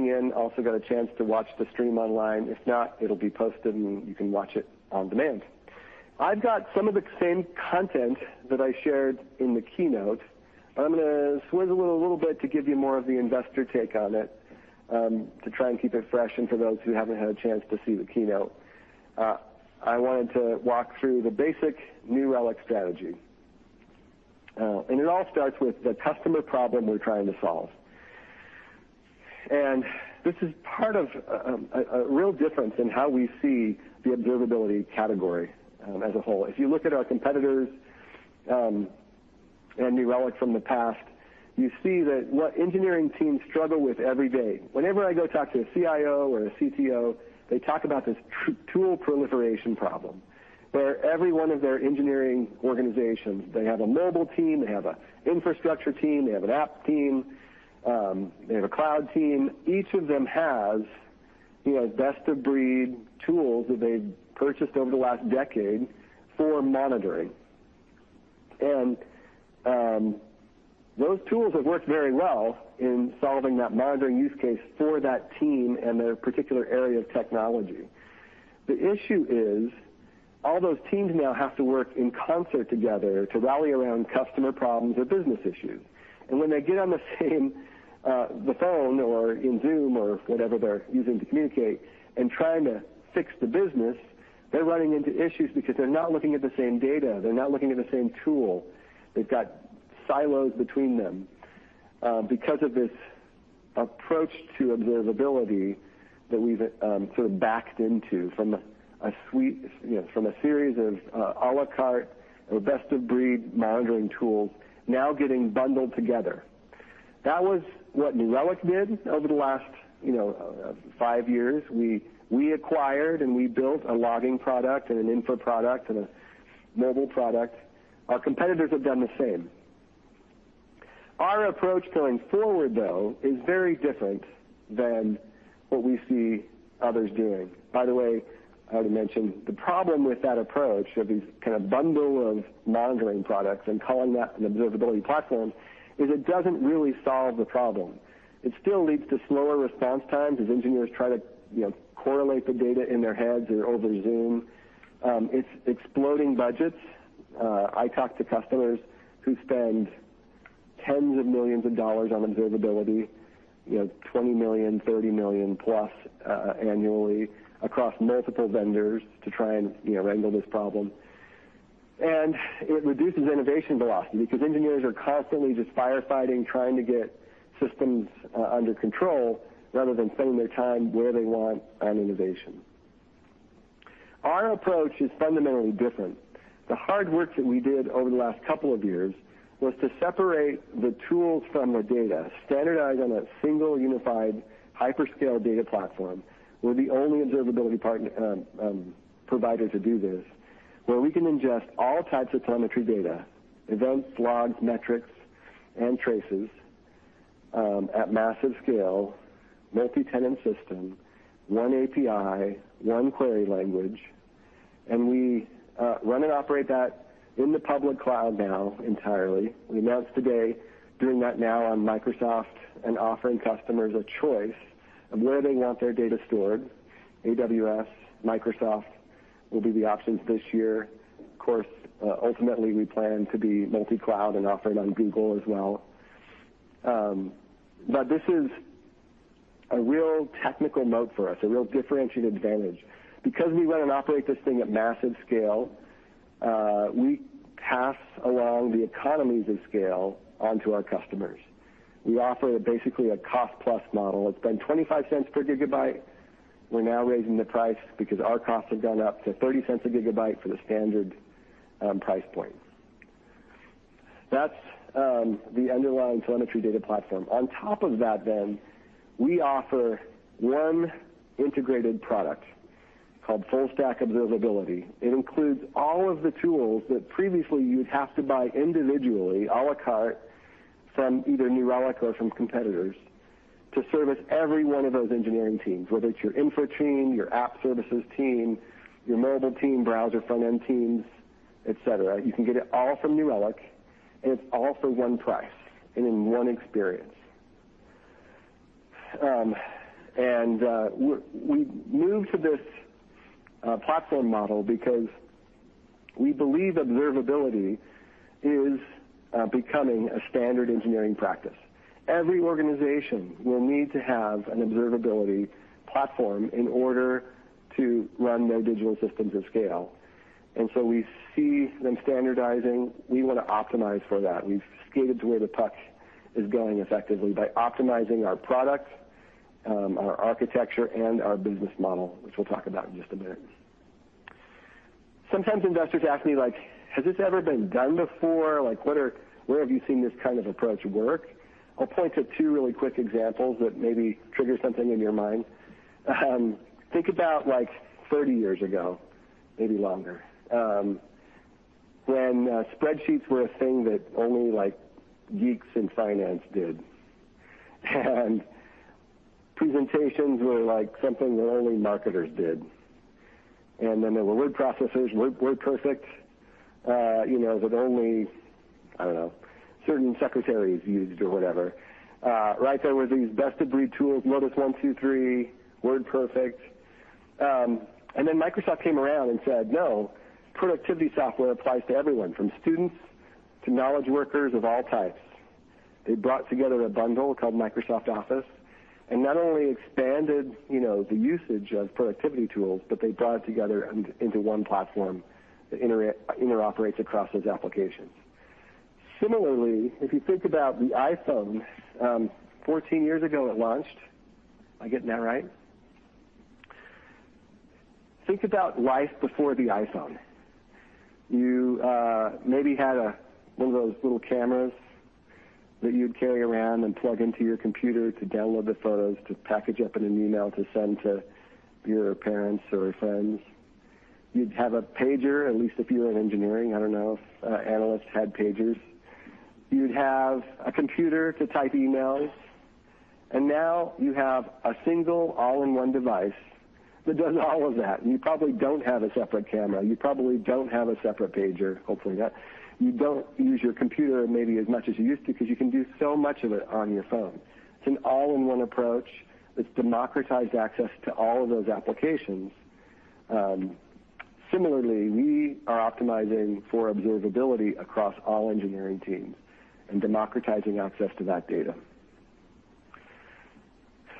I also got a chance to watch the stream online. If not, it'll be posted, and you can watch it on demand. I've got some of the same content that I shared in the keynote. I'm gonna swizzle it a little bit to give you more of the investor take on it, to try and keep it fresh and for those who haven't had a chance to see the keynote. I wanted to walk through the basic New Relic strategy. It all starts with the customer problem we're trying to solve. This is part of a real difference in how we see the observability category as a whole. If you look at our competitors and New Relic from the past, you see that what engineering teams struggle with every day. Whenever I go talk to a CIO or a CTO, they talk about this tool proliferation problem, where every one of their engineering organizations, they have a mobile team, they have a infrastructure team, they have an app team, they have a cloud team. Each of them has, you know, best of breed tools that they've purchased over the last decade for monitoring. Those tools have worked very well in solving that monitoring use case for that team and their particular area of technology. The issue is all those teams now have to work in concert together to rally around customer problems or business issues. When they get on the same phone or in Zoom or whatever they're using to communicate and trying to fix the business, they're running into issues because they're not looking at the same data. They're not looking at the same tool. They've got silos between them because of this approach to observability that we've sort of backed into from a suite, you know, from a series of à la carte or best of breed monitoring tools now getting bundled together. That was what New Relic did over the last, you know, five years. We acquired and we built a logging product and an infra product and a mobile product. Our competitors have done the same. Our approach going forward, though, is very different than what we see others doing. By the way, I already mentioned the problem with that approach of these kind of bundle of monitoring products and calling that an observability platform. It doesn't really solve the problem. It still leads to slower response times as engineers try to, you know, correlate the data in their heads or over Zoom. It's exploding budgets. I talk to customers who spend tens of millions of dollars on observability, you know, $20 million, $30 million plus, annually across multiple vendors to try and, you know, wrangle this problem. It reduces innovation velocity because engineers are constantly just firefighting, trying to get systems under control rather than spending their time where they want on innovation. Our approach is fundamentally different. The hard work that we did over the last couple of years was to separate the tools from the data, standardize on a single unified hyperscale data platform. We're the only observability provider to do this, where we can ingest all types of telemetry data, events, logs, metrics, and traces, at massive scale, multi-tenant system, one API, one query language, and we run and operate that in the public cloud now entirely. We announced today doing that now on Microsoft and offering customers a choice of where they want their data stored. AWS, Microsoft will be the options this year. Of course, ultimately, we plan to be multi-cloud and offered on Google as well. But this is a real technical moat for us, a real differentiated advantage. Because we run and operate this thing at massive scale, we pass along the economies of scale onto our customers. We offer basically a cost plus model. It's been $0.25 per GB. We're now raising the price because our costs have gone up to $0.30 per GB for the standard price point. That's the underlying Telemetry Data Platform. On top of that, we offer one integrated product called Full Stack Observability. It includes all of the tools that previously you'd have to buy individually, à la carte, from either New Relic or from competitors to service every one of those engineering teams, whether it's your infra team, your app services team, your mobile team, browser front end teams, et cetera. You can get it all from New Relic, and it's all for one price and in one experience. We moved to this platform model because we believe observability is becoming a standard engineering practice. Every organization will need to have an observability platform in order to run their digital systems at scale. We see them standardizing. We want to optimize for that. We've skated to where the puck is going effectively by optimizing our product, our architecture, and our business model, which we'll talk about in just a minute. Sometimes investors ask me, like, "Has this ever been done before? Like, where have you seen this kind of approach work?" I'll point to two really quick examples that maybe trigger something in your mind. Think about, like, 30 years ago, maybe longer, when spreadsheets were a thing that only, like, geeks in finance did, and presentations were, like, something that only marketers did. Then there were word processors, WordPerfect, you know, that only, I don't know, certain secretaries used or whatever. Right there were these best-of-breed tools, Lotus 1-2-3, WordPerfect. Microsoft came around and said, "No, productivity software applies to everyone, from students to knowledge workers of all types." They brought together a bundle called Microsoft Office, and not only expanded, you know, the usage of productivity tools, but they brought it together into one platform that interoperates across those applications. Similarly, if you think about the iPhone, 14 years ago, it launched. Am I getting that right? Think about life before the iPhone. You maybe had one of those little cameras that you'd carry around and plug into your computer to download the photos, to package up in an email to send to your parents or friends. You'd have a pager, at least if you were in engineering. I don't know if analysts had pagers. You'd have a computer to type emails, and now you have a single all-in-one device that does all of that. You probably don't have a separate camera. You probably don't have a separate pager. Hopefully, not. You don't use your computer maybe as much as you used to because you can do so much of it on your phone. It's an all-in-one approach. It's democratized access to all of those applications. Similarly, we are optimizing for observability across all engineering teams and democratizing access to that data.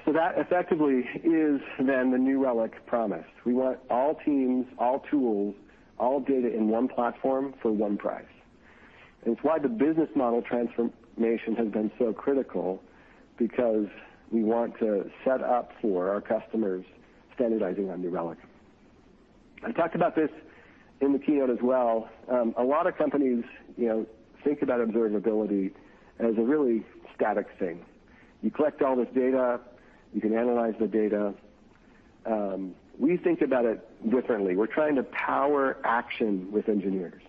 That effectively is then the New Relic promise. We want all teams, all tools, all data in one platform for one price. It's why the business model transformation has been so critical because we want to set up for our customers standardizing on New Relic. I talked about this in the keynote as well. A lot of companies, you know, think about observability as a really static thing. You collect all this data. You can analyze the data. We think about it differently. We're trying to power action with engineers,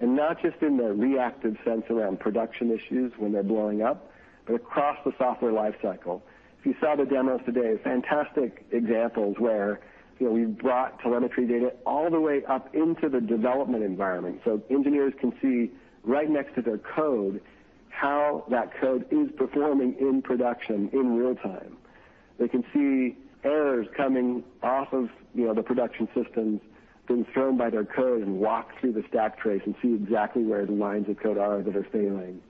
and not just in the reactive sense around production issues when they're blowing up, but across the software life cycle. If you saw the demos today, fantastic examples where, you know, we've brought telemetry data all the way up into the development environment, so engineers can see right next to their code how that code is performing in production in real time. They can see errors coming off of, you know, the production systems being thrown by their code and walk through the stack trace and see exactly where the lines of code are that are failing.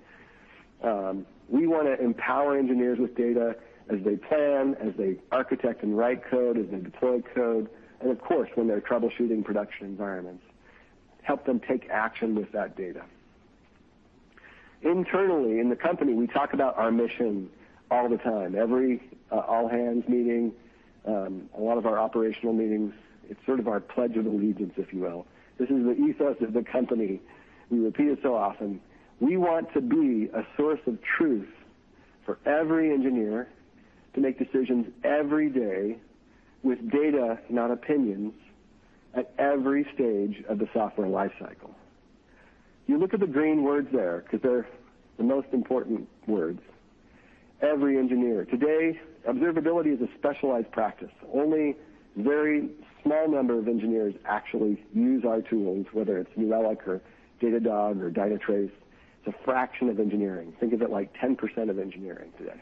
We want to empower engineers with data as they plan, as they architect and write code, as they deploy code, and of course, when they're troubleshooting production environments, help them take action with that data. Internally in the company, we talk about our mission all the time. Every all-hands meeting, a lot of our operational meetings, it's sort of our pledge of allegiance, if you will. This is the ethos of the company. We repeat it so often. We want to be a source of truth for every engineer to make decisions every day with data, not opinions, at every stage of the software life cycle. You look at the green words there because they're the most important words. Every engineer. Today, observability is a specialized practice. Only very small number of engineers actually use our tools, whether it's New Relic or Datadog or Dynatrace. It's a fraction of engineering. Think of it like 10% of engineering today.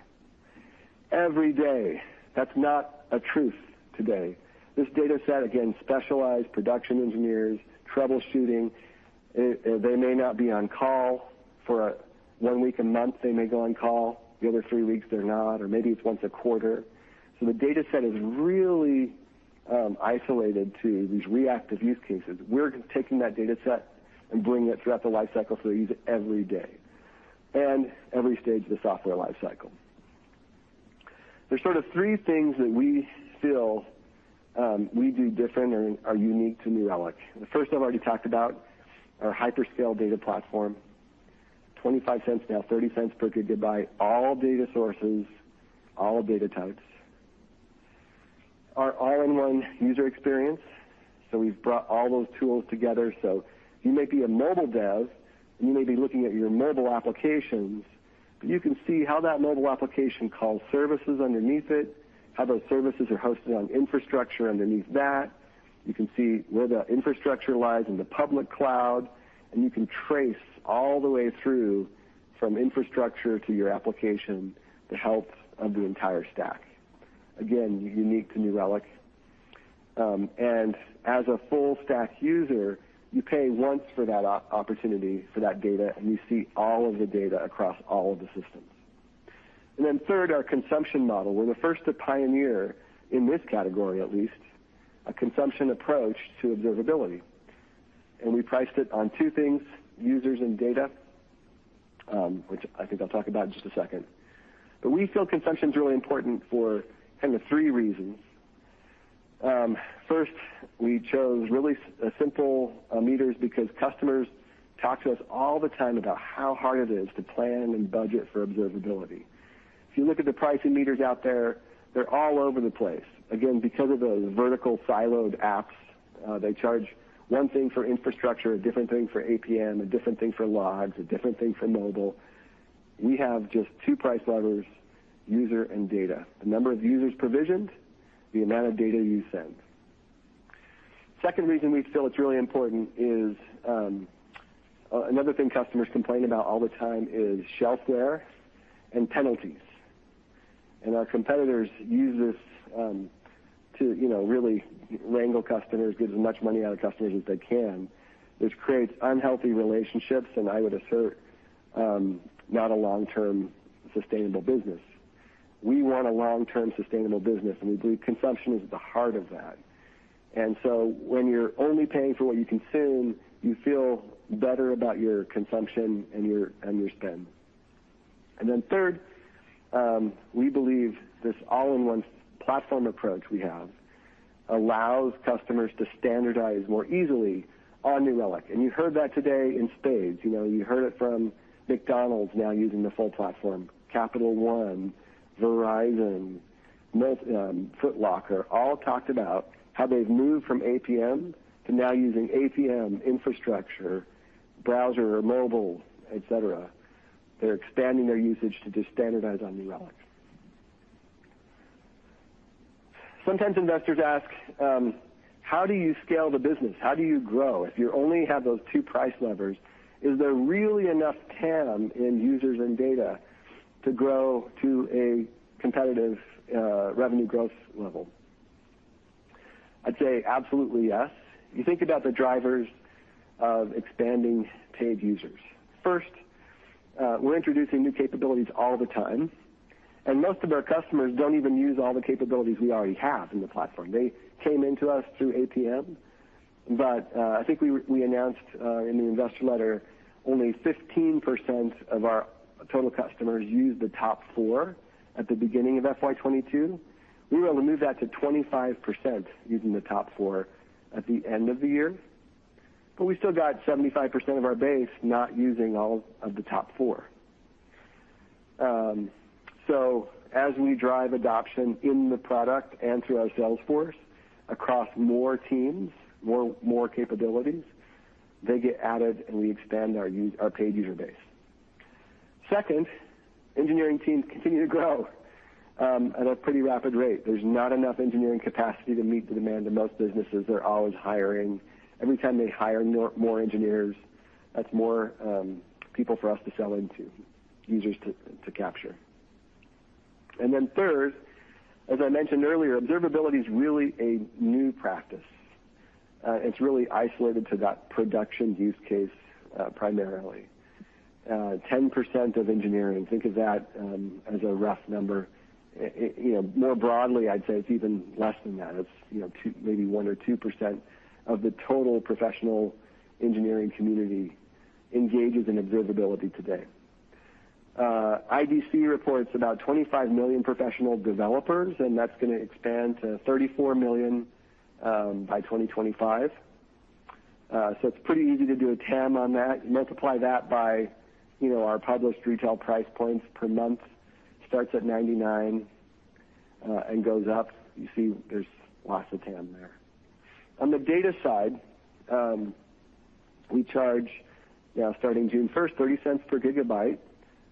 Every day, that's not a truth today. This data set, again, specialized production engineers troubleshooting. They may not be on call. For one week a month, they may go on call. The other three weeks, they're not, or maybe it's once a quarter. The data set is really isolated to these reactive use cases. We're taking that data set and bringing it throughout the life cycle, so they use it every day and every stage of the software life cycle. There's sort of three things that we feel we do different and are unique to New Relic. The first I've already talked about, our hyperscale data platform. $0.25, now $0.30 per GB, all data sources, all data types. Our all-in-one user experience. We've brought all those tools together. You may be a mobile dev, and you may be looking at your mobile applications, but you can see how that mobile application calls services underneath it, how those services are hosted on infrastructure underneath that. You can see where the infrastructure lies in the public cloud, and you can trace all the way through from infrastructure to your application, the health of the entire stack. Again, unique to New Relic. As a full stack user, you pay once for that opportunity, for that data, and you see all of the data across all of the systems. Third, our consumption model. We're the first to pioneer, in this category at least, a consumption approach to observability. We priced it on two things, users and data, which I think I'll talk about in just a second. We feel consumption is really important for kind of three reasons. First, we chose really simple meters because customers talk to us all the time about how hard it is to plan and budget for observability. If you look at the pricing meters out there, they're all over the place. Again, because of those vertical siloed apps, they charge one thing for infrastructure, a different thing for APM, a different thing for logs, a different thing for mobile. We have just two price levers, user and data. The number of users provisioned, the amount of data you send. Second reason we feel it's really important is, another thing customers complain about all the time is shelfware and penalties. Our competitors use this to, you know, really wrangle customers, get as much money out of customers as they can, which creates unhealthy relationships, and I would assert, not a long-term sustainable business. We want a long-term sustainable business, and we believe consumption is at the heart of that. When you're only paying for what you consume, you feel better about your consumption and your spend. Third, we believe this all-in-one platform approach we have allows customers to standardize more easily on New Relic. You heard that today in spades. You know, you heard it from McDonald's now using the full platform, Capital One, Verizon, LinkedIn, Foot Locker, all talked about how they've moved from APM to now using APM infrastructure, browser, mobile, et cetera. They're expanding their usage to just standardize on New Relic. Sometimes investors ask how do you scale the business? How do you grow? If you only have those two price levers, is there really enough TAM in users and data to grow to a competitive revenue growth level? I'd say absolutely yes. You think about the drivers of expanding paid users. First, we're introducing new capabilities all the time, and most of our customers don't even use all the capabilities we already have in the platform. They came into us through APM, but I think we announced in the investor letter, only 15% of our total customers use the top four at the beginning of FY 2022. We were able to move that to 25% using the top four at the end of the year, but we still got 75% of our base not using all of the top four. As we drive adoption in the product and through our sales force across more teams, more capabilities, they get added, and we expand our paid user base. Second, engineering teams continue to grow at a pretty rapid rate. There's not enough engineering capacity to meet the demand, and most businesses are always hiring. Every time they hire more engineers, that's more people for us to sell into, users to capture. Third, as I mentioned earlier, observability is really a new practice. It's really isolated to that production use case, primarily 10% of engineering, think of that as a rough number. You know, more broadly, I'd say it's even less than that. It's, you know, 2%, maybe 1% or 2% of the total professional engineering community engages in observability today. IDC reports about 25 million professional developers, and that's going to expand to 34 million by 2025. It's pretty easy to do a TAM on that. You multiply that by, you know, our published retail price points per month, starts at $99, and goes up. You see there's lots of TAM there. On the data side, we charge, you know, starting June 1, $0.30 per GB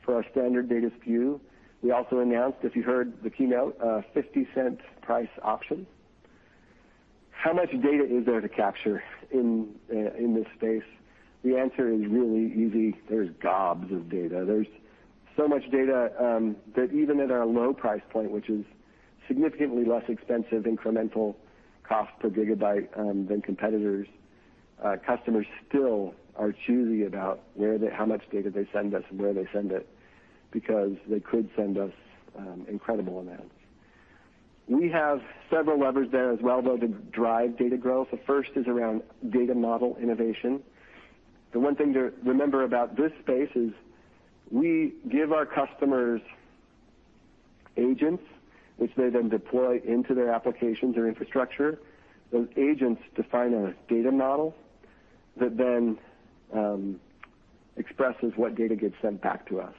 for our standard data SKU. We also announced, if you heard the keynote, a $0.50 price option. How much data is there to capture in this space? The answer is really easy. There's gobs of data. There's so much data that even at our low price point, which is significantly less expensive, incremental cost per gigabyte, than competitors, customers still are choosy about how much data they send us and where they send it, because they could send us incredible amounts. We have several levers there as well, though, to drive data growth. The first is around data model innovation. The one thing to remember about this space is we give our customers agents, which they then deploy into their applications or infrastructure. Those agents define a data model that then expresses what data gets sent back to us.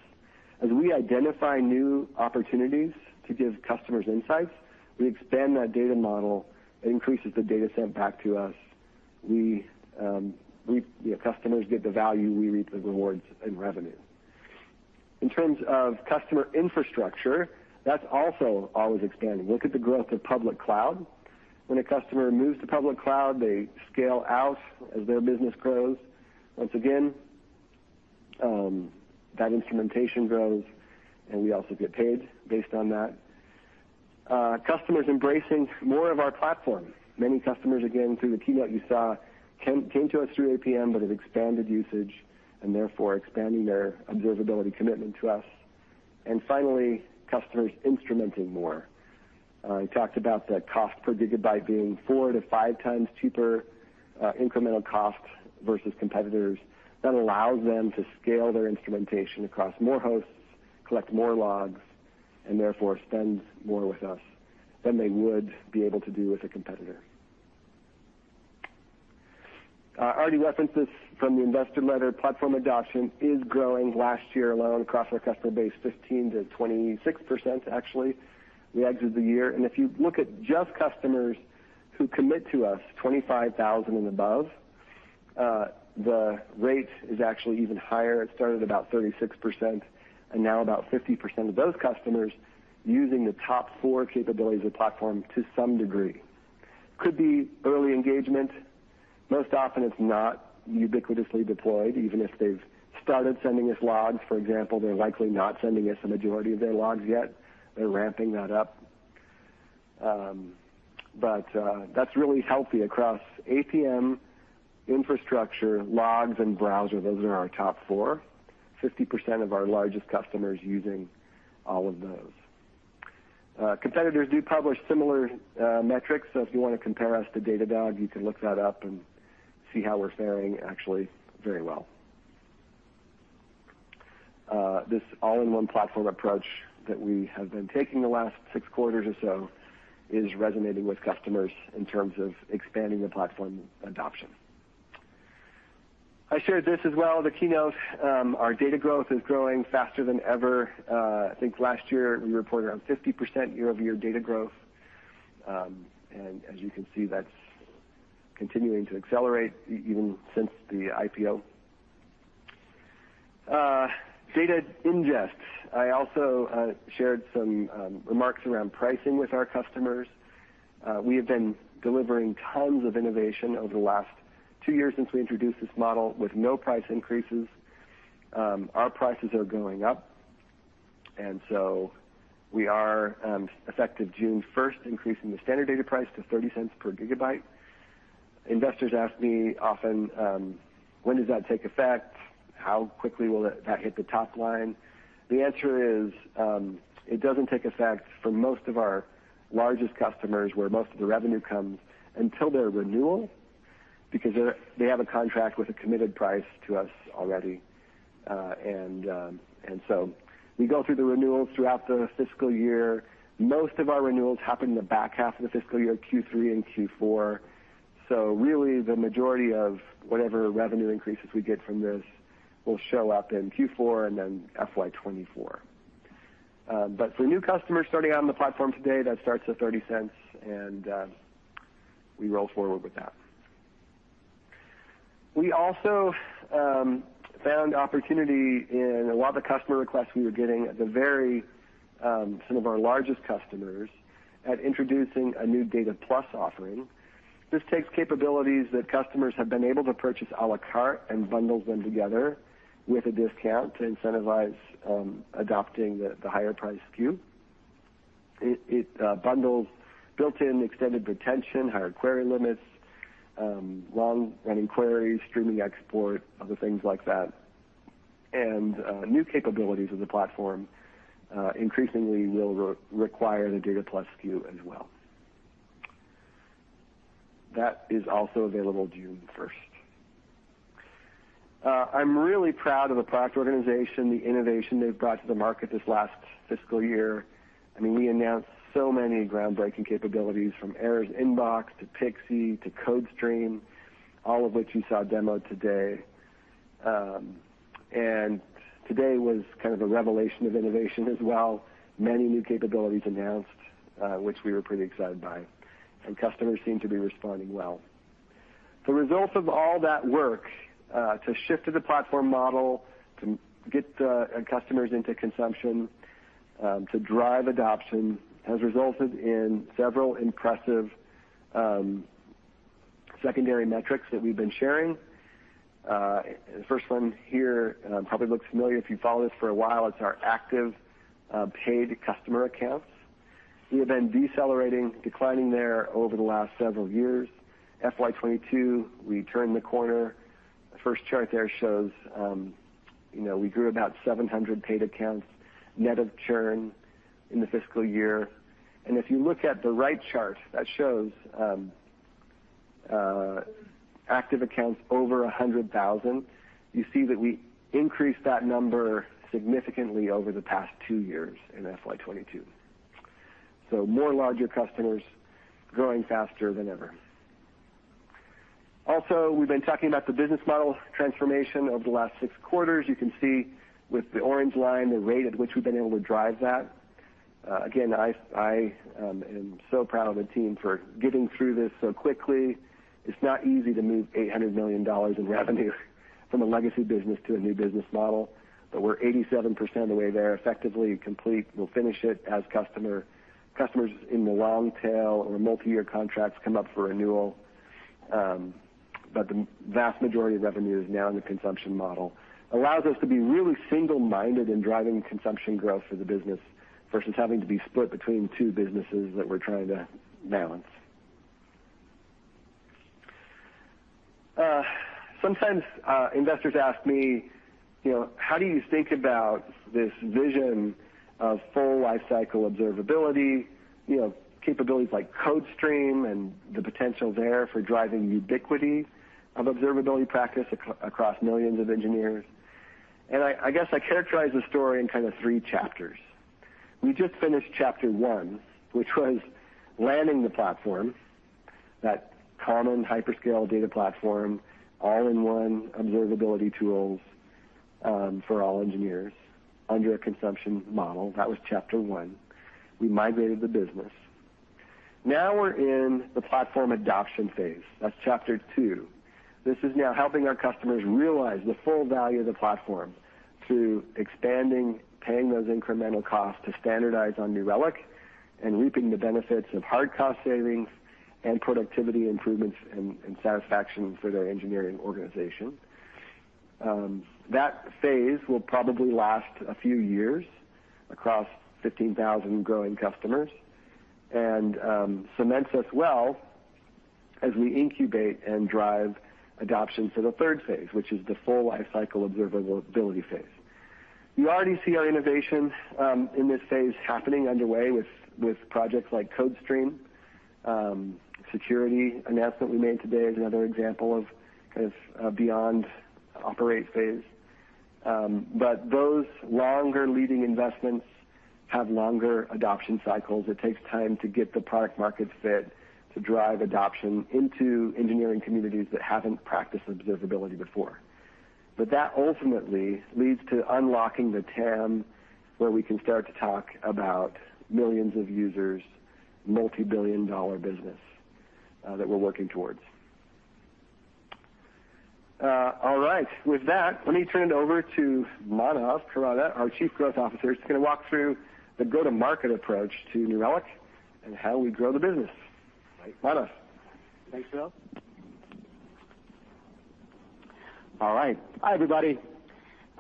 As we identify new opportunities to give customers insights, we expand that data model. It increases the data sent back to us. We, you know, customers get the value, we reap the rewards in revenue. In terms of customer infrastructure, that's also always expanding. Look at the growth of public cloud. When a customer moves to public cloud, they scale out as their business grows. Once again, that instrumentation grows, and we also get paid based on that. Customers embracing more of our platform. Many customers, again, through the keynote you saw, came to us through APM, but have expanded usage and therefore expanding their observability commitment to us. Finally, customers instrumenting more. We talked about the cost per gigabyte being four to five times cheaper, incremental cost versus competitors. That allows them to scale their instrumentation across more hosts, collect more logs, and therefore spend more with us than they would be able to do with a competitor. I already referenced this from the investor letter. Platform adoption is growing. Last year alone across our customer base, 15%-26%, actually, at the end of the year. If you look at just customers who commit to us $25,000 and above, the rate is actually even higher. It started about 36% and now about 50% of those customers using the top four capabilities of the platform to some degree. Could be early engagement. Most often it's not ubiquitously deployed. Even if they've started sending us logs, for example, they're likely not sending us the majority of their logs yet. They're ramping that up. That's really healthy across APM, infrastructure, logs, and browser. Those are our top four, 50% of our largest customers using all of those. Competitors do publish similar metrics, so if you wanna compare us to Datadog, you can look that up and see how we're faring actually very well. This all-in-one platform approach that we have been taking the last six quarters or so is resonating with customers in terms of expanding the platform adoption. I shared this as well at the keynote. Our data growth is growing faster than ever. I think last year we reported around 50% year-over-year data growth. As you can see, that's continuing to accelerate even since the IPO. Data ingest. I also shared some remarks around pricing with our customers. We have been delivering tons of innovation over the last two years since we introduced this model with no price increases. Our prices are going up, and we are effective June 1st, increasing the standard data price to $0.30 per GB. Investors ask me often, "When does that take effect? How quickly will that hit the top line?" The answer is, it doesn't take effect for most of our largest customers, where most of the revenue comes until their renewal because they have a contract with a committed price to us already. We go through the renewals throughout the fiscal year. Most of our renewals happen in the back half of the fiscal year, Q3 and Q4. Really, the majority of whatever revenue increases we get from this will show up in Q4 and then FY 2024. For new customers starting out on the platform today, that starts at $0.30, and we roll forward with that. We also found opportunity in a lot of the customer requests we were getting from some of our largest customers for introducing a new Data Plus offering. This takes capabilities that customers have been able to purchase à la carte and bundles them together with a discount to incentivize adopting the higher priced SKU. It bundles built-in extended retention, higher query limits, long-running queries, streaming export, other things like that. New capabilities of the platform increasingly will require the Data Plus SKU as well. That is also available June 1st. I'm really proud of the product organization, the innovation they've brought to the market this last fiscal year. I mean, we announced so many groundbreaking capabilities from Errors Inbox to Pixie to CodeStream, all of which you saw demoed today. Today was kind of a revelation of innovation as well. Many new capabilities announced, which we were pretty excited by, and customers seem to be responding well. The results of all that work to shift to the platform model, to get customers into consumption to drive adoption, has resulted in several impressive secondary metrics that we've been sharing. First one here probably looks familiar if you've followed us for a while. It's our active paid customer accounts. We have been decelerating, declining there over the last several years. FY 2022, we turned the corner. The first chart there shows, you know, we grew about 700 paid accounts, net of churn in the fiscal year. If you look at the right chart that shows active accounts over 100,000, you see that we increased that number significantly over the past two years in FY 2022. More larger customers growing faster than ever. Also, we've been talking about the business model transformation over the last six quarters. You can see with the orange line the rate at which we've been able to drive that. Again, I am so proud of the team for getting through this so quickly. It's not easy to move $800 million in revenue from a legacy business to a new business model, but we're 87% of the way there, effectively complete. We'll finish it as customers in the long tail or multi-year contracts come up for renewal. The vast majority of revenue is now in the consumption model. Allows us to be really single-minded in driving consumption growth for the business versus having to be split between two businesses that we're trying to balance. Sometimes, investors ask me, you know, "How do you think about this vision of full lifecycle observability?" You know, capabilities like CodeStream and the potential there for driving ubiquity of observability practice across millions of engineers. I guess I characterize the story in kind of three chapters. We just finished chapter one, which was landing the platform, that common hyperscale data platform, all-in-one observability tools, for all engineers under a consumption model. That was chapter one. We migrated the business. Now we're in the platform adoption phase. That's chapter two. This is now helping our customers realize the full value of the platform to expanding, paying those incremental costs to standardize on New Relic and reaping the benefits of hard cost savings and productivity improvements and satisfaction for their engineering organization. That phase will probably last a few years across 15,000 growing customers and cements us well as we incubate and drive adoption to the third phase, which is the full life cycle observability phase. You already see our innovations in this phase happening underway with projects like CodeStream. Security announcement we made today is another example of beyond operate phase. But those longer leading investments have longer adoption cycles. It takes time to get the product market fit to drive adoption into engineering communities that haven't practiced observability before. That ultimately leads to unlocking the TAM, where we can start to talk about millions of users, multi-billion dollar business that we're working towards. All right. With that, let me turn it over to Manav Khurana, our Chief Product Officer. He's gonna walk through the go-to-market approach to New Relic and how we grow the business. Manav. Thanks, Bill. All right. Hi, everybody.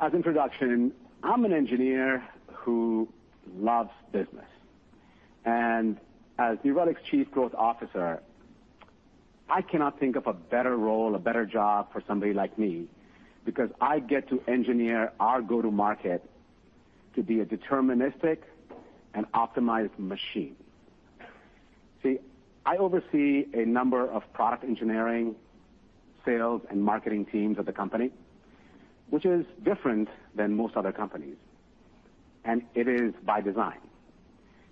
As introduction, I'm an engineer who loves business. As New Relic's chief growth officer, I cannot think of a better role, a better job for somebody like me, because I get to engineer our go-to-market to be a deterministic and optimized machine. See, I oversee a number of product engineering, sales, and marketing teams at the company, which is different than most other companies, and it is by design.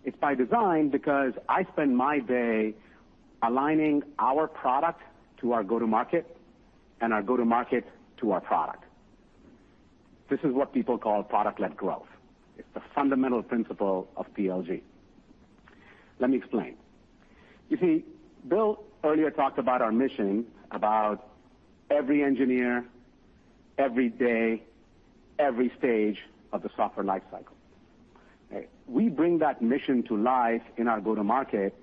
It's by design because I spend my day aligning our product to our go-to-market and our go-to-market to our product. This is what people call product-led growth. It's the fundamental principle of PLG. Let me explain. You see, Bill earlier talked about our mission, about every engineer, every day, every stage of the software life cycle. We bring that mission to life in our go-to-market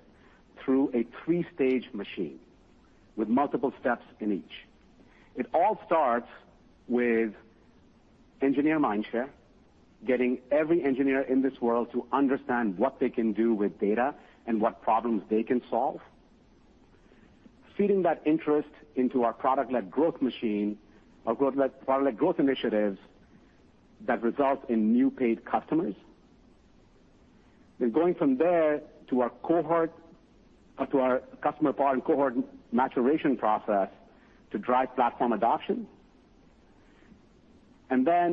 through a three-stage machine with multiple steps in each. It all starts with engineer mindshare, getting every engineer in this world to understand what they can do with data and what problems they can solve. Feeding that interest into our product-led growth machine, our product-led growth initiatives that result in new paid customers. Going from there to our cohort or to our customer part and cohort maturation process to drive platform adoption.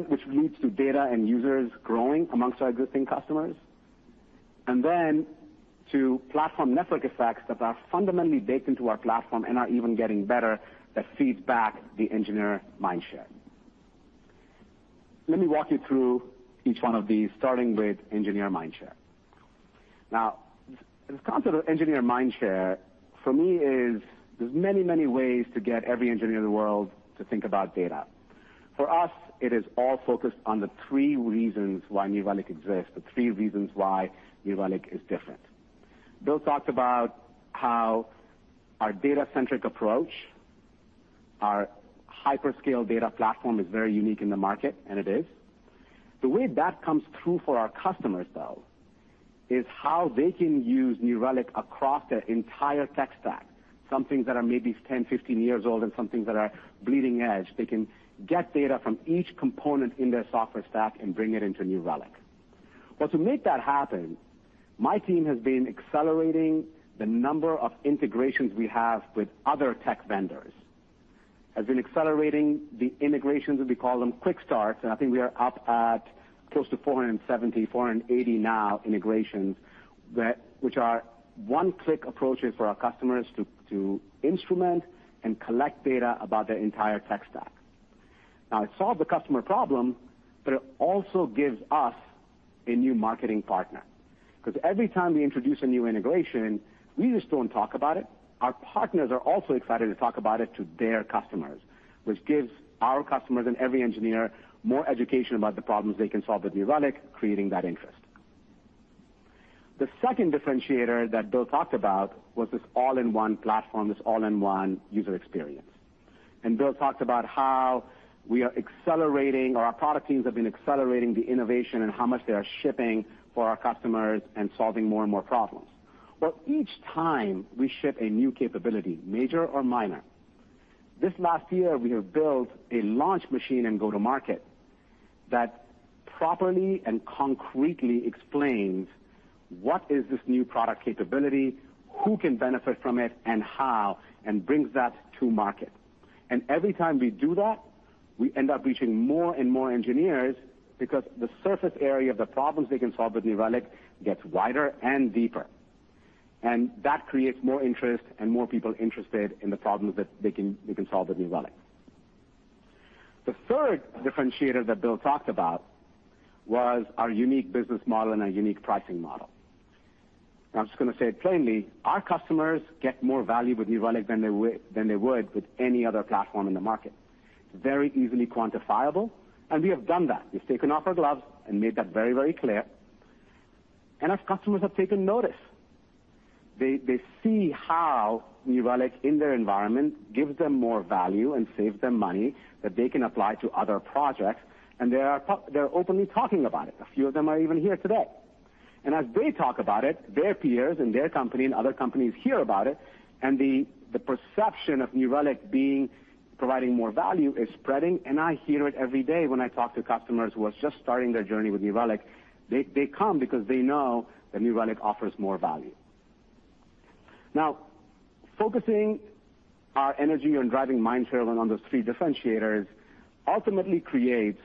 Which leads to data and users growing among our existing customers. To platform network effects that are fundamentally baked into our platform and are even getting better that feeds back the engineer mindshare. Let me walk you through each one of these, starting with engineer mindshare. Now, this concept of engineer mindshare for me is there's many, many ways to get every engineer in the world to think about data. For us, it is all focused on the three reasons why New Relic exists, the three reasons why New Relic is different. Bill talked about how our data-centric approach, our hyperscale data platform is very unique in the market, and it is. The way that comes through for our customers, though, is how they can use New Relic across their entire tech stack, some things that are maybe 10, 15 years old and some things that are bleeding edge. They can get data from each component in their software stack and bring it into New Relic. To make that happen, my team has been accelerating the number of integrations we have with other tech vendors, and we call them quick start, and I think we are up at close to 470-480 now integrations which are one-click approaches for our customers to instrument and collect data about their entire tech stack. Now, it solved the customer problem, but it also gives us a new marketing partner 'cause every time we introduce a new integration, we just don't talk about it. Our partners are also excited to talk about it to their customers, which gives our customers and every engineer more education about the problems they can solve with New Relic, creating that interest. The second differentiator that Bill talked about was this all-in-one platform, this all-in-one user experience. Bill talked about how we are accelerating or our product teams have been accelerating the innovation and how much they are shipping for our customers and solving more and more problems. Well, each time we ship a new capability, major or minor, this last year we have built a launch machine and go-to-market that properly and concretely explains what is this new product capability, who can benefit from it, and how, and brings that to market. Every time we do that, we end up reaching more and more engineers because the surface area of the problems they can solve with New Relic gets wider and deeper. That creates more interest and more people interested in the problems that they can solve with New Relic. The third differentiator that Bill talked about was our unique business model and our unique pricing model. I'm just going to say it plainly, our customers get more value with New Relic than they would with any other platform in the market. Very easily quantifiable, and we have done that. We've taken off our gloves and made that very, very clear. Our customers have taken notice. They see how New Relic in their environment gives them more value and saves them money that they can apply to other projects. They're openly talking about it. A few of them are even here today. As they talk about it, their peers and their company and other companies hear about it. The perception of New Relic providing more value is spreading. I hear it every day when I talk to customers who are just starting their journey with New Relic. They come because they know that New Relic offers more value. Now, focusing our energy on driving mind share and on those three differentiators ultimately creates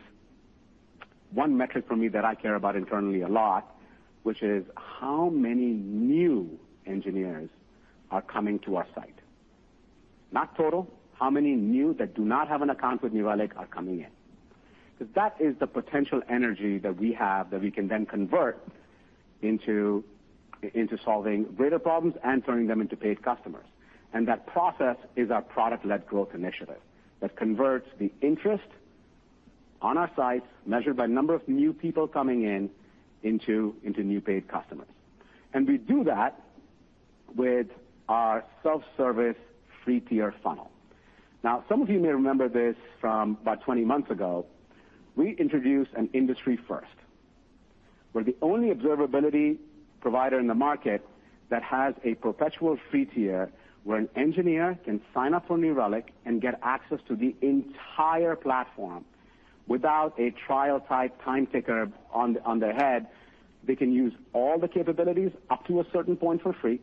one metric for me that I care about internally a lot, which is how many new engineers are coming to our site. Not total. How many new that do not have an account with New Relic are coming in. 'Cause that is the potential energy that we have that we can then convert into solving greater problems and turning them into paid customers. That process is our product-led growth initiative that converts the interest on our sites, measured by number of new people coming in, into new paid customers. We do that with our self-service free tier funnel. Now, some of you may remember this from about 20 months ago. We introduced an industry first. We're the only observability provider in the market that has a perpetual free tier, where an engineer can sign up for New Relic and get access to the entire platform without a trial type time ticker on their head. They can use all the capabilities up to a certain point for free.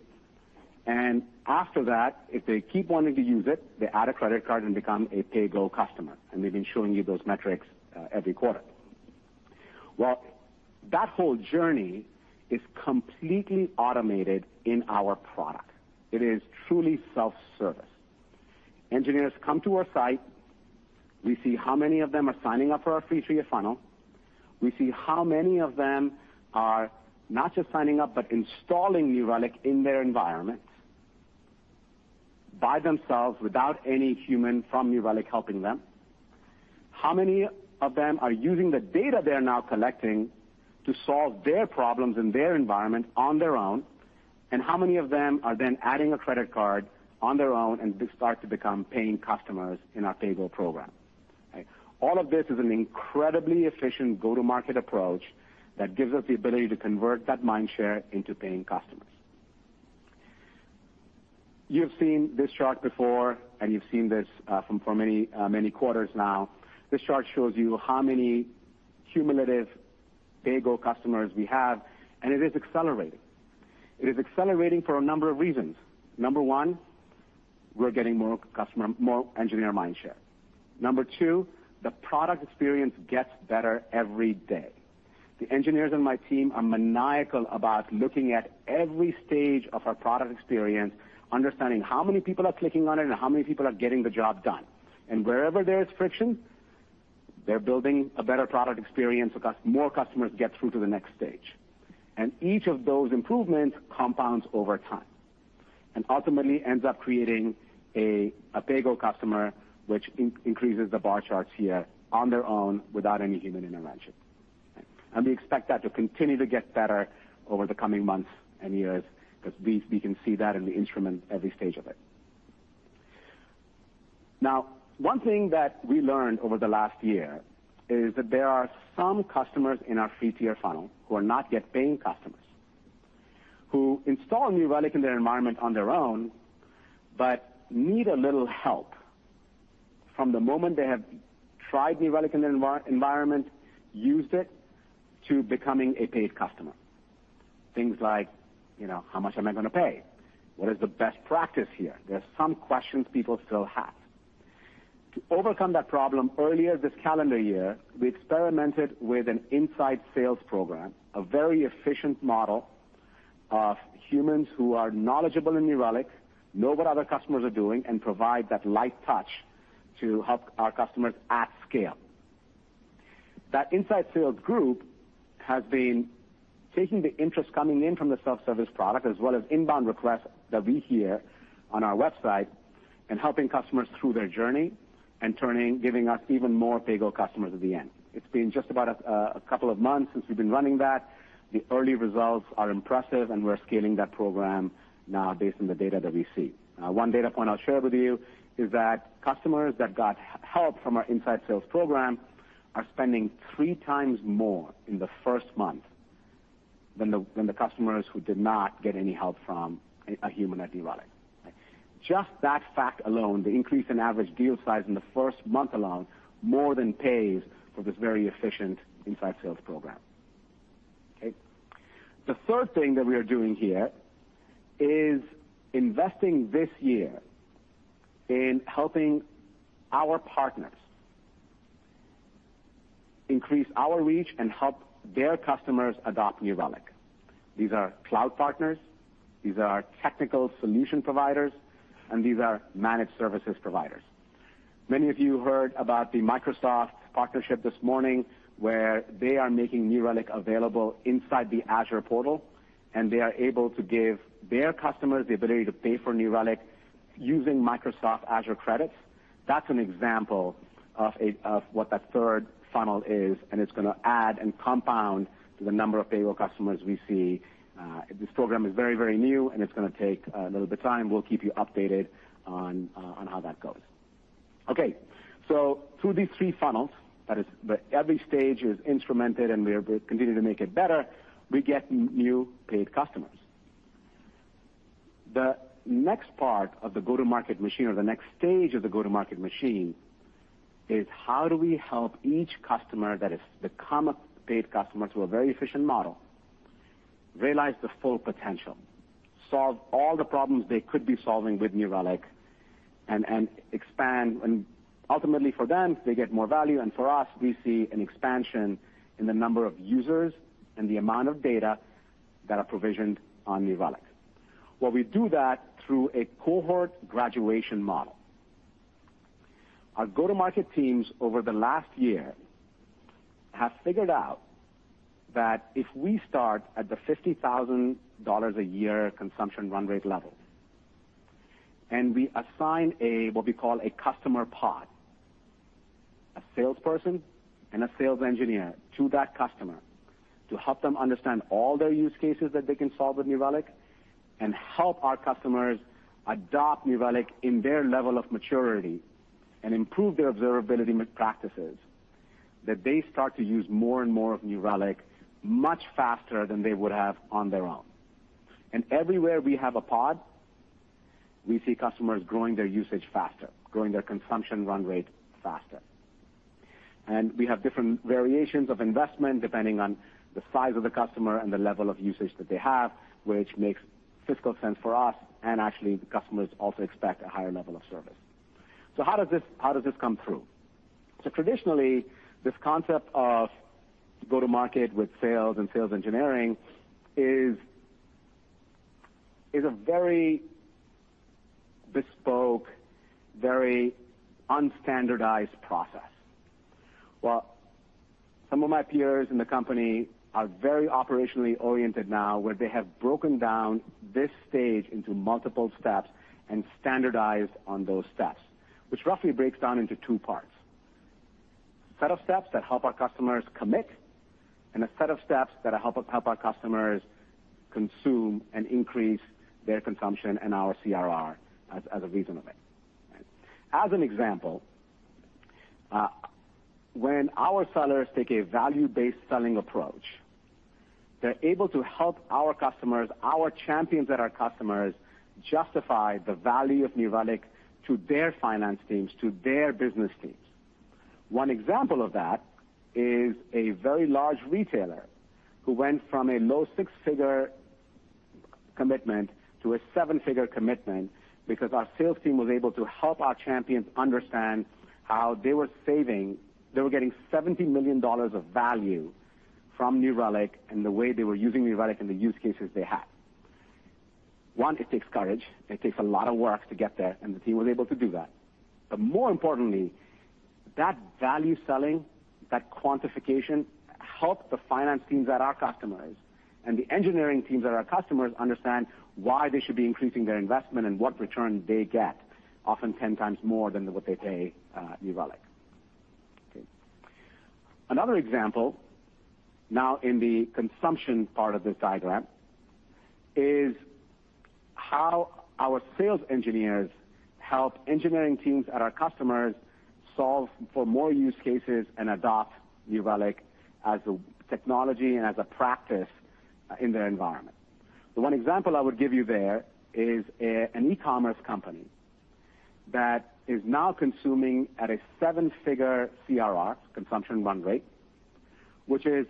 After that, if they keep wanting to use it, they add a credit card and become a pay-go customer. We've been showing you those metrics every quarter. Well, that whole journey is completely automated in our product. It is truly self-service. Engineers come to our site. We see how many of them are signing up for our free tier funnel. We see how many of them are not just signing up, but installing New Relic in their environment by themselves without any human from New Relic helping them. How many of them are using the data they're now collecting to solve their problems in their environment on their own, and how many of them are then adding a credit card on their own and start to become paying customers in our pay-go program? All of this is an incredibly efficient go-to-market approach that gives us the ability to convert that mindshare into paying customers. You've seen this chart before, and you've seen this for many quarters now. This chart shows you how many cumulative pay-go customers we have, and it is accelerating. It is accelerating for a number of reasons. Number one, we're getting more customer, more engineer mindshare. Number two, the product experience gets better every day. The engineers on my team are maniacal about looking at every stage of our product experience, understanding how many people are clicking on it and how many people are getting the job done. Wherever there is friction, they're building a better product experience so more customers get through to the next stage. Each of those improvements compounds over time and ultimately ends up creating a pay-go customer, which increases the bar charts here on their own without any human intervention. We expect that to continue to get better over the coming months and years because we can see that in the instrumentation every stage of it. Now, one thing that we learned over the last year is that there are some customers in our free tier funnel who are not yet paying customers, who install New Relic in their environment on their own, but need a little help from the moment they have tried New Relic in their environment, used it, to becoming a paid customer. Things like, you know, how much am I going to pay? What is the best practice here? There are some questions people still have. To overcome that problem, earlier this calendar year, we experimented with an inside sales program, a very efficient model of humans who are knowledgeable in New Relic, know what other customers are doing, and provide that light touch to help our customers at scale. That inside sales group has been taking the interest coming in from the self-service product as well as inbound requests that we hear on our website and helping customers through their journey and giving us even more pay-go customers at the end. It's been just about a couple of months since we've been running that. The early results are impressive, and we're scaling that program now based on the data that we see. One data point I'll share with you is that customers that got help from our inside sales program are spending three times more in the first month than the customers who did not get any help from a human at New Relic. Just that fact alone, the increase in average deal size in the first month alone, more than pays for this very efficient inside sales program. Okay. The third thing that we are doing here is investing this year in helping our partners increase our reach and help their customers adopt New Relic. These are cloud partners, these are technical solution providers, and these are managed services providers. Many of you heard about the Microsoft partnership this morning, where they are making New Relic available inside the Azure portal, and they are able to give their customers the ability to pay for New Relic using Microsoft Azure credits. That's an example of what that third funnel is, and it's gonna add and compound to the number of paying customers we see. This program is very, very new, and it's gonna take a little bit of time. We'll keep you updated on how that goes. Okay. Through these three funnels, that is, every stage is instrumented and we're continuing to make it better, we get new paid customers. The next part of the go-to-market machine or the next stage of the go-to-market machine is how do we help each customer that has become a paid customer adopt a very efficient model, realize their full potential, solve all the problems they could be solving with New Relic and expand. Ultimately for them, they get more value, and for us, we see an expansion in the number of users and the amount of data that are provisioned on New Relic. Well, we do that through a cohort graduation model. Our go-to-market teams over the last year have figured out that if we start at the $50,000 a year consumption run rate level, and we assign what we call a customer pod, a salesperson and a sales engineer to that customer to help them understand all their use cases that they can solve with New Relic and help our customers adopt New Relic in their level of maturity and improve their observability practices, that they start to use more and more of New Relic much faster than they would have on their own. Everywhere we have a pod, we see customers growing their usage faster, growing their consumption run rate faster. We have different variations of investment depending on the size of the customer and the level of usage that they have, which makes fiscal sense for us, and actually, the customers also expect a higher level of service. How does this come through? Traditionally, this concept of go to market with sales and sales engineering is a very bespoke, very unstandardized process. Well, some of my peers in the company are very operationally oriented now, where they have broken down this stage into multiple steps and standardized on those steps. Which roughly breaks down into two parts, set of steps that help our customers commit, and a set of steps that help our customers consume and increase their consumption and our CRR as a result of it, right. As an example, when our sellers take a value-based selling approach, they're able to help our customers, our champions and our customers justify the value of New Relic to their finance teams, to their business teams. One example of that is a very large retailer who went from a low six-figure commitment to a seven-figure commitment because our sales team was able to help our champions understand how they were saving. They were getting $70 million of value from New Relic and the way they were using New Relic and the use cases they had. One, it takes courage, it takes a lot of work to get there, and the team was able to do that. More importantly, that value selling, that quantification, helped the finance teams at our customers and the engineering teams at our customers understand why they should be increasing their investment and what return they get. Often 10 times more than what they pay New Relic. Okay. Another example, now in the consumption part of this diagram, is how our sales engineers help engineering teams at our customers solve for more use cases and adopt New Relic as a technology and as a practice in their environment. The one example I would give you there is an e-commerce company that is now consuming at a 7-figure CRR, consumption run rate, which is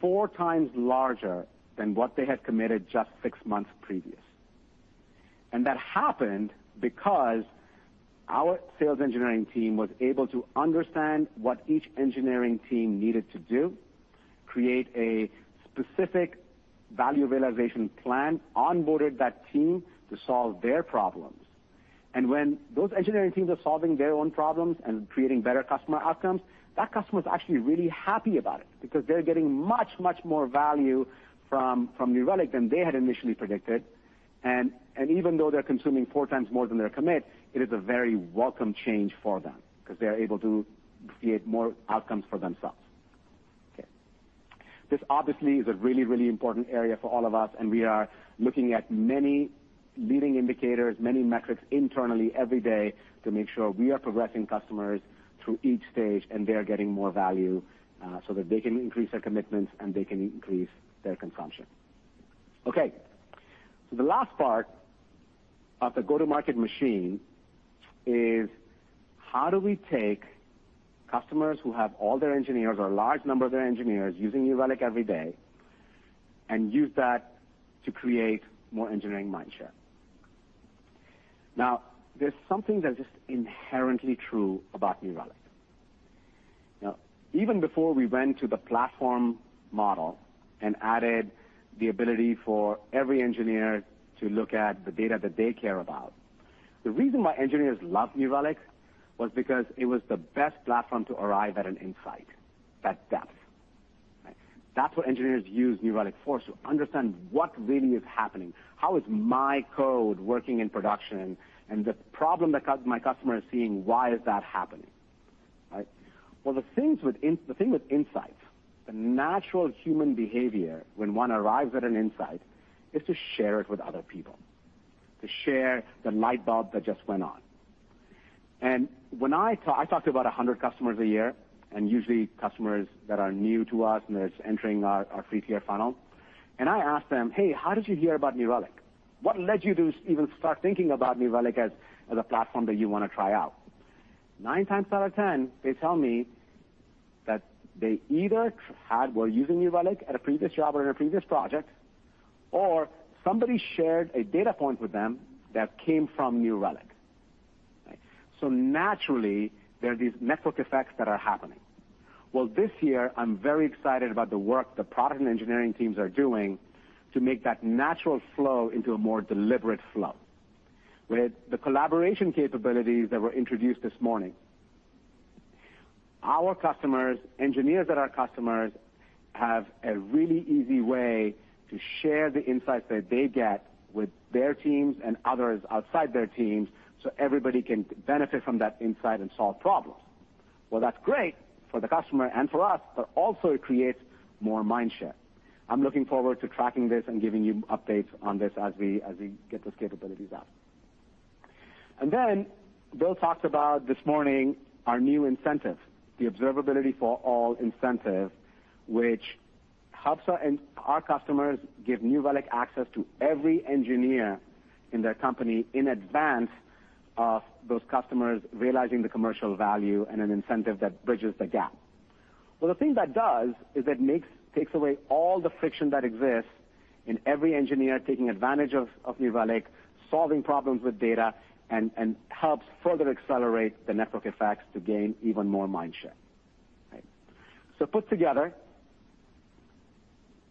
four times larger than what they had committed just six months previous. That happened because our sales engineering team was able to understand what each engineering team needed to do, create a specific value realization plan, onboarded that team to solve their problems. When those engineering teams are solving their own problems and creating better customer outcomes, that customer is actually really happy about it because they're getting much, much more value from New Relic than they had initially predicted. Even though they're consuming four times more than their commit, it is a very welcome change for them because they're able to create more outcomes for themselves. Okay. This obviously is a really, really important area for all of us, and we are looking at many leading indicators, many metrics internally every day to make sure we are progressing customers through each stage and they are getting more value, so that they can increase their commitments and they can increase their consumption. Okay. The last part of the go-to-market machine is how do we take customers who have all their engineers or a large number of their engineers using New Relic every day and use that to create more engineering mindshare. Now, there's something that's just inherently true about New Relic. Now, even before we went to the platform model and added the ability for every engineer to look at the data that they care about, the reason why engineers loved New Relic was because it was the best platform to arrive at an insight at depth, right? That's what engineers use New Relic for, to understand what really is happening. How is my code working in production? The problem that my customer is seeing, why is that happening, right? Well, the thing with insights, the natural human behavior when one arrives at an insight is to share it with other people, to share the light bulb that just went on. I talk to about 100 customers a year, and usually customers that are new to us and is entering our free tier funnel. I ask them, "Hey, how did you hear about New Relic? What led you to even start thinking about New Relic as a platform that you wanna try out?" Nine times out of ten, they tell me that they either were using New Relic at a previous job or in a previous project, or somebody shared a data point with them that came from New Relic, right? Naturally, there are these network effects that are happening. Well, this year, I'm very excited about the work the product and engineering teams are doing to make that natural flow into a more deliberate flow. With the collaboration capabilities that were introduced this morning, our customers, engineers that are customers, have a really easy way to share the insights that they get with their teams and others outside their teams, so everybody can benefit from that insight and solve problems. Well, that's great for the customer and for us, but also it creates more mindshare. I'm looking forward to tracking this and giving you updates on this as we get those capabilities out. Bill talked about this morning our new incentive, the Observability for All incentive, which helps our customers give New Relic access to every engineer in their company in advance of those customers realizing the commercial value and an incentive that bridges the gap. Well, the thing that does is it takes away all the friction that exists in every engineer taking advantage of New Relic, solving problems with data, and helps further accelerate the network effects to gain even more mindshare. Right. Put together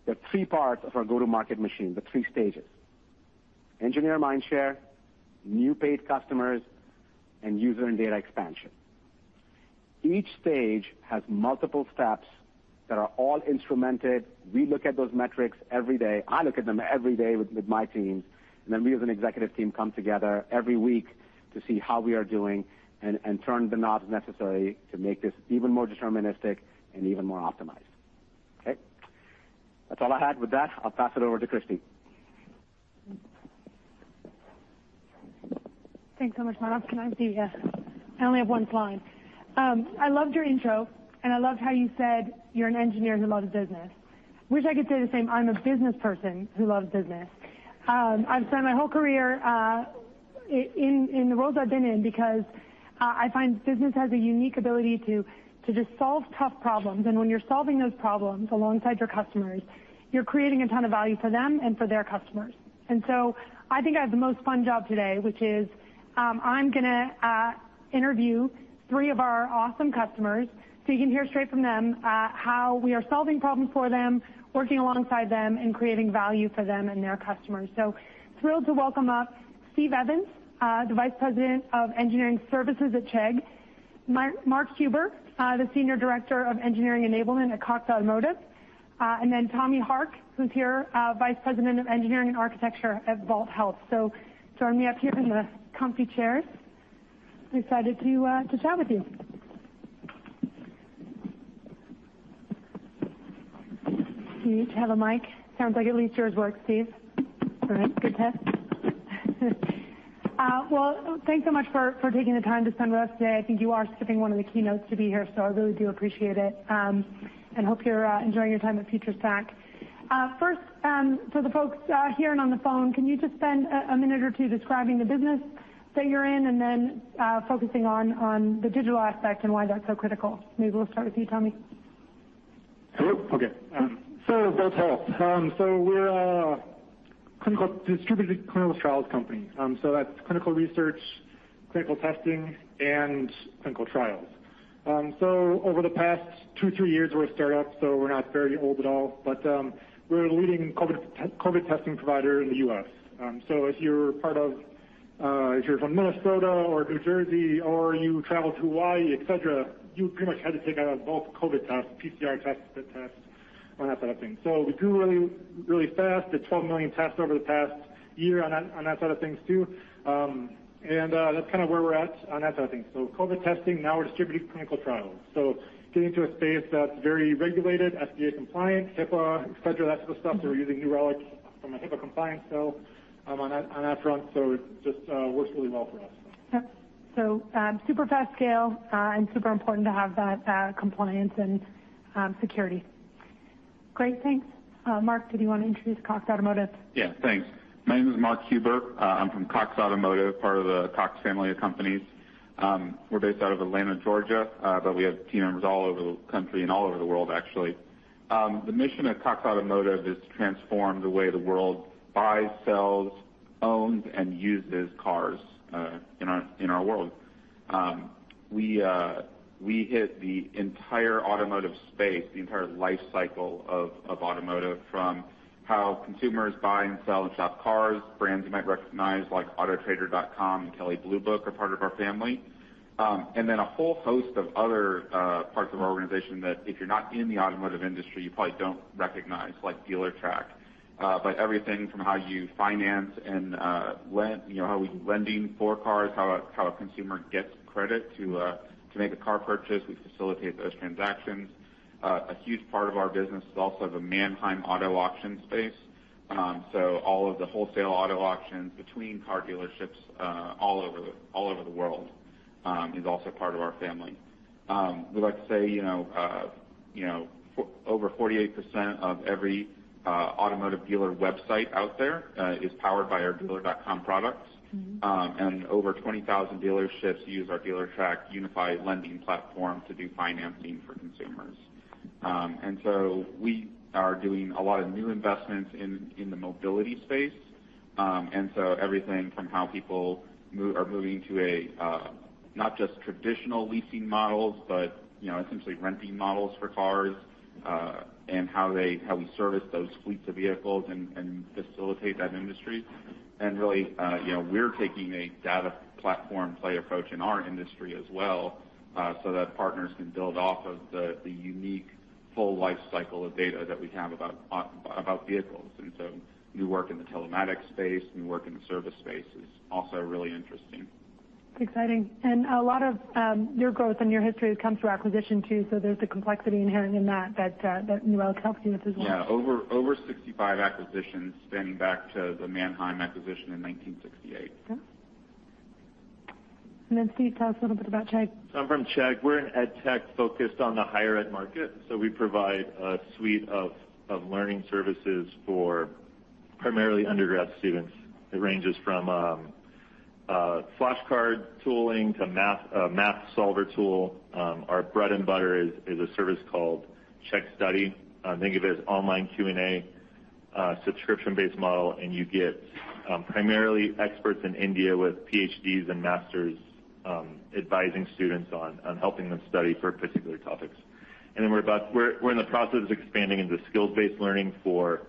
the three parts of our go-to-market machine, the three stages: engineer mindshare, new paid customers, and user and data expansion. Each stage has multiple steps that are all instrumented. We look at those metrics every day. I look at them every day with my teams. Then we as an executive team come together every week to see how we are doing and turn the knobs necessary to make this even more deterministic and even more optimized. Okay. That's all I had with that. I'll pass it over to Kristy. Thanks so much, Manav. Can I have the. I only have one slide. I loved your intro, and I loved how you said you're an engineer who loves business. Wish I could say the same. I'm a business person who loves business. I've spent my whole career in the roles I've been in because I find business has a unique ability to just solve tough problems. When you're solving those problems alongside your customers, you're creating a ton of value for them and for their customers. I think I have the most fun job today, which is, I'm gonna interview three of our awesome customers, so you can hear straight from them how we are solving problems for them, working alongside them, and creating value for them and their customers. Thrilled to welcome up Steve Evans, the Vice President of Engineering Services at Chegg. Mark Huber, the Senior Director of Engineering Enablement at Cox Automotive. And then Tommy Harke, who's here, Vice President of Engineering and Architecture at Vault Health. Join me up here in the comfy chairs. Excited to chat with you. You each have a mic. Sounds like at least yours works, Steve. All right. Good test. Well, thanks so much for taking the time to spend with us today. I think you are skipping one of the keynotes to be here, so I really do appreciate it, and hope you're enjoying your time at FutureStack. First, for the folks here and on the phone, can you just spend a minute or two describing the business that you're in and then focusing on the digital aspect and why that's so critical? Maybe we'll start with you, Tommy. Hello. Okay. Vault Health. We're a distributed clinical trials company. That's clinical research, clinical testing, and clinical trials. Over the past two to three years, we're a startup, so we're not very old at all, but we're a leading COVID testing provider in the U.S. If you're from Minnesota or New Jersey or you travel to Hawaii, etc., you pretty much had to take a Vault COVID test, PCR test, spit test, and that type of thing. We grew really, really fast. Did 12 million tests over the past year on that side of things too. That's kind of where we're at on that side of things. COVID testing, now we're distributing clinical trials. Getting to a space that's very regulated, FDA compliant, HIPAA, et cetera, that sort of stuff. We're using New Relic from a HIPAA compliance still, on that front. It just works really well for us. Yep. Super fast scale, and super important to have that, compliance and, security. Great. Thanks. Mark, did you wanna introduce Cox Automotive? My name is Mark Huber. I'm from Cox Automotive, part of the Cox family of companies. We're based out of Atlanta, Georgia, but we have team members all over the country and all over the world, actually. The mission of Cox Automotive is to transform the way the world buys, sells, owns, and uses cars, in our world. We hit the entire automotive space, the entire life cycle of automotive from how consumers buy and sell and shop cars. Brands you might recognize like Autotrader.com, Kelley Blue Book are part of our family. A whole host of other parts of our organization that if you're not in the automotive industry, you probably don't recognize, like Dealertrack. Everything from how you finance and lend, you know, how we do lending for cars, how a consumer gets credit to make a car purchase, we facilitate those transactions. A huge part of our business is also the Manheim auto auction space. All of the wholesale auto auctions between car dealerships, all over the world, is also part of our family. We like to say, you know, for over 48% of every automotive dealer website out there is powered by our Dealer.com products. Over 20,000 dealerships use our Dealertrack unified lending platform to do financing for consumers. We are doing a lot of new investments in the mobility space. Everything from how people are moving to, not just traditional leasing models, but you know, essentially renting models for cars, and how we service those fleets of vehicles and facilitate that industry. Really, you know, we're taking a data platform play approach in our industry as well, so that partners can build off of the unique full life cycle of data that we have about vehicles. New work in the telematics space, new work in the service space is also really interesting. Exciting. A lot of your growth and your history has come through acquisition too. There's a complexity inherent in that that New Relic helps you with as well. Yeah. Over 65 acquisitions spanning back to the Manheim acquisition in 1968. Okay. Steve, tell us a little bit about Chegg. I'm from Chegg. We're an EdTech focused on the higher Ed Market, so we provide a suite of learning services for primarily undergrad students. It ranges from flashcard tooling to math solver tool. Our bread and butter is a service called Chegg Study. Think of it as online Q&A, subscription-based model, and you get primarily experts in India with PhDs and master's advising students on helping them study for particular topics. We're in the process of expanding into skills-based learning for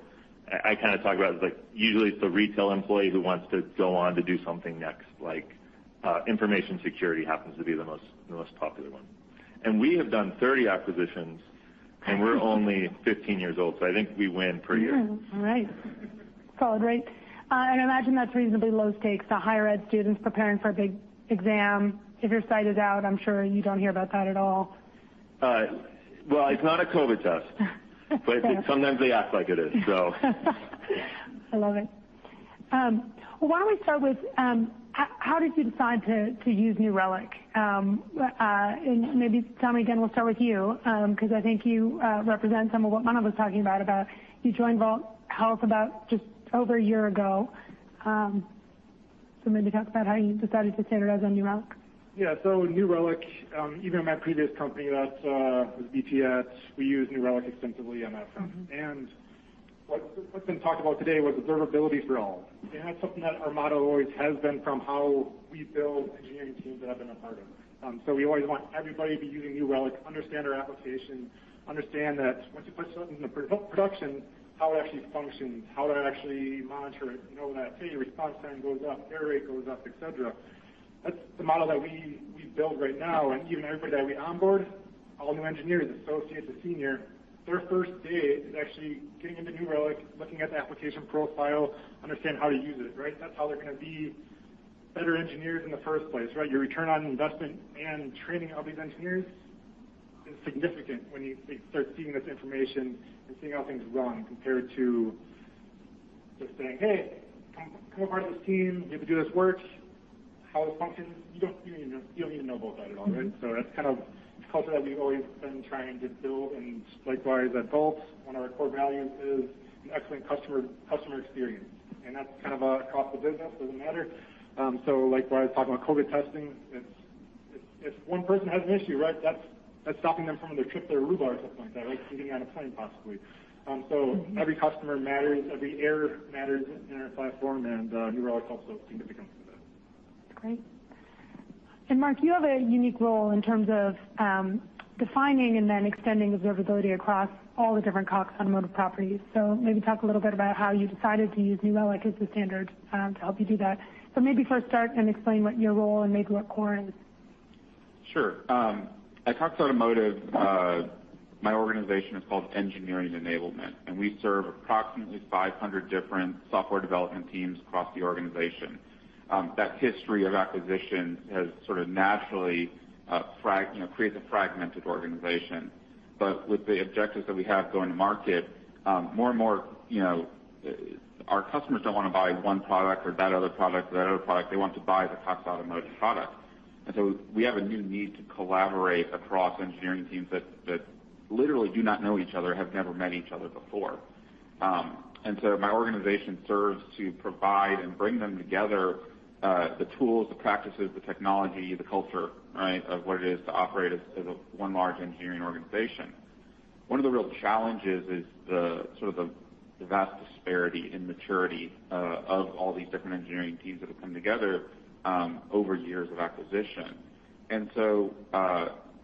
I kind of talk about it as like, usually it's the retail employee who wants to go on to do something next, like information security happens to be the most popular one. We have done 30 acquisitions, and we're only 15 years old, so I think we win per year. All right. Solid. Great. I imagine that's reasonably low stakes. The higher Ed students preparing for a big exam. If your site is out, I'm sure you don't hear about that at all. It's not a COVID test. Sometimes they act like it is, so. I love it. Why don't we start with how did you decide to use New Relic? Maybe Tommy again, we'll start with you, 'cause I think you represent some of what Manav was talking about you joined Vault Health about just over a year ago. Maybe talk about how you decided to standardize on New Relic. New Relic, even my previous company that was BTS, we used New Relic extensively on that front. What's been talked about today was Observability for All. That's something that our motto always has been from how we build engineering teams that I've been a part of. We always want everybody to be using New Relic, understand our application, understand that once you put something into production, how it actually functions, how to actually monitor it, you know, when that failure response time goes up, error rate goes up, et cetera. That's the model that we build right now. Even everybody that we onboard, all new engineers, associate to senior, their first day is actually getting into New Relic, looking at the application profile, understand how to use it, right? That's how they're gonna be better engineers in the first place, right? Your return on investment and training of these engineers is significant when they start seeing this information and seeing how things run compared to just saying, "Hey, come a part of this team. You have to do this work. How this functions, you don't need to know about that at all," right? That's kind of the culture that we've always been trying to build. Likewise at Vault, one of our core values is an excellent customer experience, and that's kind of across the business, doesn't matter. Likewise, talking about COVID testing, it's if one person has an issue, right, that's stopping them from their trip to Aruba or something like that, right? Getting on a plane possibly. Every customer matters, every error matters in our platform, and New Relic helps us significantly with that. Great. Mark, you have a unique role in terms of, defining and then extending observability across all the different Cox Automotive properties. Maybe talk a little bit about how you decided to use New Relic as the standard, to help you do that. Maybe first start and explain what your role and maybe what CORE is. Sure. At Cox Automotive, my organization is called Engineering Enablement, and we serve approximately 500 different software development teams across the organization. That history of acquisition has sort of naturally, you know, creates a fragmented organization. With the objectives that we have going to market, more and more, you know, our customers don't wanna buy one product or that other product or that other product. They want to buy the Cox Automotive product. We have a new need to collaborate across engineering teams that literally do not know each other, have never met each other before. My organization serves to provide and bring them together, the tools, the practices, the technology, the culture, right? Of what it is to operate as one large engineering organization. One of the real challenges is the sort of the vast disparity in maturity of all these different engineering teams that have come together over years of acquisition.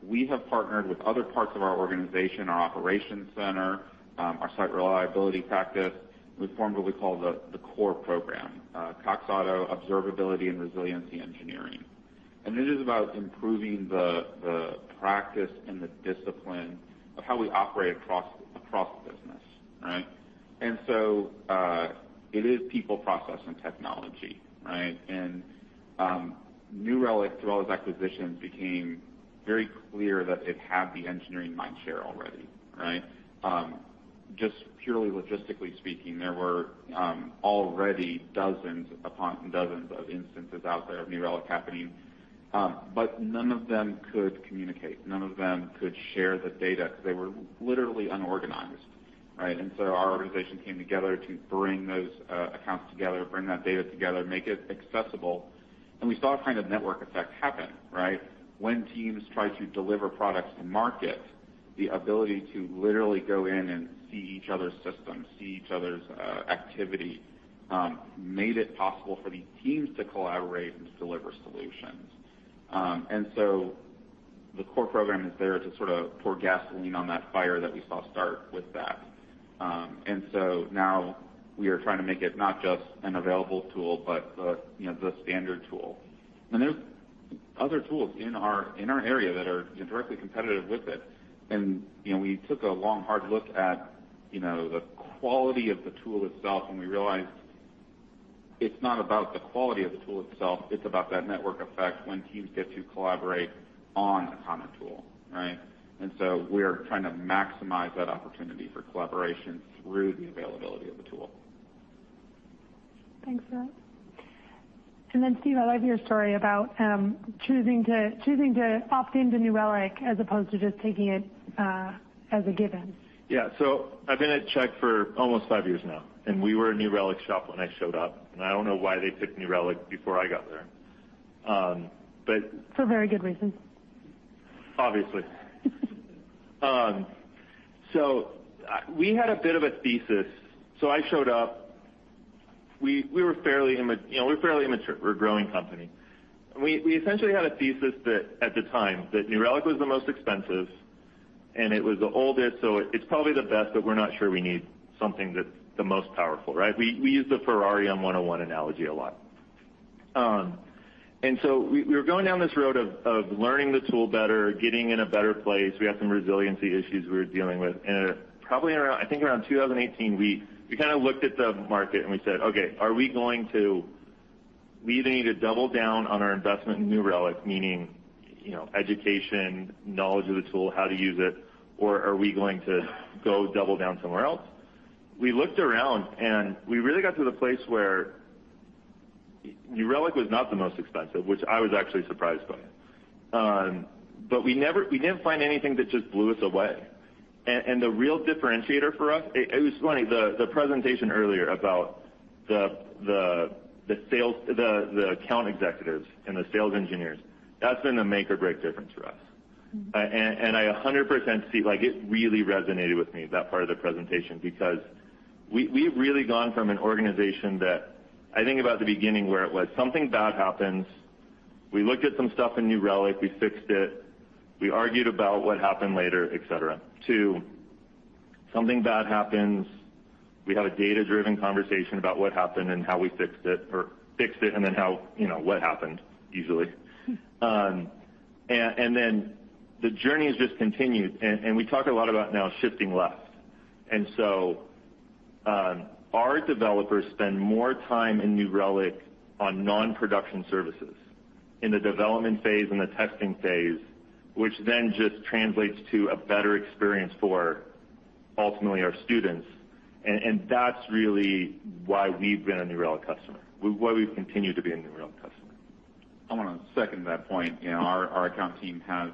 We have partnered with other parts of our organization, our operations center, our site reliability practice. We formed what we call the CORE program, Cox Auto Observability and Resiliency Engineering. It is about improving the practice and the discipline of how we operate across the business, right? It is people, process, and technology, right? New Relic, through all those acquisitions, became very clear that it had the engineering mind share already, right? Just purely logistically speaking, there were already dozens upon dozens of instances out there of New Relic happening, but none of them could communicate. None of them could share the data. They were literally unorganized, right? Our organization came together to bring those accounts together, bring that data together, make it accessible. We saw a kind of network effect happen, right? When teams try to deliver products to market, the ability to literally go in and see each other's systems, see each other's activity made it possible for these teams to collaborate and to deliver solutions. The CORE program is there to sort of pour gasoline on that fire that we saw start with that. Now we are trying to make it not just an available tool, but the, you know, the standard tool. There are other tools in our area that are directly competitive with it. You know, we took a long, hard look at, you know, the quality of the tool itself, and we realized it's not about the quality of the tool itself, it's about that network effect when teams get to collaborate on a common tool, right? We're trying to maximize that opportunity for collaboration through the availability of the tool. Thanks, Mark. Steve, I love your story about choosing to opt into New Relic as opposed to just taking it as a given. Yeah. I've been at Chegg for almost five years now, and we were a New Relic shop when I showed up. I don't know why they picked New Relic before I got there, but For very good reasons. Obviously, we had a bit of a thesis. I showed up. We were fairly immature, you know. We're a growing company. We essentially had a thesis that at the time New Relic was the most expensive, and it was the oldest, so it's probably the best, but we're not sure we need something that's the most powerful, right? We use the Ferrari on 101 analogy a lot. We were going down this road of learning the tool better, getting in a better place. We had some resiliency issues we were dealing with. Probably around, I think around 2018, we kind of looked at the market and we said, "Okay, do we either need to double down on our investment in New Relic, meaning, you know, education, knowledge of the tool, how to use it, or are we going to go double down somewhere else?" We looked around, and we really got to the place where New Relic was not the most expensive, which I was actually surprised by. We didn't find anything that just blew us away. The real differentiator for us, it was funny, the presentation earlier about the account executives and the sales engineers. That's been a make or break difference for us. I 100% see like, it really resonated with me, that part of the presentation. Because we've really gone from an organization that I think about the beginning where it was something bad happens, we looked at some stuff in New Relic, we fixed it, we argued about what happened later, et cetera. To something bad happens, we have a data-driven conversation about what happened and how we fixed it and then how, you know, what happened usually. And then the journey has just continued, and we talk a lot about now shifting left. Our developers spend more time in New Relic on non-production services in the development phase and the testing phase, which then just translates to a better experience for ultimately our students. That's really why we've been a New Relic customer. Why we've continued to be a New Relic customer. I wanna second that point. You know, our account team has,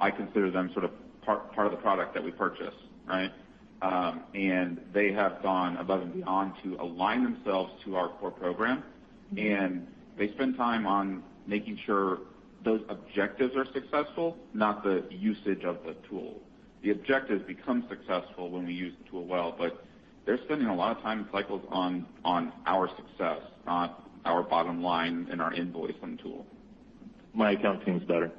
I consider them sort of part of the product that we purchase, right? They have gone above and beyond to align themselves to our CORE program. They spend time on making sure those objectives are successful, not the usage of the tool. The objectives become successful when we use the tool well, but they're spending a lot of time cycles on our success, not our bottom line and our invoicing tool. My account team's better.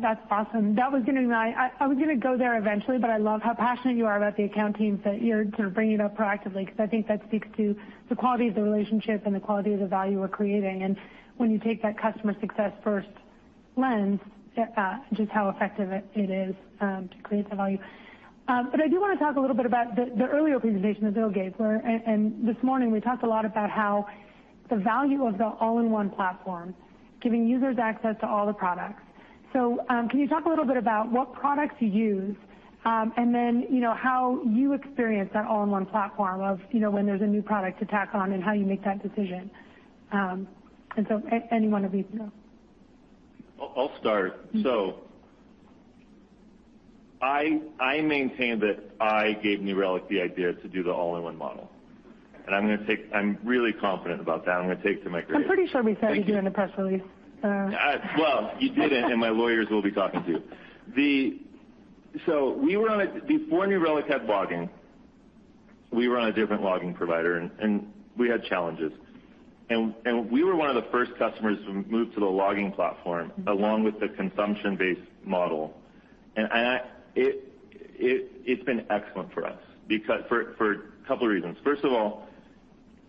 That's awesome. I was gonna go there eventually, but I love how passionate you are about the account team, so you're sort of bringing it up proactively, 'cause I think that speaks to the quality of the relationship and the quality of the value we're creating. When you take that customer success first lens, just how effective it is to create that value. But I do wanna talk a little bit about the earlier presentation with Bill Staples, where this morning we talked a lot about how the value of the all-in-one platform, giving users access to all the products. Can you talk a little bit about what products you use, and then, you know, how you experience that all-in-one platform of, you know, when there's a new product to tack on and how you make that decision? Any one of you can go. I'll start. I maintain that I gave New Relic the idea to do the all-in-one model. I'm really confident about that, I'm gonna take it to my grave. I'm pretty sure we said it during the press release. Well, you didn't, and my lawyers will be talking to you. Before New Relic had logging, we were on a different logging provider, and we had challenges. We were one of the first customers to move to the logging platform along with the consumption-based model. It's been excellent for us because for a couple reasons. First of all,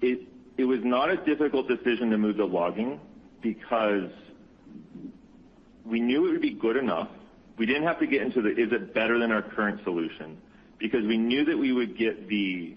it was not a difficult decision to move to logging because we knew it would be good enough. We didn't have to get into the, is it better than our current solution? We knew that we would get the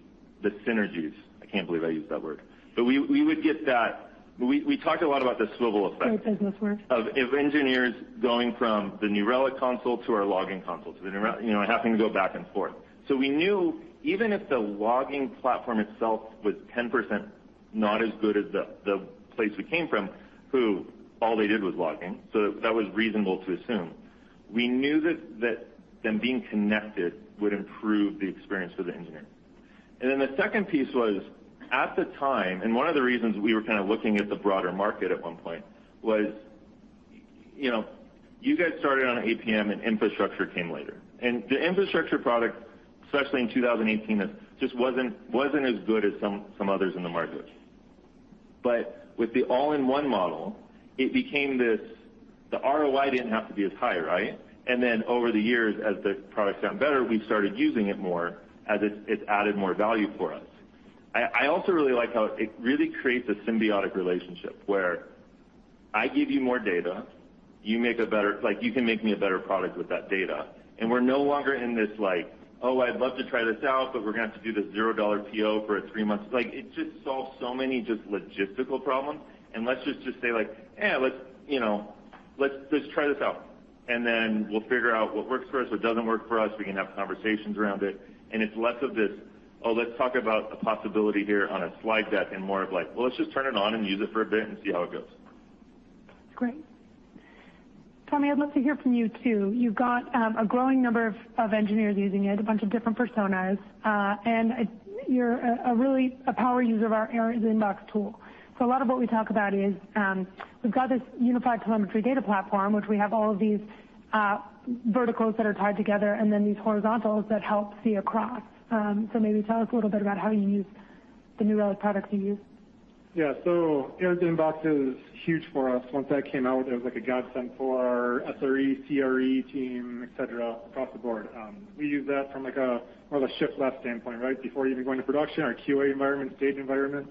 synergies. I can't believe I used that word. We would get that. We talked a lot about the swivel effect. Great business word. Of engineers going from the New Relic console to our logging console to the New Relic. You know, having to go back and forth. We knew even if the logging platform itself was 10% not as good as the place we came from, who all they did was logging, so that was reasonable to assume. We knew that them being connected would improve the experience for the engineer. Then the second piece was, at the time, and one of the reasons we were kinda looking at the broader market at one point was, you know, you guys started on APM and infrastructure came later. The infrastructure product, especially in 2018, it just wasn't as good as some others in the market. With the all-in-one model, it became this, the ROI didn't have to be as high, right? Over the years, as the product's gotten better, we've started using it more as it's added more value for us. I also really like how it really creates a symbiotic relationship where I give you more data, you make a better, like, you can make me a better product with that data. We're no longer in this like, "Oh, I'd love to try this out, but we're gonna have to do the zero dollar PO for a three-month." Like, it just solves so many logistical problems. Let's just say like, "Eh, let's, you know, let's try this out, and then we'll figure out what works for us, what doesn't work for us. We can have conversations around it. It's less of this, "Oh, let's talk about a possibility here on a slide deck," and more of like, "Well, let's just turn it on and use it for a bit and see how it goes. That's great. Tommy, I'd love to hear from you too. You've got a growing number of engineers using it, a bunch of different personas. You're a power user of our Errors Inbox tool. A lot of what we talk about is we've got this unified Telemetry Data Platform, which we have all of these verticals that are tied together and then these horizontals that help see across. Maybe tell us a little bit about how you use the New Relic products you use. Yeah. Errors Inbox is huge for us. Once that came out, it was like a godsend for our SRE, CRE team, et cetera, across the board. We use that from like a, more of a shift left standpoint, right? Before even going to production, our QA environment, stage environment,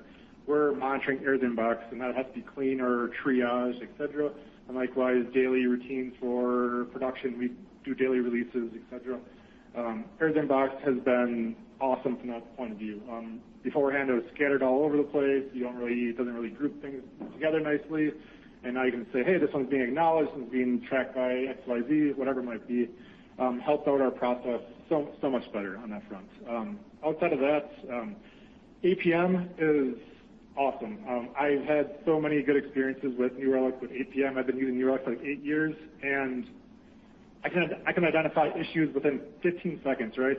we're monitoring Errors Inbox, and that has to be clean or triaged, et cetera. Likewise, daily routine for production, we do daily releases, et cetera. Errors Inbox has been awesome from that point of view. Beforehand, it was scattered all over the place. It doesn't really group things together nicely. Now you can say, "Hey, this one's being acknowledged and being tracked by XYZ," whatever it might be. Helped out our process so much better on that front. Outside of that, APM is awesome. I've had so many good experiences with New Relic, with APM. I've been using New Relic for like eight years, and I can identify issues within 15 seconds, right?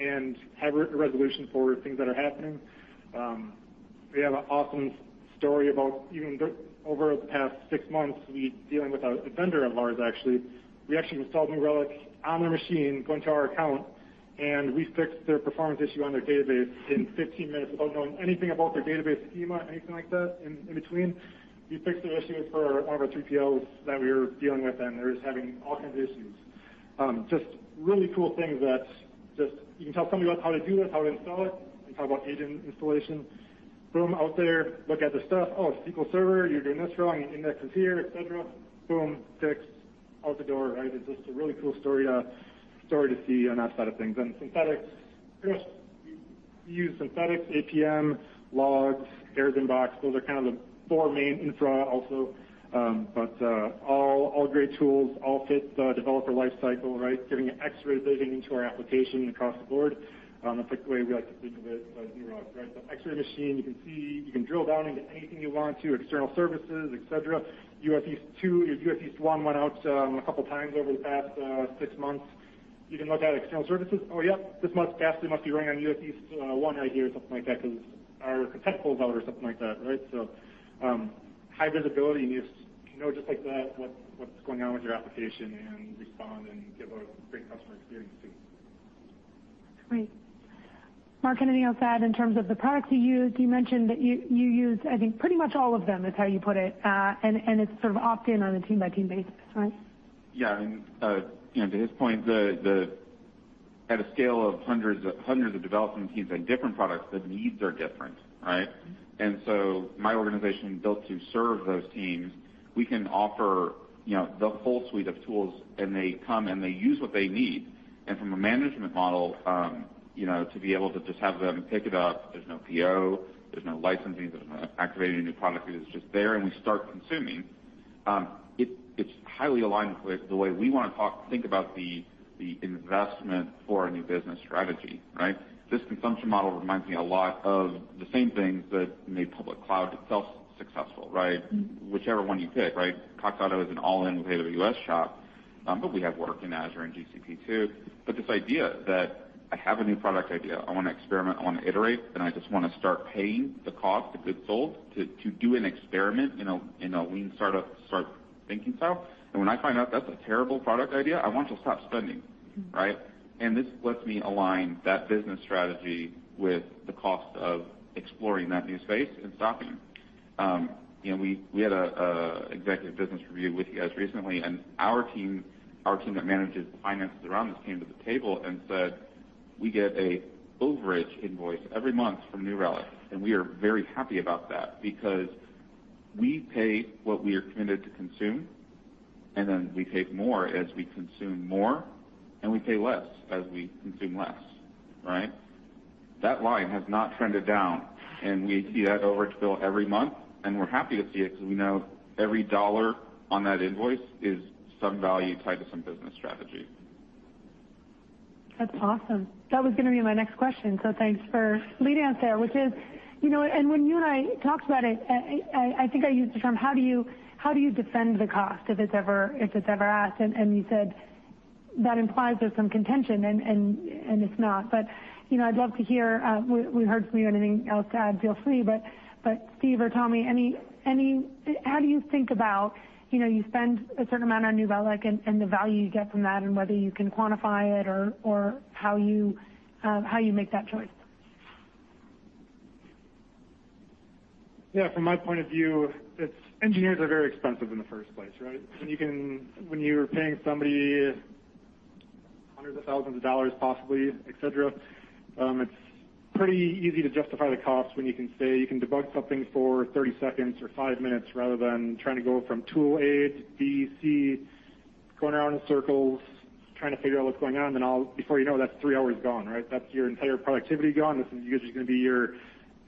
And have a resolution for things that are happening. We have an awesome story about over the past six months, dealing with a vendor of ours, actually. We actually installed New Relic on their machine, going to our account, and we fixed their performance issue on their database in 15 minutes without knowing anything about their database schema, anything like that in between. We fixed the issue for one of our 3PLs that we were dealing with, and they were just having all kinds of issues. Just really cool things that just you can tell somebody about how to do this, how to install it. You can talk about agent installation. Boom, out there, look at the stuff. Oh, SQL Server, you're doing this wrong, your index is here, et cetera. Boom, fixed. Out the door, right? It's just a really cool story to see on that side of things. Synthetics, you know, we use Synthetics, APM, Logs, Errors Inbox. Those are kind of the four main infra also. But all great tools, all fit the developer life cycle, right? Giving an X-ray vision into our application across the board. That's like the way we like to think of it by New Relic, right? The X-ray machine, you can see, you can drill down into anything you want to, external services, et cetera. U.S. East 2. If U.S. East 1 went out, a couple times over the past six months, you can look at external services. Oh yeah, this app must be running on U.S. East one right here or something like that because our content falls out or something like that, right? High visibility, and you know, just like that, what's going on with your application and respond and give a great customer experience too. Great. Mark, anything else to add in terms of the products you use? You mentioned that you use, I think, pretty much all of them, is how you put it. And it's sort of opt-in on a team-by-team basis, right? Yeah. You know, to his point, at a scale of hundreds of development teams on different products, the needs are different, right? My organization built to serve those teams, we can offer, you know, the full suite of tools, and they come, and they use what they need. From a management model, you know, to be able to just have them pick it up, there's no PO, there's no licensing, there's no activating a new product. It is just there, and we start consuming. It's highly aligned with the way we wanna think about the investment for a new business strategy, right? This consumption model reminds me a lot of the same things that made public cloud itself successful, right? Whichever one you pick, right? Cox Automotive is an all-in AWS shop, but we have work in Azure and GCP too. This idea that I have a new product idea, I wanna experiment, I wanna iterate, and I just wanna start paying the cost of goods sold to do an experiment in a lean startup sort of thinking style. When I find out that's a terrible product idea, I want to stop spending, right? This lets me align that business strategy with the cost of exploring that new space and stopping. You know, we had an executive business review with you guys recently, and our team that manages the finances around this came to the table and said, "We get an overage invoice every month from New Relic, and we are very happy about that because we pay what we are committed to consume, and then we pay more as we consume more, and we pay less as we consume less," right? That line has not trended down, and we see that overage bill every month, and we're happy to see it 'cause we know every dollar on that invoice is some value tied to some business strategy. That's awesome. That was gonna be my next question, so thanks for leading out there, which is, you know, and when you and I talked about it, I think I used the term how do you defend the cost if it's ever asked? You said that implies there's some contention and it's not. You know, I'd love to hear, we heard from you. Anything else to add, feel free. Steve or Tommy, any how do you think about, you know, you spend a certain amount on New Relic and the value you get from that, and whether you can quantify it or how you make that choice? Yeah. From my point of view, it's engineers are very expensive in the first place, right? When you are paying somebody hundreds of thousands of dollars, possibly, et cetera, it's pretty easy to justify the cost when you can say you can debug something for 30 seconds or five minutes rather than trying to go from tool A to B, C, going around in circles, trying to figure out what's going on. Before you know it, that's three hours gone, right? That's your entire productivity gone. This is usually gonna be your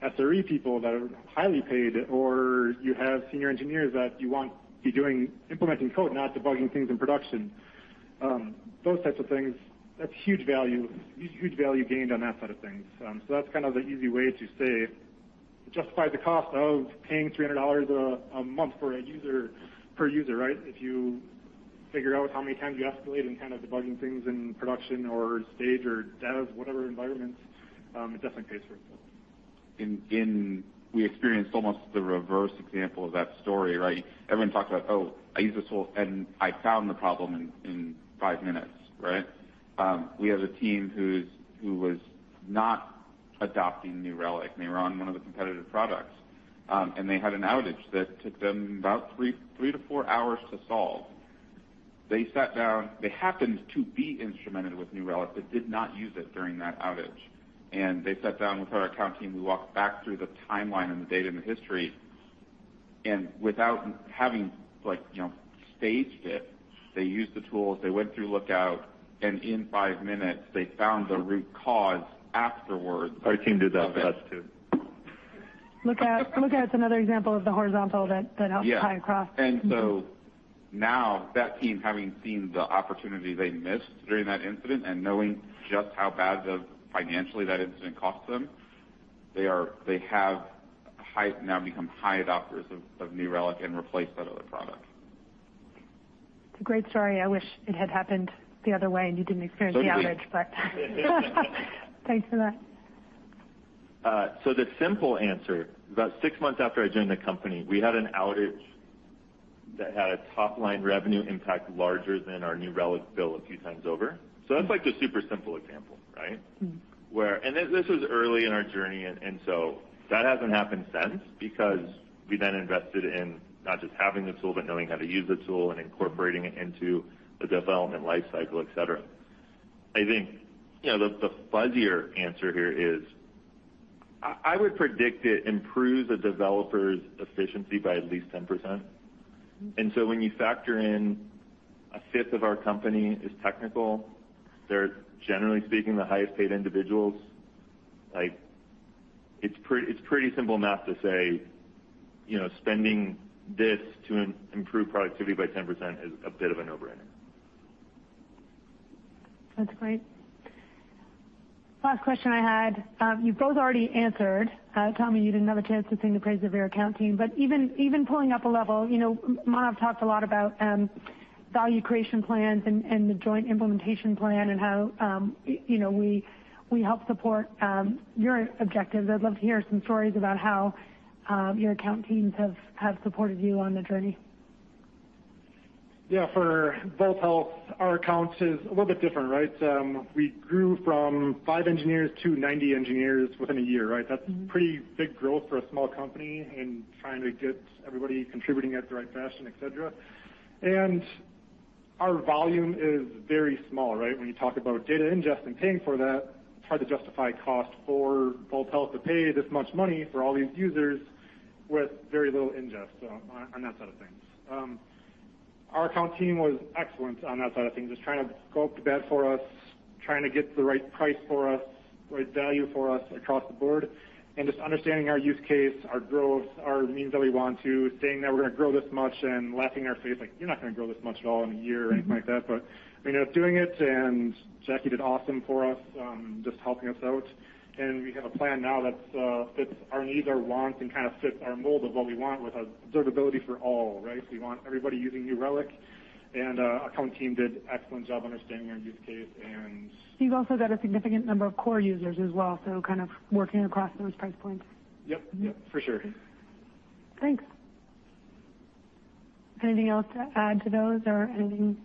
SRE people that are highly paid, or you have senior engineers that you want to be implementing code, not debugging things in production. Those types of things, that's huge value, huge value gained on that side of things. That's kind of the easy way to say to justify the cost of paying $300 a month for a user, per user, right? If you figure out how many times you escalate in kind of debugging things in production or stage or dev, whatever environment, it definitely pays for itself. We experienced almost the reverse example of that story, right? Everyone talked about, "Oh, I use this tool, and I found the problem in five minutes," right? We have a team who was not adopting New Relic, and they were on one of the competitive products. They had an outage that took them about three to four hours to solve. They sat down. They happened to be instrumented with New Relic but did not use it during that outage. They sat down with our account team. We walked back through the timeline and the data and the history. Without having, like, you know, staged it, they used the tools, they went through Lookout, and in five minutes they found the root cause afterwards. Our team did that with us too. Lookout's another example of the horizontal that helps tie across. Yeah. Now that team, having seen the opportunity they missed during that incident and knowing just how bad, financially, that incident cost them, they have now become high adopters of New Relic and replaced that other product. It's a great story. I wish it had happened the other way and you didn't experience the outage. Did we. Thanks for that. The simple answer, about six months after I joined the company, we had an outage that had a top-line revenue impact larger than our New Relic bill a few times over. That's like the super simple example, right? This was early in our journey and so that hasn't happened since because we then invested in not just having the tool but knowing how to use the tool and incorporating it into the development life cycle, et cetera. I think, you know, the fuzzier answer here is I would predict it improves a developer's efficiency by at least 10%. When you factor in a fifth of our company is technical, they're generally speaking the highest paid individuals. Like, it's pretty simple math to say, you know, spending this to improve productivity by 10% is a bit of a no-brainer. That's great. Last question I had, you've both already answered. Tommy, you didn't have a chance to sing the praises of your account team, but even pulling up a level, you know, Manav talks a lot about value creation plans and the joint implementation plan and how you know, we help support your objectives. I'd love to hear some stories about how your account teams have supported you on the journey. Yeah. For Vault Health, our accounts is a little bit different, right? We grew from five engineers to 90 engineers within a year, right? That's pretty big growth for a small company and trying to get everybody contributing at the right fashion, et cetera. Our volume is very small, right? When you talk about data ingest and paying for that, it's hard to justify cost for Vault Health to pay this much money for all these users with very little ingest, on that side of things. Our account team was excellent on that side of things. Just trying to scope the budget for us, trying to get the right price for us, right value for us across the board, and just understanding our use case, our growth, our needs that we want to, saying that we're going to grow this much and laughing in our face like, "You're not going to grow this much at all in a year," or anything like that. You know, doing it, and Jackie did awesome for us, just helping us out. We have a plan now that fits our needs, our wants, and kind of fits our mold of what we want with Observability for All, right? We want everybody using New Relic, and account team did excellent job understanding our use case and You've also got a significant number of core users as well, so kind of working across those price points. Yep, yep, for sure. Thanks. Anything else to add to those or anything?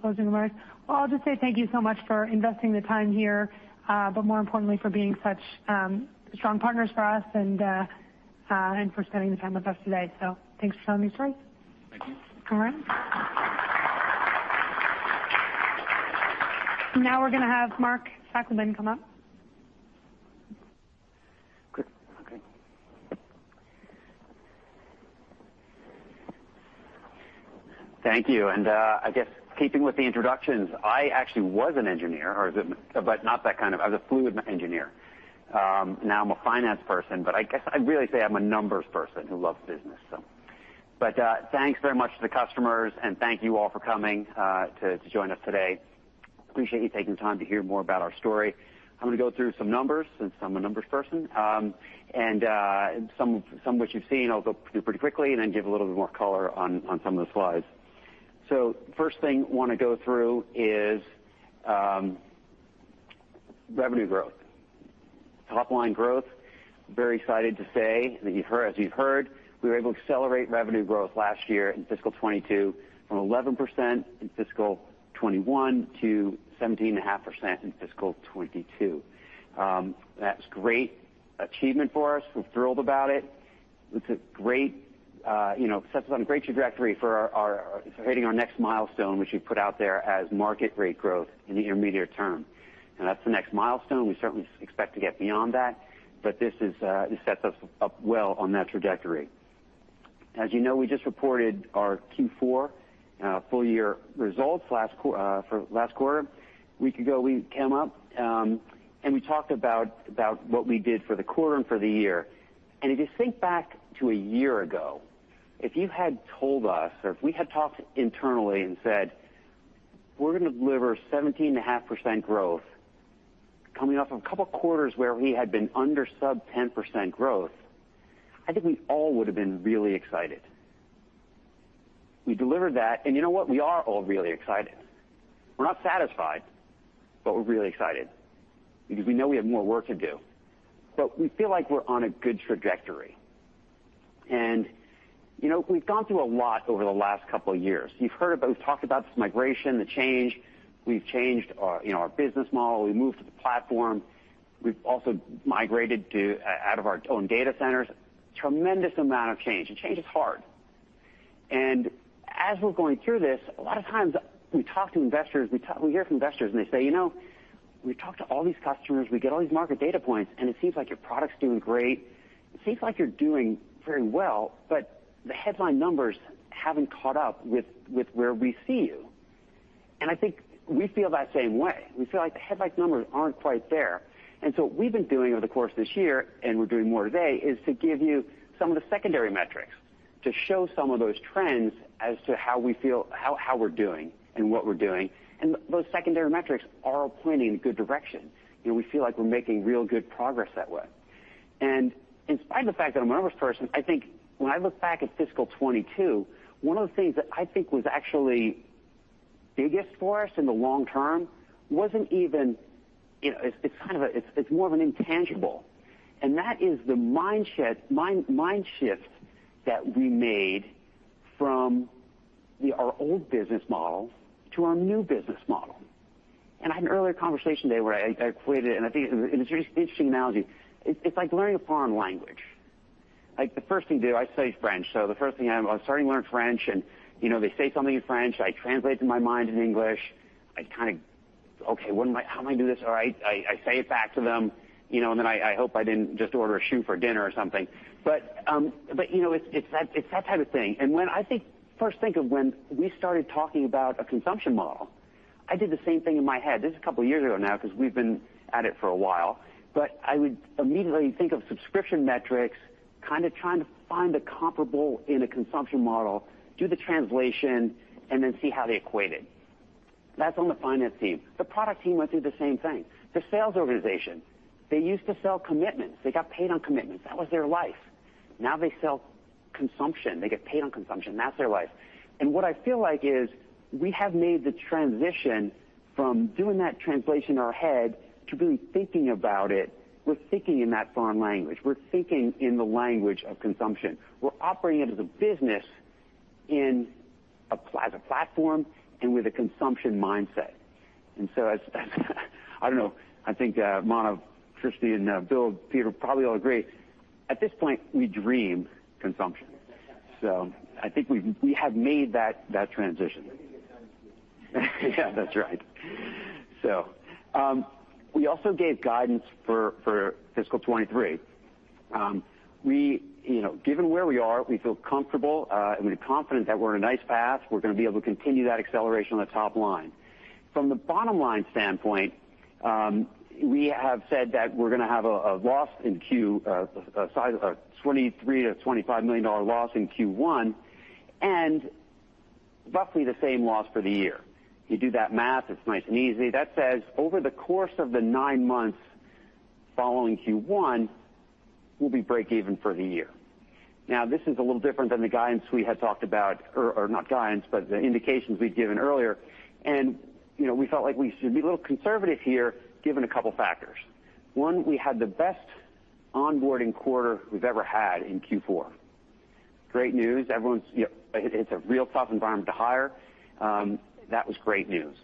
Closing remarks. I'll just say thank you so much for investing the time here, but more importantly, for being such strong partners for us and for spending the time with us today. Thanks for telling our story. Thank you. All right. Now we're gonna have Mark Sachleben then come up. Good. Okay. Thank you. I guess keeping with the introductions, I actually was an engineer, but not that kind of engineer. I was a fluid engineer. Now I'm a finance person, but I guess I'd really say I'm a numbers person who loves business. Thanks very much to the customers, and thank you all for coming to join us today. Appreciate you taking the time to hear more about our story. I'm gonna go through some numbers since I'm a numbers person, and some of which you've seen. I'll go through pretty quickly and then give a little bit more color on some of the slides. First thing I wanna go through is revenue growth. Top line growth. Very excited to say that as you've heard, we were able to accelerate revenue growth last year in fiscal 2022 from 11% in fiscal 2021 to 17.5% in fiscal 2022. That's a great achievement for us. We're thrilled about it. It's a great, you know, sets us on a great trajectory for our hitting our next milestone, which we put out there as market rate growth in the intermediate term. That's the next milestone. We certainly expect to get beyond that. But this sets us up well on that trajectory. As you know, we just reported our Q4 full year results for last quarter. A week ago, we came up and we talked about what we did for the quarter and for the year. If you think back to a year ago, if you had told us or if we had talked internally and said, "We're gonna deliver 17.5% growth coming off a couple quarters where we had been under sub-10% growth," I think we all would have been really excited. We delivered that, and you know what? We are all really excited. We're not satisfied, but we're really excited because we know we have more work to do, but we feel like we're on a good trajectory. You know, we've gone through a lot over the last couple of years. You've heard about, we've talked about this migration, the change. We've changed our, you know, our business model. We moved to the platform. We've also migrated out of our own data centers. Tremendous amount of change, and change is hard. As we're going through this, a lot of times we talk to investors, we hear from investors, and they say, "You know, we talk to all these customers, we get all these market data points, and it seems like your product's doing great. It seems like you're doing very well, but the headline numbers haven't caught up with where we see you." I think we feel that same way. We feel like the headline numbers aren't quite there. What we've been doing over the course of this year, and we're doing more today, is to give you some of the secondary metrics to show some of those trends as to how we feel, how we're doing and what we're doing. Those secondary metrics are pointing in a good direction. You know, we feel like we're making real good progress that way. In spite of the fact that I'm a numbers person, I think when I look back at fiscal 2022, one of the things that I think was actually biggest for us in the long term wasn't even, you know, it's kind of a, it's more of an intangible, and that is the mind shift that we made from our old business model to our new business model. I had an earlier conversation today where I equated it, and I think it's really interesting analogy. It's like learning a foreign language. Like, the first thing you do, I studied French, so the first thing I was starting to learn French and, you know, they say something in French, I translate it in my mind in English. I kind of, "Okay, how am I doing this?" All right. I say it back to them, you know, and then I hope I didn't just order a shoe for dinner or something. You know, it's that type of thing. When I think of when we started talking about a consumption model, I did the same thing in my head. This is a couple of years ago now because we've been at it for a while, but I would immediately think of subscription metrics, kind of trying to find a comparable in a consumption model, do the translation, and then see how they equated. That's on the finance team. The product team went through the same thing. The sales organization, they used to sell commitments. They got paid on commitments. That was their life. Now they sell consumption. They get paid on consumption. That's their life. What I feel like is we have made the transition from doing that translation in our head to really thinking about it. We're thinking in that foreign language. We're thinking in the language of consumption. We're operating it as a business as a platform and with a consumption mindset. I think Manav, Kristy, and Bill, Peter probably all agree, at this point, we dream consumption. I think we have made that transition. Yeah, that's right. We also gave guidance for fiscal 2023. You know, given where we are, we feel comfortable and we're confident that we're on a nice path. We're gonna be able to continue that acceleration on the top line. From the bottom-line standpoint, we have said that we're gonna have a loss in Q1, a size of $23 million-$25 million dollar loss in Q1 and roughly the same loss for the year. You do that math, it's nice and easy. That says over the course of the nine months following Q1, we'll be break even for the year. Now, this is a little different than the guidance we had talked about, or not guidance, but the indications we'd given earlier. You know, we felt like we should be a little conservative here given a couple factors. One, we had the best onboarding quarter we've ever had in Q4. Great news. Everyone's, you know. It's a real tough environment to hire. That was great news.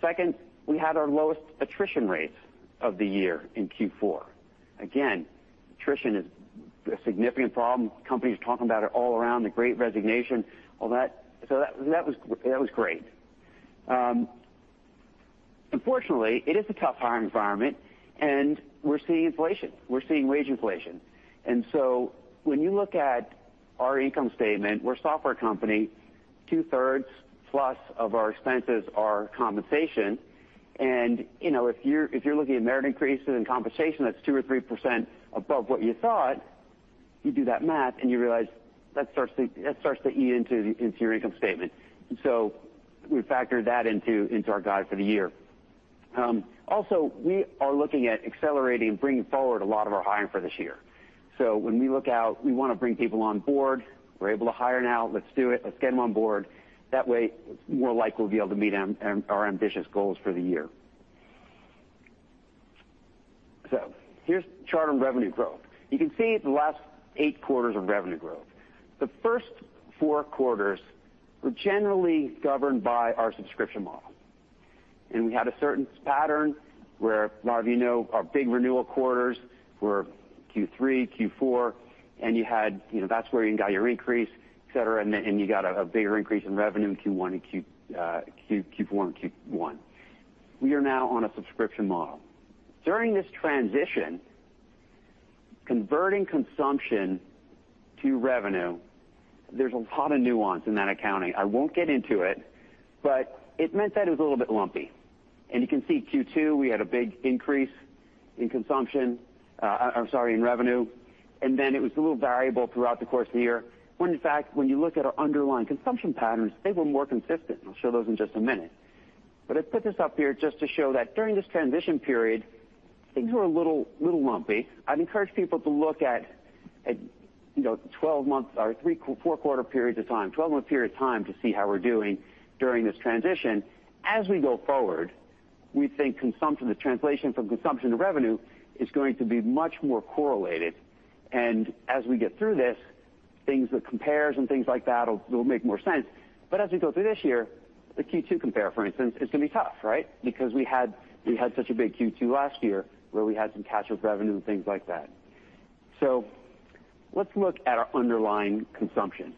Second, we had our lowest attrition rates of the year in Q4. Again, attrition is a significant problem. Companies are talking about it all around, the Great Resignation, all that. That was great. Unfortunately, it is a tough hiring environment, and we're seeing inflation, we're seeing wage inflation. When you look at our income statement, we're a software company, two-thirds plus of our expenses are compensation. You know, if you're looking at merit increases and compensation, that's 2% or 3% above what you thought. You do that math, and you realize that starts to eat into your income statement. We factored that into our guide for the year. Also, we are looking at accelerating, bringing forward a lot of our hiring for this year. When we look out, we wanna bring people on board. We're able to hire now. Let's do it. Let's get them on board. That way, it's more likely we'll be able to meet our ambitious goals for the year. Here's the chart on revenue growth. You can see the last eight quarters of revenue growth. The first four quarters were generally governed by our subscription model, and we had a certain pattern where a lot of you know our big renewal quarters were Q3, Q4. You know, that's where you got your increase, et cetera. You got a bigger increase in revenue in Q1 and Q4 and Q1. We are now on a subscription model. During this transition, converting consumption to revenue, there's a lot of nuance in that accounting. I won't get into it, but it meant that it was a little bit lumpy. You can see in Q2, we had a big increase in revenue. Then it was a little variable throughout the course of the year, when in fact, when you look at our underlying consumption patterns, they were more consistent. I'll show those in just a minute. I put this up here just to show that during this transition period, things were a little lumpy. I'd encourage people to look at, you know, 12-month or four-quarter periods of time, 12-month period of time to see how we're doing during this transition. As we go forward, we think consumption, the translation from consumption to revenue is going to be much more correlated. As we get through this, things like compares and things like that'll will make more sense. As we go through this year, the Q2 compare, for instance, is gonna be tough, right? Because we had such a big Q2 last year where we had some catch-up revenue and things like that. Let's look at our underlying consumption.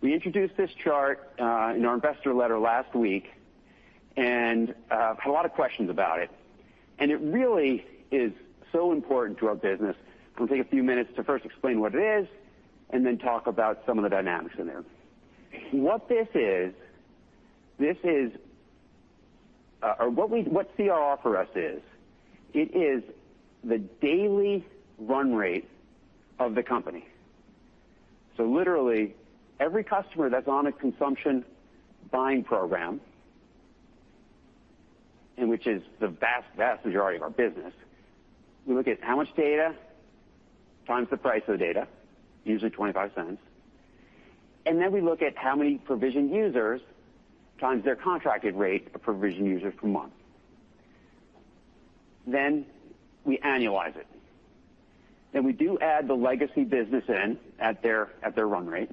We introduced this chart in our investor letter last week and had a lot of questions about it, and it really is so important to our business. We'll take a few minutes to first explain what it is and then talk about some of the dynamics in there. What CRR for us is, it is the daily run rate of the company. Literally every customer that's on a consumption buying program, and which is the vast majority of our business, we look at how much data times the price of the data, usually $0.25. Then we look at how many provision users times their contracted rate of provision users per month. We annualize it. We do add the legacy business in at their run rate,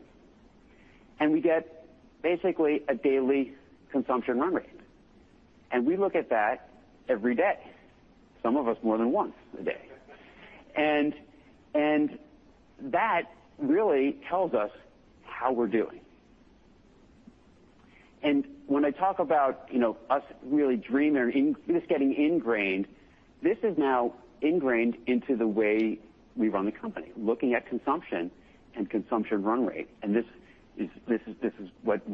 and we get basically a daily consumption run rate. We look at that every day, some of us more than once a day. That really tells us how we're doing. When I talk about, you know, us really dreaming or this getting ingrained, this is now ingrained into the way we run the company, looking at consumption and consumption run rate. This is what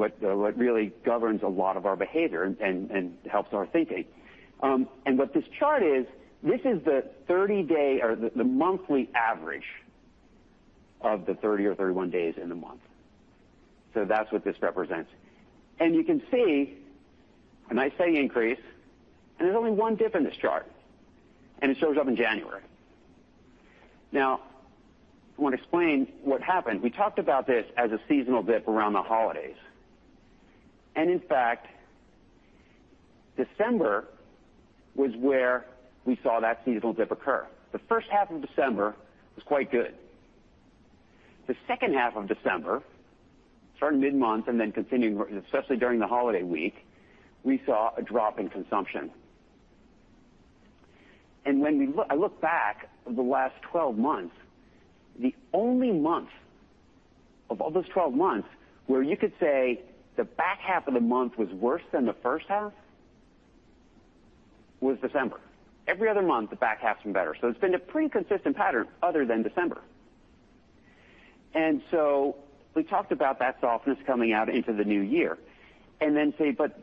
really governs a lot of our behavior and helps our thinking. What this chart is, this is the 30-day or the monthly average of the 30 or 31 days in the month. That's what this represents. You can see a nice steady increase. There's only one dip in this chart, and it shows up in January. Now, I want to explain what happened. We talked about this as a seasonal dip around the holidays. In fact, December was where we saw that seasonal dip occur. The first half of December was quite good. The second half of December, starting mid-month and then continuing, especially during the holiday week, we saw a drop in consumption. I look back over the last 12 months, the only month of all those 12 months where you could say the back half of the month was worse than the first half was December. Every other month, the back half's been better. It's been a pretty consistent pattern other than December. We talked about that softness coming out into the new year and then, say, but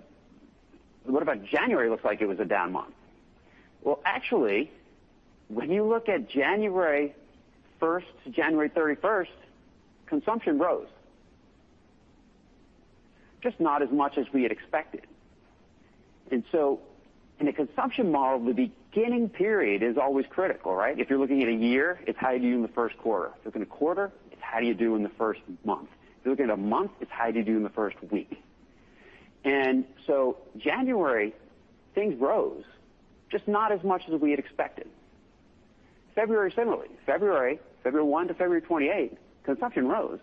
what about January? Looks like it was a down month. Well, actually, when you look at January 1st to January 31st, consumption rose, just not as much as we had expected. In a consumption model, the beginning period is always critical, right? If you're looking at a year, it's how you do in the first quarter. If you're looking at a quarter, it's how do you do in the first month. If you look at a month, it's how you do in the first week. January, things rose, just not as much as we had expected. February, similarly. February 1 to February 28, consumption rose,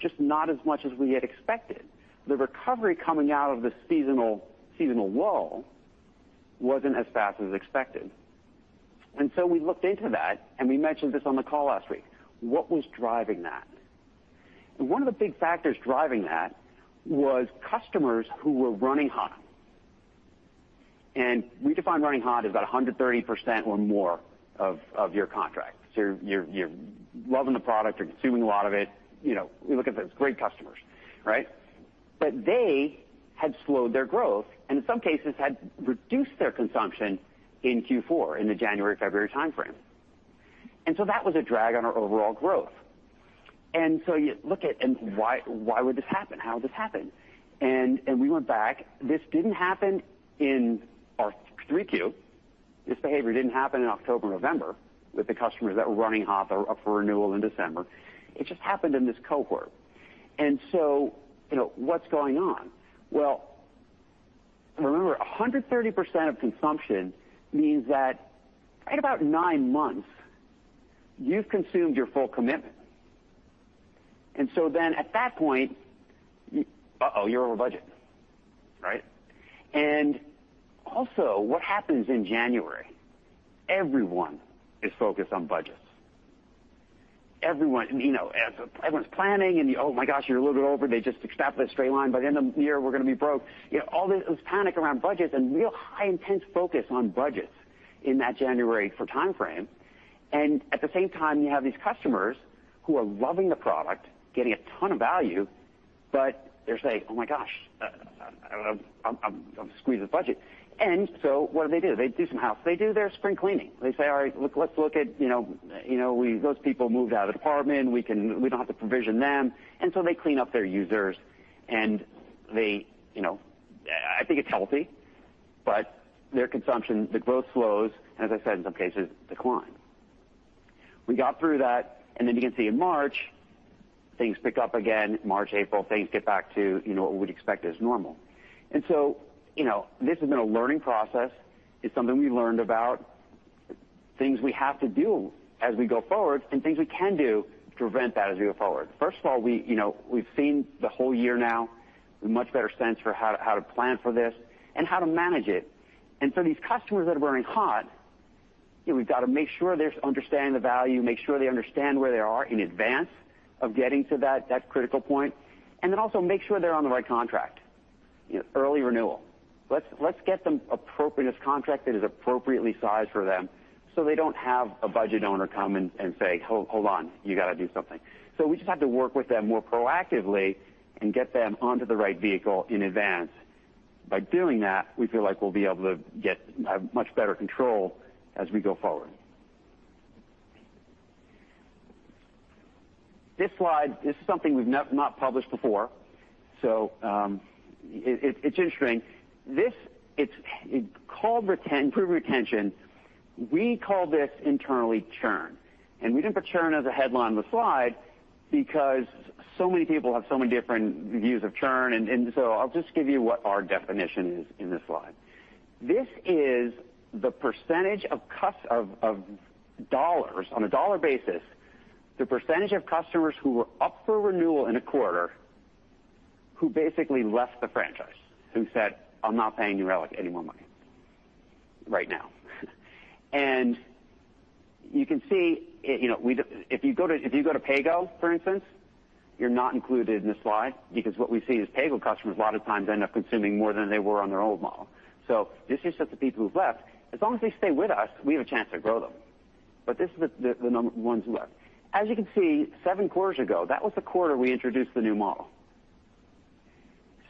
just not as much as we had expected. The recovery coming out of the seasonal lull wasn't as fast as expected. We looked into that, and we mentioned this on the call last week. What was driving that? One of the big factors driving that was customers who were running hot. We define running hot as about 130% or more of your contract. You're loving the product. You're consuming a lot of it. You know, we look at those great customers, right? They had slowed their growth, and in some cases had reduced their consumption in Q4, in the January-February timeframe. That was a drag on our overall growth. You look at why would this happen? How would this happen? We went back. This didn't happen in our 3Q. This behavior didn't happen in October, November with the customers that were running hot or up for renewal in December. It just happened in this cohort. You know, what's going on? Well, remember, 100% of consumption means that right about nine months you've consumed your full commitment. At that point, oh, you're over budget, right? What happens in January? Everyone is focused on budgets. Everyone, you know, as everyone's planning and, oh my gosh, you're a little bit over. They just established a straight line, by the end of the year, we're going to be broke. You know, all this panic around budgets and real high intense focus on budgets in that January sort of timeframe. At the same time, you have these customers who are loving the product, getting a ton of value, but they're saying, "Oh my gosh, I'm squeezing the budget." What do they do? They do some house They do their spring cleaning. They say, "All right. Look, let's look at, you know, those people moved out of the department. We don't have to provision them." They clean up their users, and they, you know, I think it's healthy, but their consumption, the growth slows, and as I said, in some cases decline. We got through that, and then you can see in March things pick up again. March, April, things get back to, you know, what we'd expect as normal. You know, this has been a learning process. It's something we learned about, things we have to do as we go forward and things we can do to prevent that as we go forward. First of all, we, you know, we've seen the whole year now a much better sense for how to plan for this and how to manage it. These customers that are running hot, you know, we've got to make sure they're understanding the value, make sure they understand where they are in advance of getting to that critical point, and then also make sure they're on the right contract. You know, early renewal. Let's get them an appropriate contract that is appropriately sized for them, so they don't have a budget owner come and say, "Hold on. You got to do something." We just have to work with them more proactively and get them onto the right vehicle in advance. By doing that, we feel like we'll be able to get a much better control as we go forward. This slide is something we've never published before. It's interesting. This is called improve retention. We call this internally churn, and we didn't put churn as a headline on the slide because so many people have so many different views of churn. I'll just give you what our definition is in this slide. This is the percentage of dollars on a dollar basis, the percentage of customers who were up for renewal in a quarter, who basically left the franchise, who said, "I'm not paying New Relic any more money right now." You can see, you know, if you go to PayGo, for instance, you're not included in this slide because what we see is PayGo customers a lot of times end up consuming more than they were on their old model. This is just the people who've left. As long as they stay with us, we have a chance to grow them. This is the number ones who left. As you can see, seven quarters ago, that was the quarter we introduced the new model.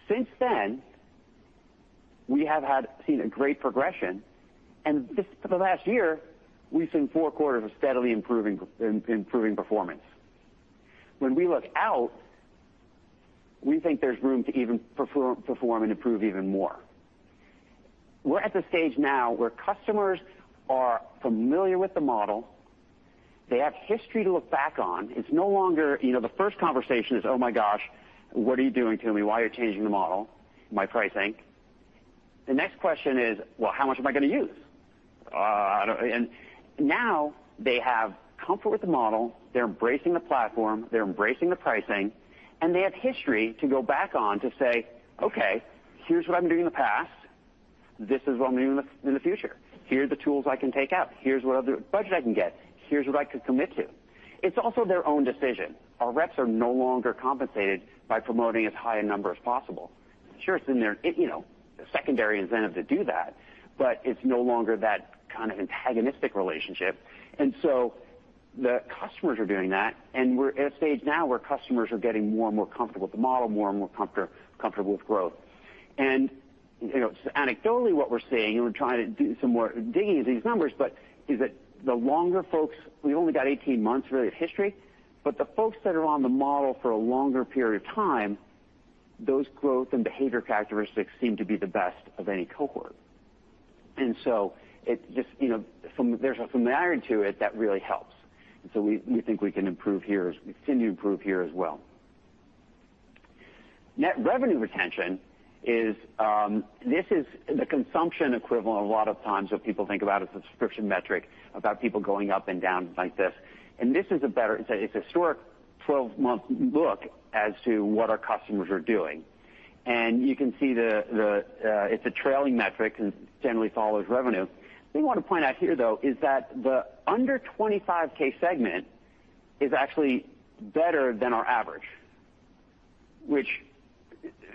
Since then, we have had seen a great progression, and for the last year, we've seen four quarters of steadily improving performance. When we look out, we think there's room to even perform and improve even more. We're at the stage now where customers are familiar with the model. They have history to look back on. It's no longer. You know, the first conversation is, "Oh my gosh, what are you doing to me? Why are you changing the model? My pricing." The next question is, "Well, how much am I going to use?" Now they have comfort with the model. They're embracing the platform, they're embracing the pricing, and they have history to go back on to say, "Okay." Here's what I'm doing in the past. This is what I'm doing in the future. Here are the tools I can take out. Here's what other budget I can get. Here's what I could commit to. It's also their own decision. Our reps are no longer compensated by promoting as high a number as possible. Sure, it's in their, you know, secondary incentive to do that, but it's no longer that kind of antagonistic relationship. The customers are doing that. We're at a stage now where customers are getting more and more comfortable with the model, more and more comfortable with growth. You know, anecdotally, what we're seeing, and we're trying to do some more digging into these numbers, but the longer folks, we only got 18 months, really, of history, but the folks that are on the model for a longer period of time, those growth and behavior characteristics seem to be the best of any cohort. It just, you know, there's a familiarity to it that really helps. We think we can improve here as we continue to improve here as well. Net revenue retention is the consumption equivalent a lot of times what people think about a subscription metric, about people going up and down like this. This is a better. It's a 12-month look as to what our customers are doing. You can see it's a trailing metric and generally follows revenue. The thing I wanna point out here, though, is that the under 25K segment is actually better than our average, which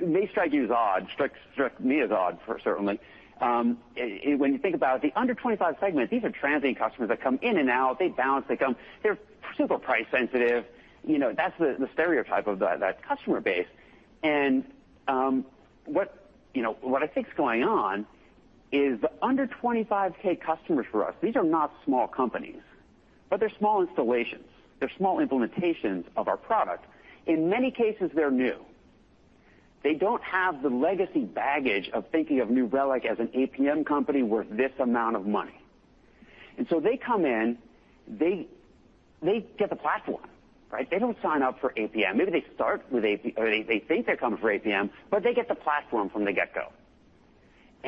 may strike you as odd. Struck me as odd, certainly. When you think about the under 25K segment, these are transient customers that come in and out, they bounce, they come. They're super price sensitive. You know, that's the stereotype of that customer base. You know, what I think is going on is under 25K customers for us, these are not small companies, but they're small installations. They're small implementations of our product. In many cases, they're new. They don't have the legacy baggage of thinking of New Relic as an APM company worth this amount of money. They come in, they get the platform, right? They don't sign up for APM. Maybe they think they're coming for APM, but they get the platform from the get-go.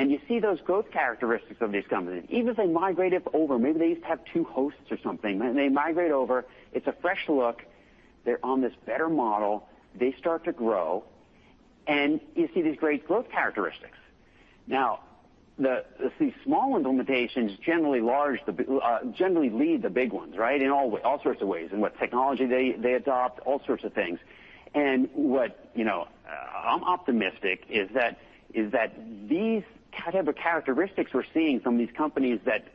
You see those growth characteristics of these companies. Even if they migrate it over, maybe they used to have two hosts or something, and they migrate over. It's a fresh look. They're on this better model. They start to grow, and you see these great growth characteristics. Now, these small implementations generally lead the big ones, right? In all sorts of ways, in what technology they adopt, all sorts of things. What, you know, I'm optimistic is that these type of characteristics we're seeing from these companies that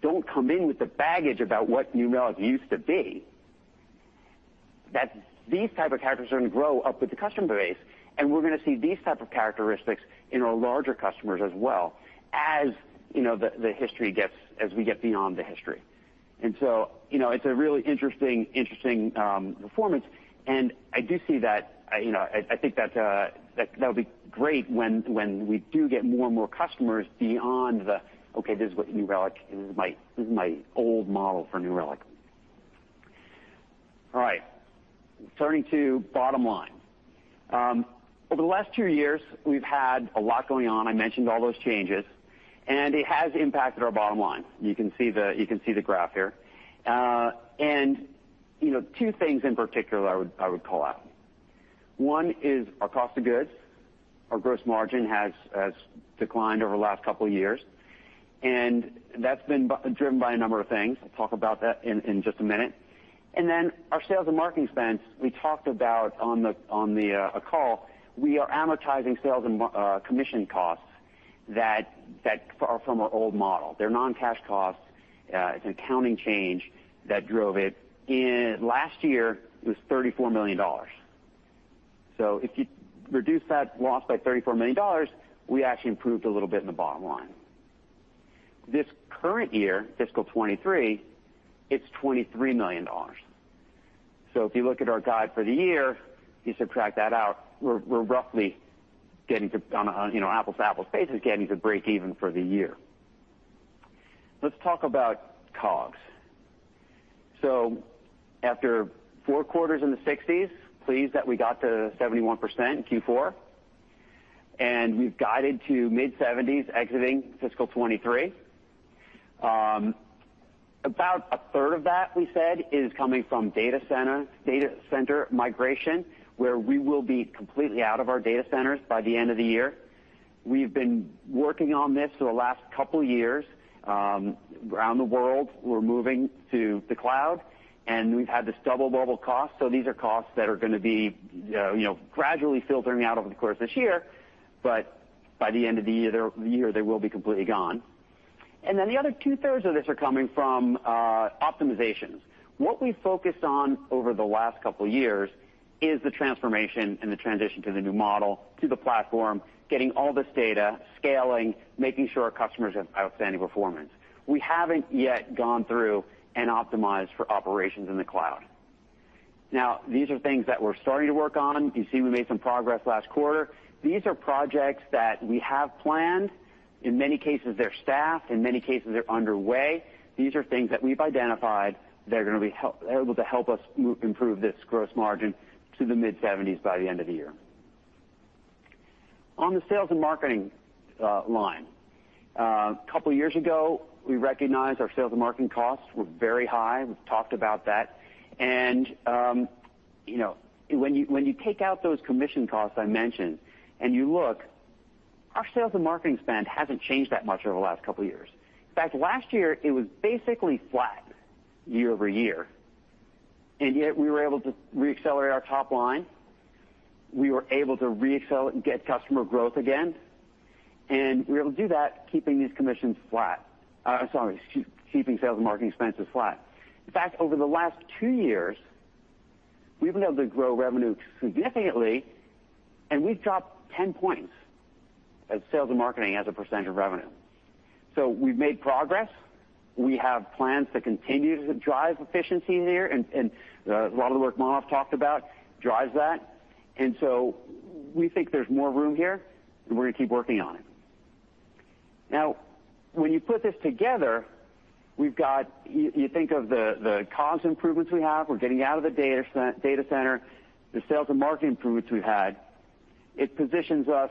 don't come in with the baggage about what New Relic used to be, that these type of characteristics are gonna grow up with the customer base, and we're gonna see these type of characteristics in our larger customers as well as, you know, as we get beyond the history. You know, it's a really interesting performance. I do see that, you know, I think that that'll be great when we do get more and more customers beyond the "Okay, this is what New Relic is. No, this is my old model for New Relic." All right, turning to bottom line. Over the last two years, we've had a lot going on. I mentioned all those changes, and it has impacted our bottom line. You can see the graph here. You know, two things in particular I would call out. One is our cost of goods. Our gross margin has declined over the last couple of years, and that's been driven by a number of things. I'll talk about that in just a minute. Our sales and marketing spends, we talked about on a call. We are amortizing sales and commission costs that are from our old model. They're non-cash costs. It's an accounting change that drove it. Last year, it was $34 million. If you reduce that loss by $34 million, we actually improved a little bit in the bottom line. This current year, fiscal 2023, it's $23 million. If you look at our guide for the year, you subtract that out, we're roughly getting to, you know, apples-to-apples basis, getting to break even for the year. Let's talk about COGS. After four quarters in the 60s%, pleased that we got to 71% in Q4, and we've guided to mid-70s% exiting fiscal 2023. About a third of that, we said, is coming from data center migration, where we will be completely out of our data centers by the end of the year. We've been working on this for the last couple of years. Around the world, we're moving to the cloud, and we've had this double bubble cost. These are costs that are gonna be, you know, gradually filtering out over the course of this year. By the end of the year, they will be completely gone. Then the other two-thirds of this are coming from optimizations. What we focused on over the last couple of years is the transformation and the transition to the new model, to the platform, getting all this data, scaling, making sure our customers have outstanding performance. We haven't yet gone through and optimized for operations in the cloud. Now, these are things that we're starting to work on. You see, we made some progress last quarter. These are projects that we have planned. In many cases, they're staffed. In many cases, they're underway. These are things that we've identified. They're gonna be able to help us improve this gross margin to the mid-70s% by the end of the year. On the sales and marketing line. A couple years ago, we recognized our sales and marketing costs were very high. We've talked about that. You know, when you take out those commission costs I mentioned and you look, our sales and marketing spend hasn't changed that much over the last couple years. In fact, last year, it was basically flat year-over-year, and yet we were able to re-accelerate our top line. We were able to get customer growth again, and we were able to do that, keeping these commissions flat. Keeping sales and marketing expenses flat. In fact, over the last two years, we've been able to grow revenue significantly, and we've dropped 10 points as sales and marketing as a percentage of revenue. We've made progress. We have plans to continue to drive efficiency here, and a lot of the work Manav talked about drives that. We think there's more room here, and we're gonna keep working on it. Now, when you put this together, you think of the cost improvements we have. We're getting out of the data center, the sales and marketing improvements we've had. It positions us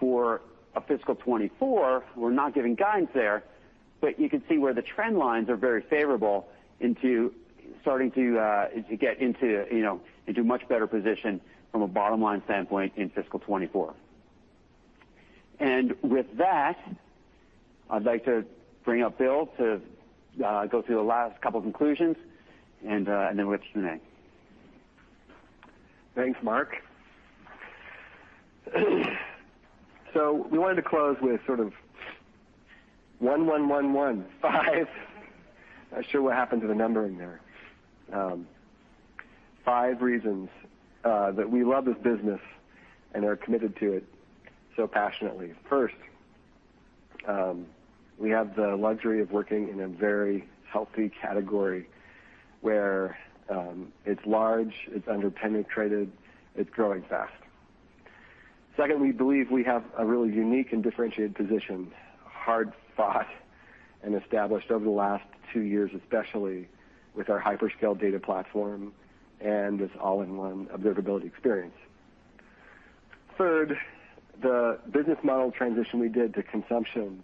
for a fiscal 2024. We're not giving guidance there, but you can see where the trend lines are very favorable into starting to get into, you know, into much better position from a bottom-line standpoint in fiscal 2024. With that, I'd like to bring up Bill to go through the last couple conclusions and then we'll get to the name. Thanks, Mark. We wanted to close with sort of one, one, five. Not sure what happened to the numbering there. Five reasons that we love this business and are committed to it so passionately. First, we have the luxury of working in a very healthy category where it's large, it's under-penetrated, it's growing fast. Second, we believe we have a really unique and differentiated position, hard-fought and established over the last two years, especially with our hyperscale data platform and this all-in-one observability experience. Third, the business model transition we did to consumption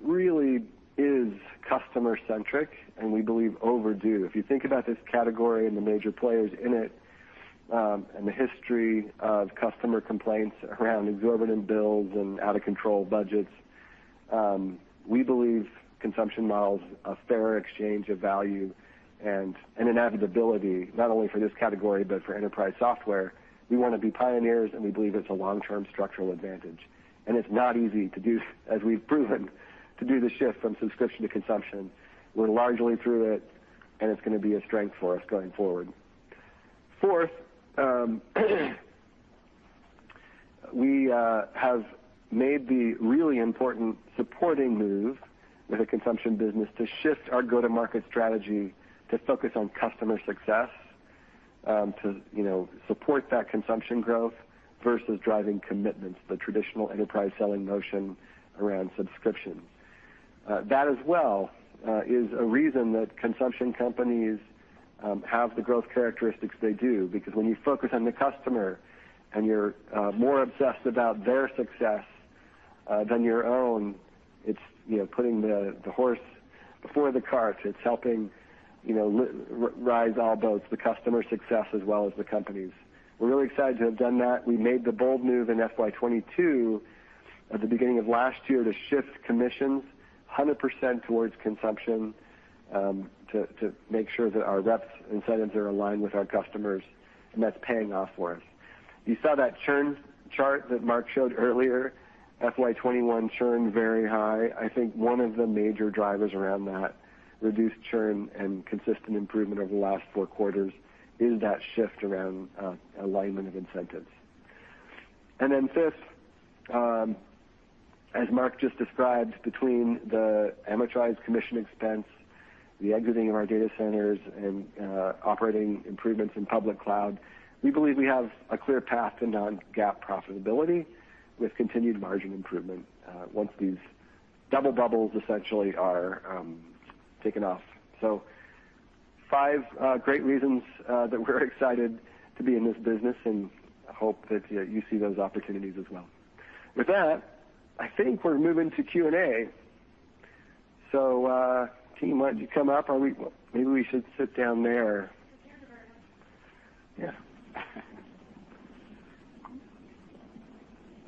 really is customer-centric, and we believe overdue. If you think about this category and the major players in it, and the history of customer complaints around exorbitant bills and out-of-control budgets, we believe consumption model's a fair exchange of value and an inevitability, not only for this category, but for enterprise software. We wanna be pioneers, and we believe it's a long-term structural advantage. It's not easy to do, as we've proven, to do the shift from subscription to consumption. We're largely through it, and it's gonna be a strength for us going forward. Fourth, we have made the really important supporting move with the consumption business to shift our go-to-market strategy to focus on customer success, to, you know, support that consumption growth versus driving commitments, the traditional enterprise selling motion around subscriptions. That as well is a reason that consumption companies have the growth characteristics they do because when you focus on the customer and you're more obsessed about their success than your own, it's you know putting the horse before the cart. It's helping you know rise all boats, the customer success as well as the company's. We're really excited to have done that. We made the bold move in FY 2022 at the beginning of last year to shift commissions 100% towards consumption to make sure that our reps' incentives are aligned with our customers, and that's paying off for us. You saw that churn chart that Mark showed earlier, FY 2021 churn very high. I think one of the major drivers around that reduced churn and consistent improvement over the last four quarters is that shift around alignment of incentives. Fifth, as Mark just described, between the amortized commission expense, the exiting of our data centers, and operating improvements in public cloud, we believe we have a clear path to non-GAAP profitability with continued margin improvement once these double bubbles essentially are taken off. Five great reasons that we're excited to be in this business, and I hope that you see those opportunities as well. With that, I think we're moving to Q&A. Team, why don't you come up? Well, maybe we should sit down there. The camera. Yeah. Sure. Try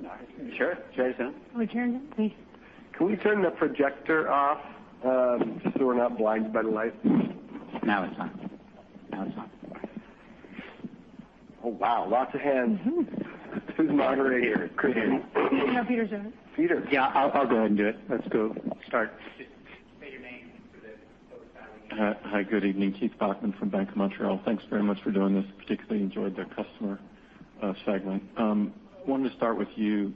this one. Can we turn it, please? Can we turn the projector off, so we're not blind by the light? Now it's on. Oh, wow. Lots of hands. Who's moderating? Kristy. Peter's doing it. Peter. Yeah, I'll go ahead and do it. Let's go start. Just state your name for the folks dialing in. Hi. Good evening. Keith Bachman from BMO Capital Markets. Thanks very much for doing this. Particularly enjoyed the customer segment. Wanted to start with you.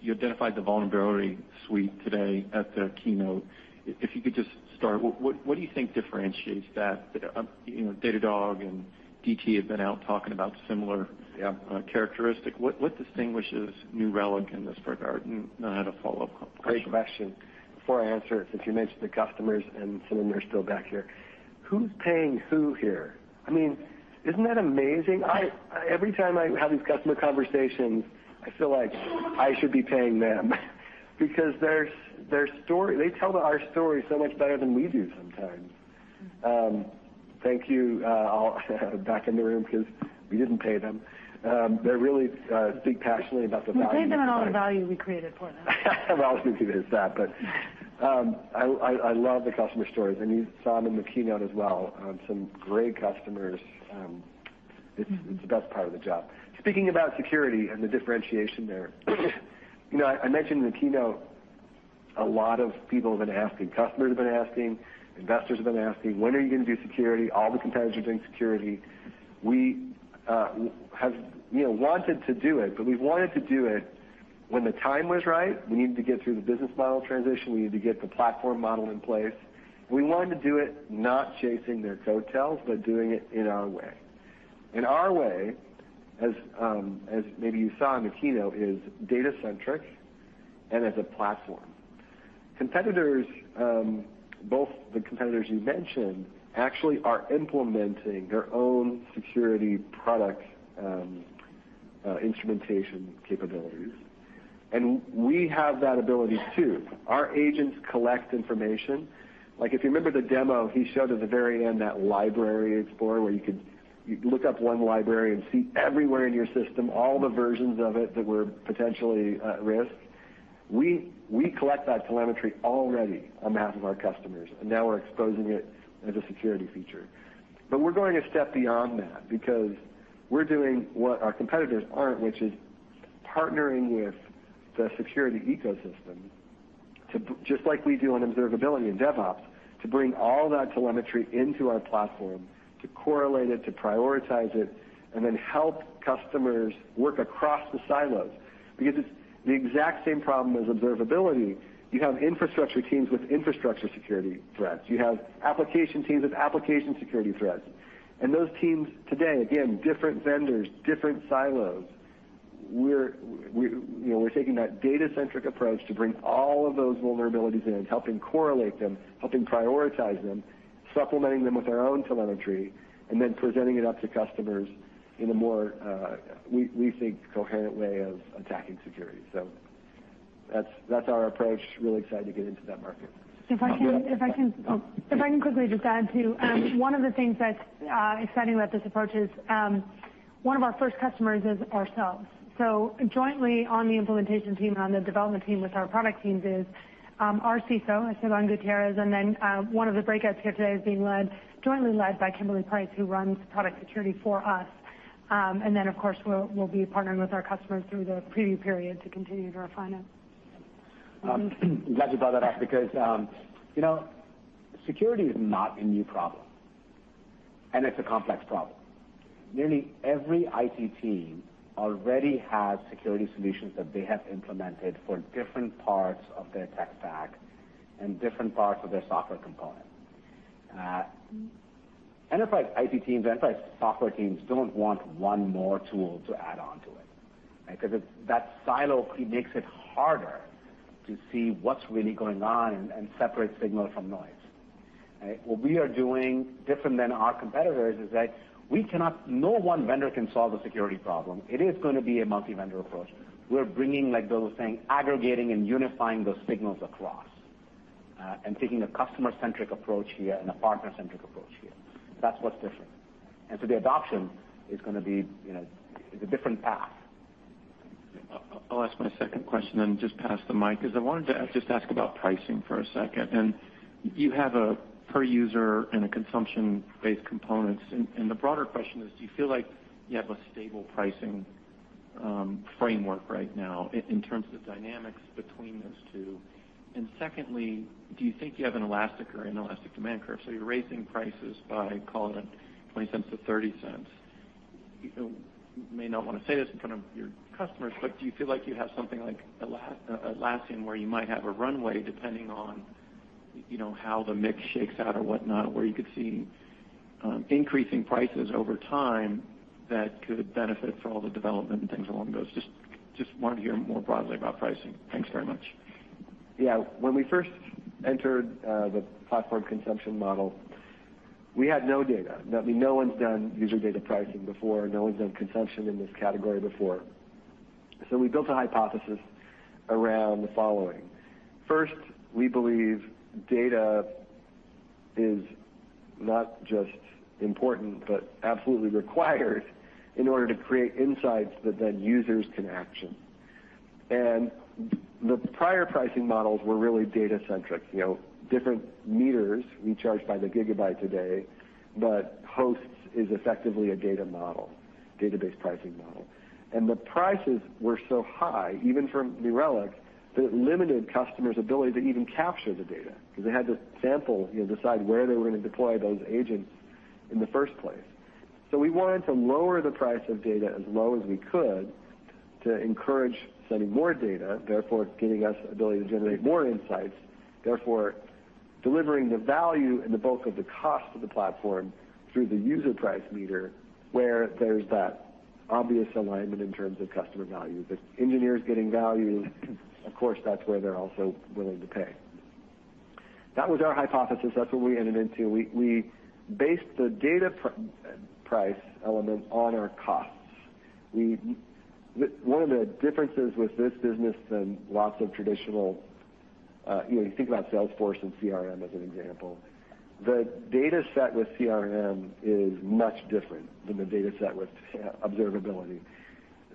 You identified the vulnerability suite today at the keynote. If you could just start, what do you think differentiates that? You know, Datadog and Dynatrace have been out talking about similar. Yeah. Characteristic. What distinguishes New Relic in this regard? I had a follow-up question. Great question. Before I answer it, since you mentioned the customers and some of them are still back here. Who's paying who here? I mean, isn't that amazing? Every time I have these customer conversations, I feel like I should be paying them because their story, they tell our story so much better than we do sometimes. Thank you all back in the room because we didn't pay them. They really speak passionately about the value. We paid them in all the value we created for them. Maybe there's that. I love the customer stories, and you saw them in the keynote as well, some great customers. It's the best part of the job. Speaking about security and the differentiation there. You know, I mentioned in the keynote a lot of people have been asking, customers have been asking, investors have been asking, "When are you going to do security? All the competitors are doing security." We have, you know, wanted to do it, but we wanted to do it when the time was right. We needed to get through the business model transition. We needed to get the platform model in place. We wanted to do it not chasing their coattails, but doing it in our way. Our way, as maybe you saw in the keynote, is data-centric and as a platform. Competitors, both the competitors you mentioned, actually are implementing their own security product, instrumentation capabilities. We have that ability, too. Our agents collect information. Like, if you remember the demo he showed at the very end, that library explorer, where you could look up one library and see everywhere in your system, all the versions of it that were potentially at risk. We collect that telemetry already on behalf of our customers, and now we're exposing it as a security feature. We're going a step beyond that because we're doing what our competitors aren't, which is partnering with the security ecosystem to, just like we do on observability and DevOps, to bring all that telemetry into our platform, to correlate it, to prioritize it, and then help customers work across the silos. Because it's the exact same problem as observability. You have infrastructure teams with infrastructure security threats. You have application teams with application security threats. Those teams today, again, different vendors, different silos. You know, we're taking that data-centric approach to bring all of those vulnerabilities in, helping correlate them, helping prioritize them, supplementing them with our own telemetry, and then presenting it up to customers in a more, we think, coherent way of attacking security. That's our approach. Really excited to get into that market. If I can. Oh. If I can quickly just add, too. One of the things that's exciting about this approach is one of our first customers is ourselves. Jointly on the implementation team, on the development team with our product teams is our CISO, Esteban Gutierrez. Then one of the breakouts here today is being led jointly by Kymberlee Price, who runs product security for us. Of course, we'll be partnering with our customers through the preview period to continue to refine it. I'm glad you brought that up because, you know, security is not a new problem, and it's a complex problem. Nearly every IT team already has security solutions that they have implemented for different parts of their tech stack and different parts of their software component. Enterprise IT teams, enterprise software teams don't want one more tool to add on to it, right? Because that silo makes it harder to see what's really going on and separate signal from noise, right? What we are doing different than our competitors is that no one vendor can solve the security problem. It is going to be a multi-vendor approach. We're bringing, like Bill was saying, aggregating and unifying those signals across, and taking a customer-centric approach here and a partner-centric approach here. That's what's different. The adoption is going to be, you know, it's a different path. I'll ask my second question and just pass the mic, because I wanted to just ask about pricing for a second. You have a per user and a consumption-based components. The broader question is, do you feel like you have a stable pricing framework right now in terms of dynamics between those two? Secondly, do you think you have an elastic demand curve? You're raising prices by, call it $0.20-$0.30. You may not want to say this in front of your customers, but do you feel like you have something like Atlassian where you might have a runway depending on how the mix shakes out or whatnot, where you could see increasing prices over time that could benefit for all the development and things along those? Just wanted to hear more broadly about pricing. Thanks very much. Yeah. When we first entered the platform consumption model, we had no data. I mean, no one's done user data pricing before. No one's done consumption in this category before. We built a hypothesis around the following. First, we believe data is not just important but absolutely required in order to create insights that then users can action. The prior pricing models were really data-centric, you know. Different metrics, we charge by the gigabyte today, but hosts is effectively a data model, database pricing model. The prices were so high, even from New Relic, that it limited customers' ability to even capture the data because they had to sample, you know, decide where they were going to deploy those agents in the first place. We wanted to lower the price of data as low as we could to encourage sending more data, therefore giving us ability to generate more insights, therefore delivering the value and the bulk of the cost of the platform through the user price meter, where there's that obvious alignment in terms of customer value. The engineers getting value, of course, that's where they're also willing to pay. That was our hypothesis. That's what we entered into. We based the data price element on our costs. One of the differences with this business than lots of traditional, you think about Salesforce and CRM as an example. The data set with CRM is much different than the data set with observability.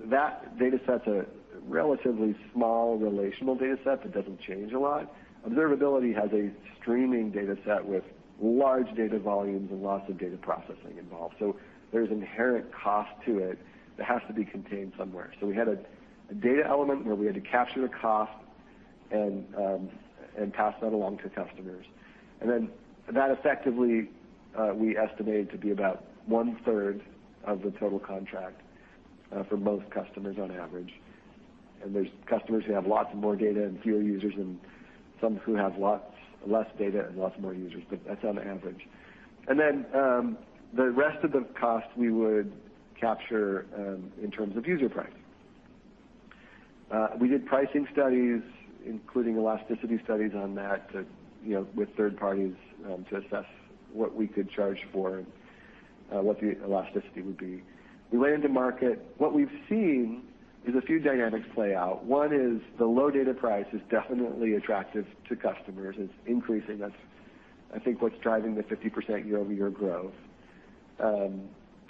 That data set's a relatively small relational data set that doesn't change a lot. Observability has a streaming data set with large data volumes and lots of data processing involved. There's inherent cost to it that has to be contained somewhere. We had a data element where we had to capture the cost and pass that along to customers. That effectively, we estimate to be about one third of the total contract for most customers on average. There's customers who have lots more data and fewer users, and some who have lots less data and lots more users, but that's on average. The rest of the cost we would capture in terms of user price. We did pricing studies, including elasticity studies on that, you know, with third parties to assess what we could charge for and what the elasticity would be. We went into market. What we've seen is a few dynamics play out. One is the low data price is definitely attractive to customers. It's increasing. That's I think what's driving the 50% year-over-year growth.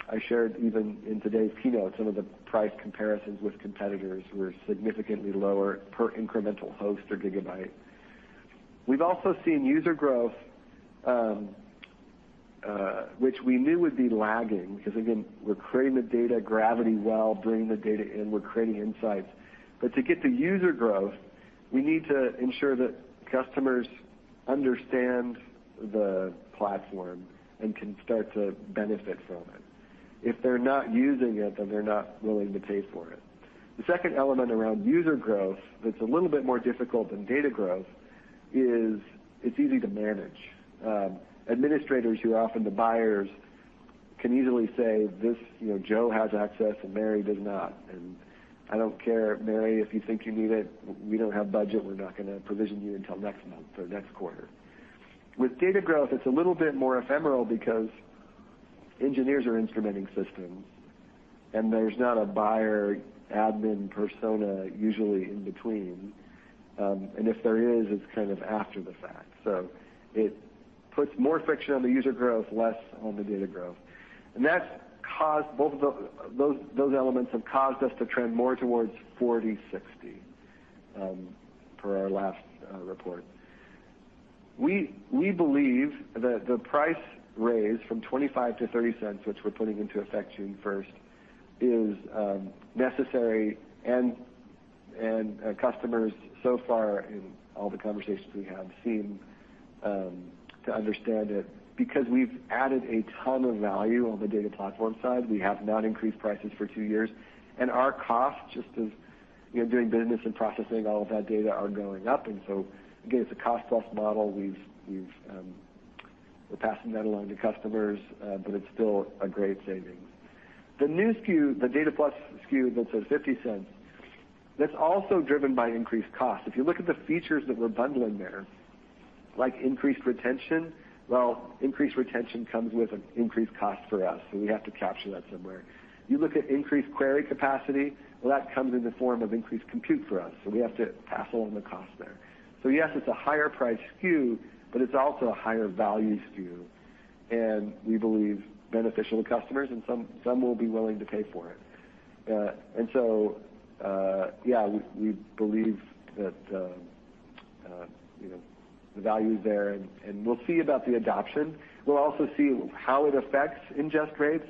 I shared even in today's keynote, some of the price comparisons with competitors were significantly lower per incremental host or gigabyte. We've also seen user growth, which we knew would be lagging because, again, we're creating the data gravity well, bringing the data in, we're creating insights. But to get to user growth, we need to ensure that customers understand the platform and can start to benefit from it. If they're not using it, then they're not willing to pay for it. The second element around user growth that's a little bit more difficult than data growth is it's easy to manage. Administrators, who are often the buyers, can easily say this, you know, "Joe has access and Mary does not." "I don't care, Mary, if you think you need it, we don't have budget. We're not gonna provision you until next month or next quarter." With data growth, it's a little bit more ephemeral because engineers are instrumenting systems, and there's not a buyer admin persona usually in between. If there is, it's kind of after the fact. It puts more friction on the user growth, less on the data growth. That's caused both of those elements have caused us to trend more towards 40/60, per our last report. We believe that the price raise from $0.25-$0.30, which we're putting into effect June 1, is necessary, and customers so far in all the conversations we have seem to understand it because we've added a ton of value on the data platform side. We have not increased prices for two years, and our costs, just as you know, doing business and processing all of that data, are going up. Again, it's a cost plus model. We're passing that along to customers, but it's still a great savings. The new SKU, the Data Plus SKU that's at $0.50, that's also driven by increased cost. If you look at the features that we're bundling there, like increased retention, well, increased retention comes with an increased cost for us, so we have to capture that somewhere. You look at increased query capacity, well, that comes in the form of increased compute for us, so we have to pass along the cost there. Yes, it's a higher priced SKU, but it's also a higher value SKU, and we believe beneficial to customers and some will be willing to pay for it. Yeah, we believe that, you know, the value is there, and we'll see about the adoption. We'll also see how it affects ingest rates.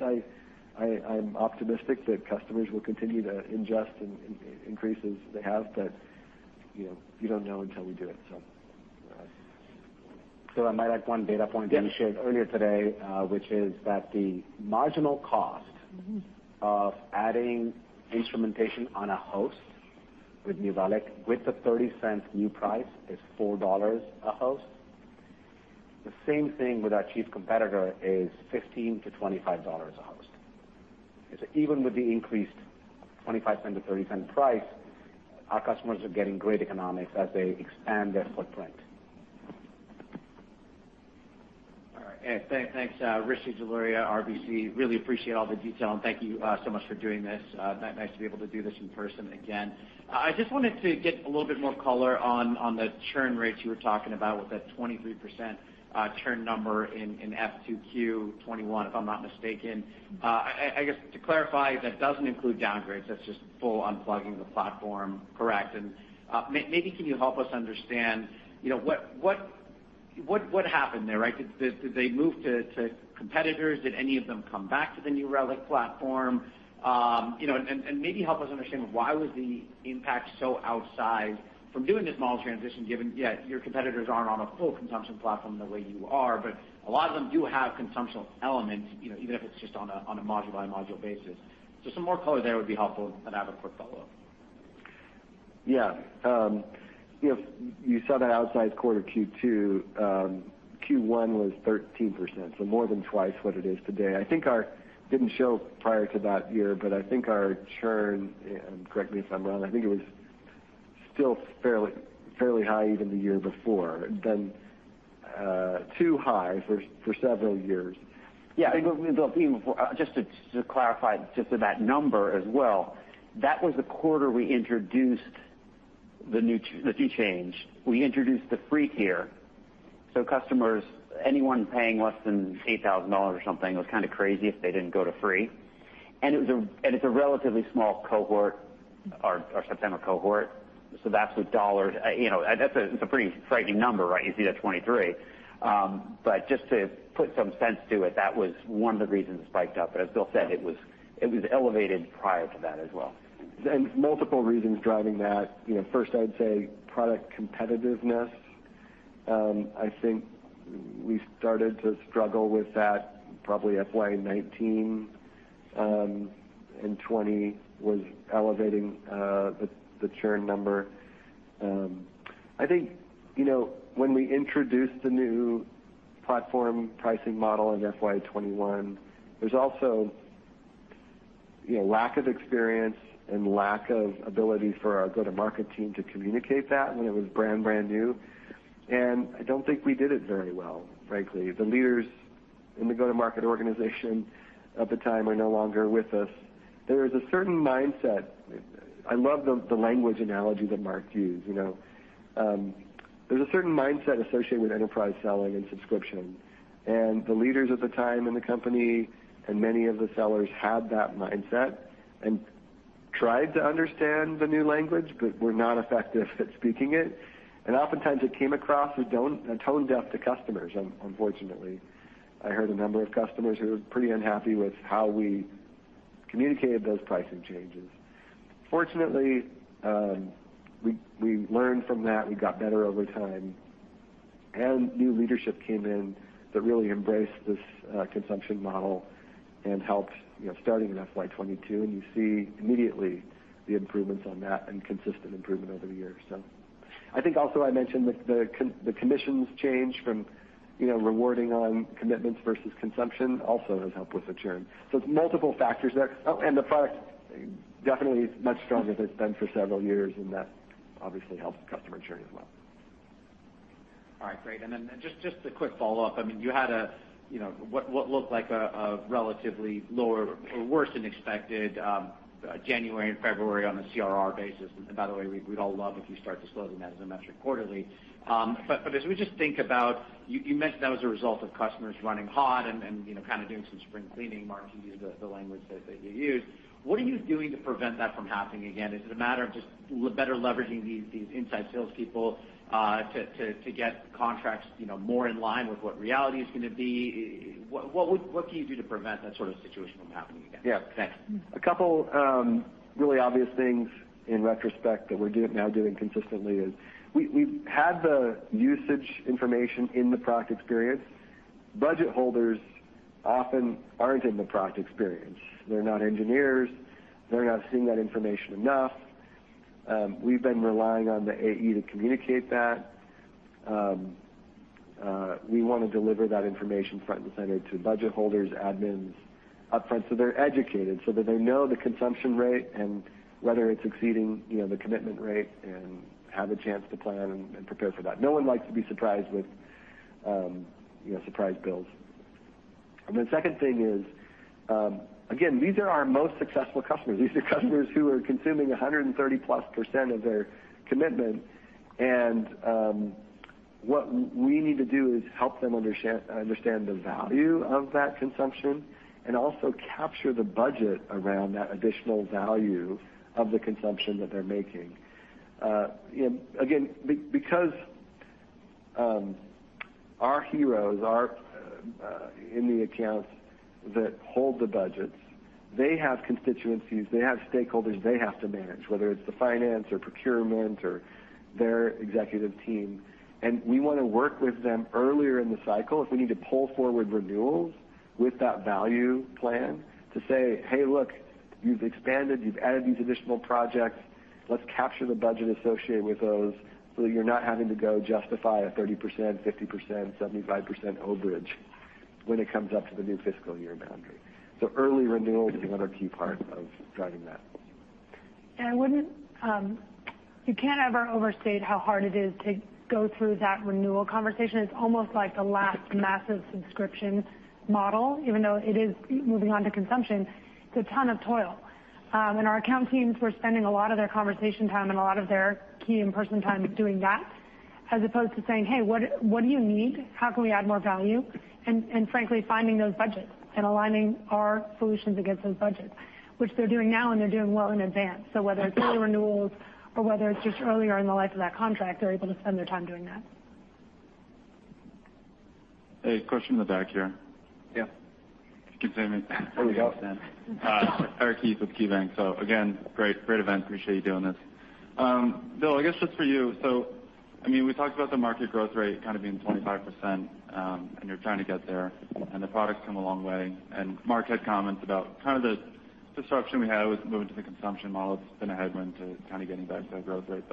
I'm optimistic that customers will continue to ingest in increases they have, but, you know, you don't know until we do it. I might add one data point that you shared earlier today, which is that the marginal cost of adding instrumentation on a host with New Relic with the $0.30 New price is $4 a host. The same thing with our chief competitor is $15-$25 a host. Even with the increased $0.25-$0.30 price, our customers are getting great economics as they expand their footprint. All right. Thanks, Rishi Jaluria, RBC. Really appreciate all the detail, and thank you so much for doing this. Nice to be able to do this in person again. I just wanted to get a little bit more color on the churn rates you were talking about with that 23% churn number in F2Q 2021, if I'm not mistaken. I guess to clarify, that doesn't include downgrades. That's just full unplugging the platform. Correct. Maybe you can help us understand, you know, what happened there, right? Did they move to competitors? Did any of them come back to the New Relic platform? You know, maybe help us understand why was the impact so outside from doing this model transition, given your competitors aren't on a full consumption platform the way you are. A lot of them do have consumption elements, you know, even if it's just on a module by module basis. Some more color there would be helpful. I have a quick follow-up. If you saw that outsized quarter Q2, Q1 was 13%, so more than twice what it is today. I think our didn't show prior to that year, but I think our churn, and correct me if I'm wrong, I think it was still fairly high even the year before, too high for several years. Bill, just to clarify just with that number as well, that was the quarter we introduced the key change. We introduced the free tier. Customers, anyone paying less than $8,000 or something, it was kind of crazy if they didn't go to free. It's a relatively small cohort, our September cohort, so that's with dollars. You know, that's a pretty frightening number, right? You see that 23%. Just to put some sense to it, that was one of the reasons it spiked up. As Bill said, it was elevated prior to that as well. Multiple reasons driving that. You know, first I'd say product competitiveness. I think we started to struggle with that probably FY 2019, and 2020 was elevating the churn number. I think, you know, when we introduced the new platform pricing model in FY 2021, there's also, you know, lack of experience and lack of ability for our go-to-market team to communicate that when it was brand new. I don't think we did it very well, frankly. The leaders in the go-to-market organization at the time are no longer with us. There is a certain mindset. I love the language analogy that Mark used, you know. There's a certain mindset associated with enterprise selling and subscription. The leaders at the time in the company and many of the sellers had that mindset and tried to understand the new language, but were not effective at speaking it. Oftentimes it came across as tone deaf to customers, unfortunately. I heard a number of customers who were pretty unhappy with how we communicated those pricing changes. Fortunately, we learned from that. We got better over time, and new leadership came in that really embraced this, consumption model and helped, starting in FY 2022, and you see immediately the improvements on that and consistent improvement over the years. I think also I mentioned the conditions change from rewarding on commitments versus consumption also has helped with the churn. It's multiple factors there. Oh, the product definitely is much stronger than it's been for several years, and that obviously helps customer churn as well. All right, great. Just a quick follow-up. I mean, you had a, you know, what looked like a relatively lower or worse than expected January and February on a CRR basis. By the way, we'd all love if you start disclosing that as a metric quarterly. As we just think about, you mentioned that was a result of customers running hot and, you know, kind of doing some spring cleaning. Mark, you used the language that you used. What are you doing to prevent that from happening again? Is it a matter of just better leveraging these inside salespeople to get contracts, you know, more in line with what reality is gonna be? What can you do to prevent that sort of situation from happening again? Yeah. Thanks. A couple really obvious things in retrospect that we're now doing consistently is we've had the usage information in the product experience. Budget holders often aren't in the product experience. They're not engineers. They're not seeing that information enough. We've been relying on the AE to communicate that. We wanna deliver that information front and center to budget holders, admins upfront, so they're educated, so that they know the consumption rate and whether it's exceeding, you know, the commitment rate and have a chance to plan and prepare for that. No one likes to be surprised with, you know, surprise bills. The second thing is, again, these are our most successful customers. These are customers who are consuming 130%+ of their commitment. What we need to do is help them understand the value of that consumption and also capture the budget around that additional value of the consumption that they're making. You know, again, because our heroes are in the accounts that hold the budgets. They have constituencies, they have stakeholders they have to manage, whether it's the finance or procurement or their executive team. We wanna work with them earlier in the cycle if we need to pull forward renewals with that value plan to say, "Hey, look, you've expanded, you've added these additional projects. Let's capture the budget associated with those so you're not having to go justify a 30%, 50%, 75% overage when it comes up to the new fiscal year boundary." Early renewal is another key part of driving that. You can't ever overstate how hard it is to go through that renewal conversation. It's almost like the last massive subscription model, even though it is moving on to consumption. It's a ton of toil. Our account teams were spending a lot of their conversation time and a lot of their key in-person time doing that, as opposed to saying, "Hey, what do you need? How can we add more value?" Frankly, finding those budgets and aligning our solutions against those budgets, which they're doing now, and they're doing well in advance. Whether it's early renewals or whether it's just earlier in the life of that contract, they're able to spend their time doing that. A question in the back here. Yeah. If you can see me? There we go. Eric Heath with KeyBank. Again, great event. Appreciate you doing this. Bill, I guess just for you. I mean, we talked about the market growth rate kind of being 25%, and you're trying to get there, and the product's come a long way. Mark had comments about kind of the disruption we had with moving to the consumption model. It's been a headwind to kind of getting back to that growth rate.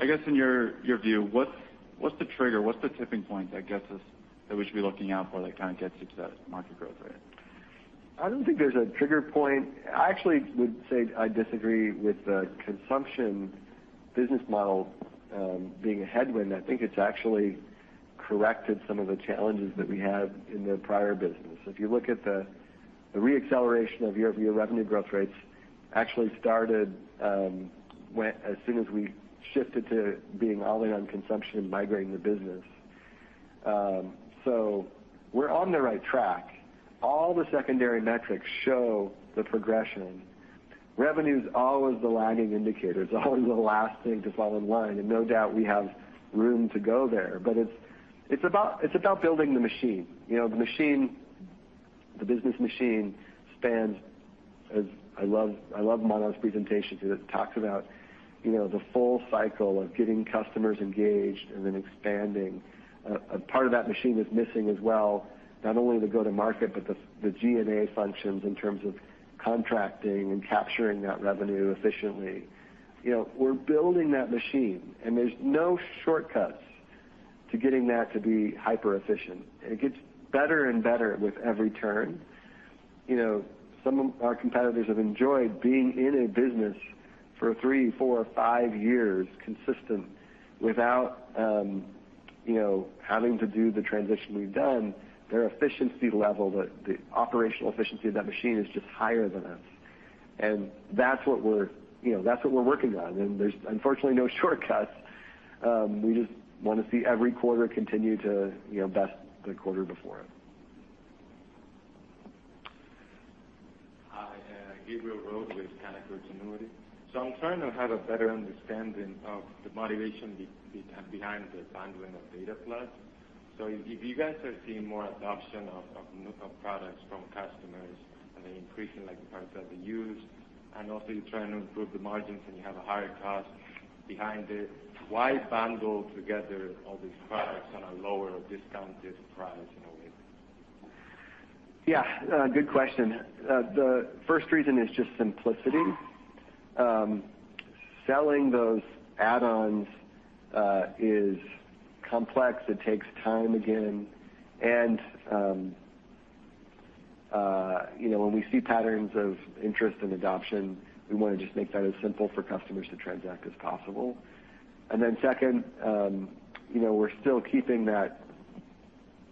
I guess in your view, what's the trigger? What's the tipping point that gets us that we should be looking out for that kind of gets you to that market growth rate? I don't think there's a trigger point. I actually would say I disagree with the consumption business model being a headwind. I think it's actually corrected some of the challenges that we had in the prior business. If you look at the re-acceleration of year-over-year revenue growth rates actually started as soon as we shifted to being all in on consumption and migrating the business. So we're on the right track. All the secondary metrics show the progression. Revenue's always the lagging indicator. It's always the last thing to fall in line, and no doubt we have room to go there. It's about building the machine. You know, the machine, the business machine spans as I love Manav's presentation because it talks about, you know, the full cycle of getting customers engaged and then expanding. A part of that machine is missing as well, not only the go-to-market, but the G&A functions in terms of contracting and capturing that revenue efficiently. You know, we're building that machine, and there's no shortcuts to getting that to be hyper-efficient. It gets better and better with every turn. You know, some of our competitors have enjoyed being in a business for three, four, five years consistent without having to do the transition we've done. Their efficiency level, the operational efficiency of that machine is just higher than us. That's what we're working on. There's unfortunately no shortcuts. We just wanna see every quarter continue to best the quarter before it. Hi, Gabriel Roade with Canaccord Genuity. I'm trying to have a better understanding of the motivation behind the bundling of Data Plus. If you guys are seeing more adoption of new products from customers and the increase in like the products that they use, and also you're trying to improve the margins and you have a higher cost behind it, why bundle together all these products on a lower discounted price in a way? Yeah, good question. The first reason is just simplicity. Selling those add-ons is complex. It takes time again. You know, when we see patterns of interest and adoption, we wanna just make that as simple for customers to transact as possible. Second, you know, we're still keeping that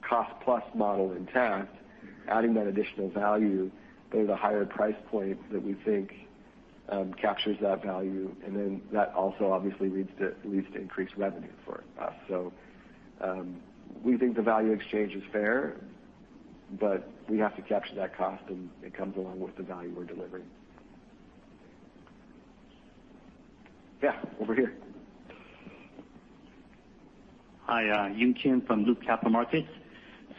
cost plus model intact, adding that additional value but at a higher price point that we think captures that value, and then that also obviously leads to increased revenue for us. We think the value exchange is fair, but we have to capture that cost and it comes along with the value we're delivering. Yeah, over here. Hi, Yun Kim from Loop Capital Markets.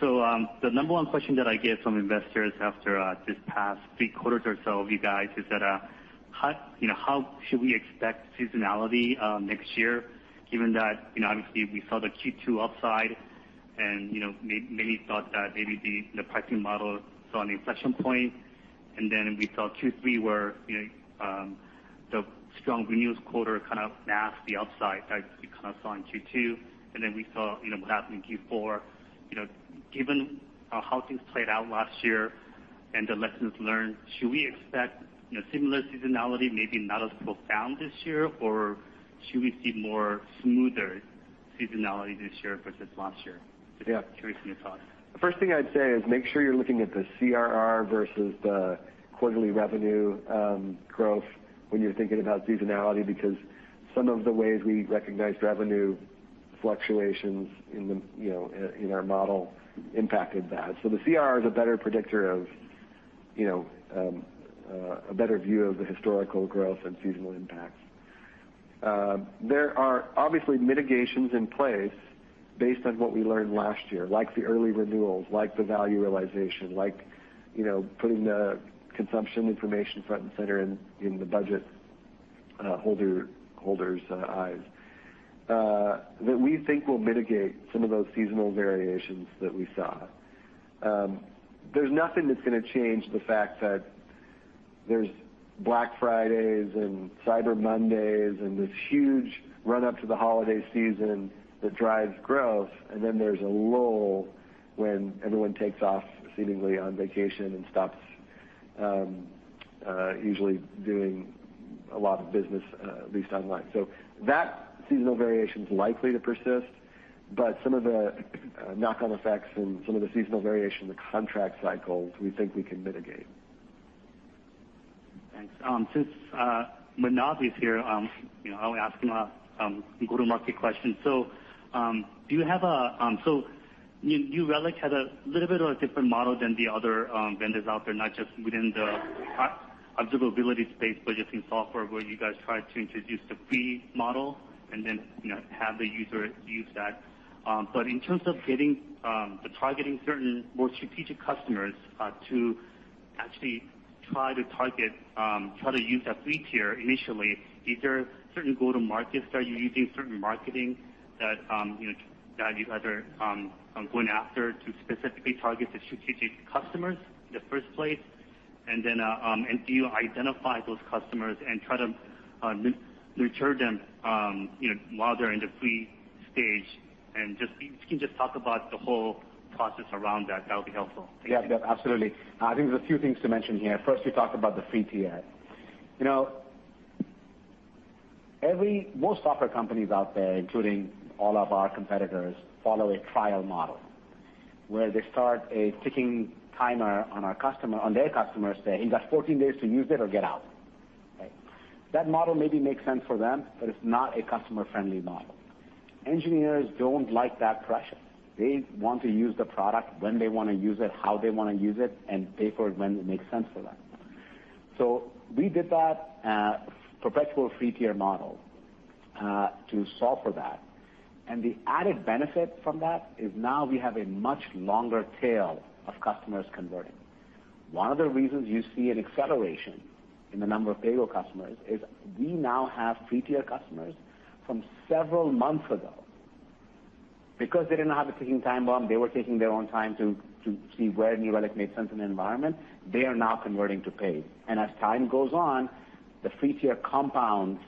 The number one question that I get from investors after this past three quarters or so of you guys is that, you know, how should we expect seasonality next year given that, you know, obviously we saw the Q2 upside and, you know, many thought that maybe the pricing model saw an inflection point. We saw Q3 where, you know, the strong renewals quarter kind of masked the upside that we kind of saw in Q2. We saw, you know, what happened in Q4. You know, given how things played out last year and the lessons learned, should we expect, you know, similar seasonality, maybe not as profound this year? Or should we see more smoother seasonality this year versus last year? Yeah. Just curious on your thoughts. The first thing I'd say is make sure you're looking at the CRR versus the quarterly revenue growth when you're thinking about seasonality, because some of the ways we recognized revenue fluctuations in the, you know, in our model impacted that. The CRR is a better predictor of, you know, a better view of the historical growth and seasonal impacts. There are obviously mitigations in place based on what we learned last year, like the early renewals, like the value realization, like, you know, putting the consumption information front and center in the budget holder's eyes that we think will mitigate some of those seasonal variations that we saw. There's nothing that's gonna change the fact that there's Black Fridays and Cyber Mondays and this huge run-up to the holiday season that drives growth. There's a lull when everyone takes off seemingly on vacation and stops usually doing a lot of business at least online. That seasonal variation is likely to persist, but some of the knock-on effects and some of the seasonal variation, the contract cycles, we think we can mitigate. Thanks. Since Manav is here, you know, I'll ask him a go-to-market question. New Relic had a little bit of a different model than the other vendors out there, not just within the observability space, but just in software where you guys tried to introduce the free model and then, you know, have the user use that. In terms of getting or targeting certain more strategic customers, to Actually, try to use that free tier initially. Is there certain go-to-markets that you're using, certain marketing that, you know, that you either are going after to specifically target the strategic customers in the first place? Then, do you identify those customers and try to nurture them, you know, while they're in the free stage? Just if you can just talk about the whole process around that would be helpful. Thank you. Yeah, yeah, absolutely. I think there's a few things to mention here. First, you talked about the free tier. You know, most software companies out there, including all of our competitors, follow a trial model, where they start a ticking timer on their customers, saying, "You've got 14 days to use it or get out." Right? That model maybe makes sense for them, but it's not a customer-friendly model. Engineers don't like that pressure. They want to use the product when they wanna use it, how they wanna use it, and pay for it when it makes sense for them. We did that, perpetual free tier model, to solve for that. The added benefit from that is now we have a much longer tail of customers converting. One of the reasons you see an acceleration in the number of paid customers is we now have free tier customers from several months ago. Because they didn't have a ticking time bomb, they were taking their own time to see where New Relic made sense in the environment, they are now converting to paid. As time goes on, the free tier compounds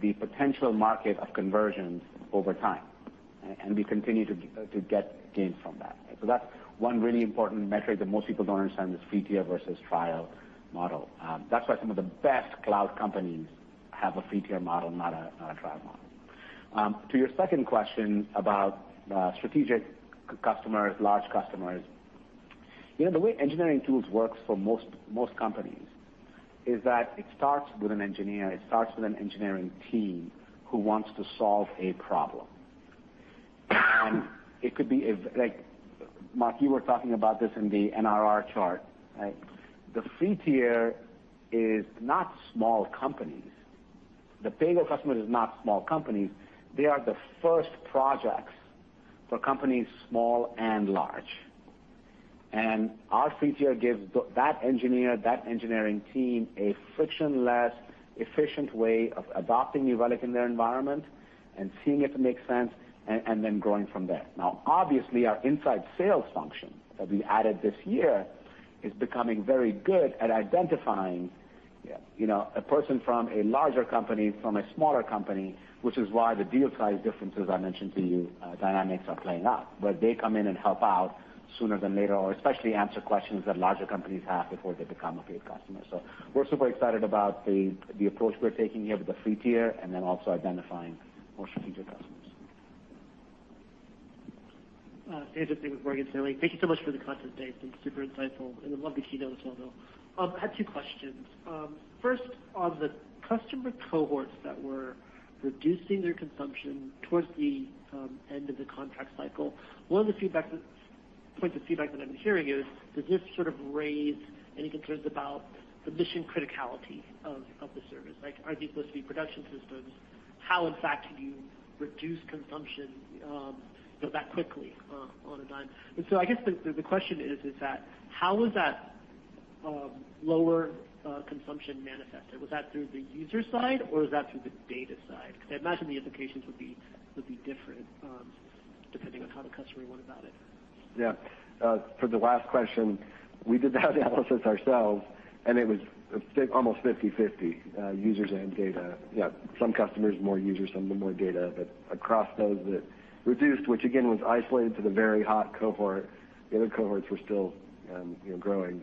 the potential market of conversions over time, and we continue to get gains from that. That's one really important metric that most people don't understand is free tier versus trial model. That's why some of the best cloud companies have a free tier model, not a trial model. To your second question about strategic customers, large customers. You know, the way engineering tools work for most companies is that it starts with an engineer, it starts with an engineering team who wants to solve a problem. It could be like, Mark, you were talking about this in the NRR chart, right? The free tier is not small companies. The paid customer is not small companies. They are the first projects for companies small and large. Our free tier gives that engineer, that engineering team, a frictionless, efficient way of adopting New Relic in their environment and seeing if it makes sense and then growing from there. Now, obviously, our inside sales function that we added this year is becoming very good at identifying, you know, a person from a larger company, from a smaller company, which is why the deal size differences I mentioned to you, dynamics are playing out. They come in and help out sooner than later or especially answer questions that larger companies have before they become a paid customer. We're super excited about the approach we're taking here with the free tier and then also identifying more strategic customers. Sanjit Singh with Morgan Stanley. Thank you so much for the content, Bill. It's been super insightful and a lovely keynote as well, though. I had two questions. First, on the customer cohorts that were reducing their consumption towards the end of the contract cycle, one of the points of feedback that I'm hearing is, does this sort of raise any concerns about the mission criticality of the service? Like, are these supposed to be production systems? How, in fact, do you reduce consumption, you know, that quickly, on a dime? I guess the question is, how is that lower consumption manifested? Was that through the user side or was that through the data side? 'Cause I imagine the implications would be different, depending on how the customer went about it. Yeah. For the last question, we did the analysis ourselves, and it was almost 50/50, users and data. Yeah, some customers, more users, some of them more data. Across those that reduced, which again was isolated to the very hot cohort, the other cohorts were still, you know, growing,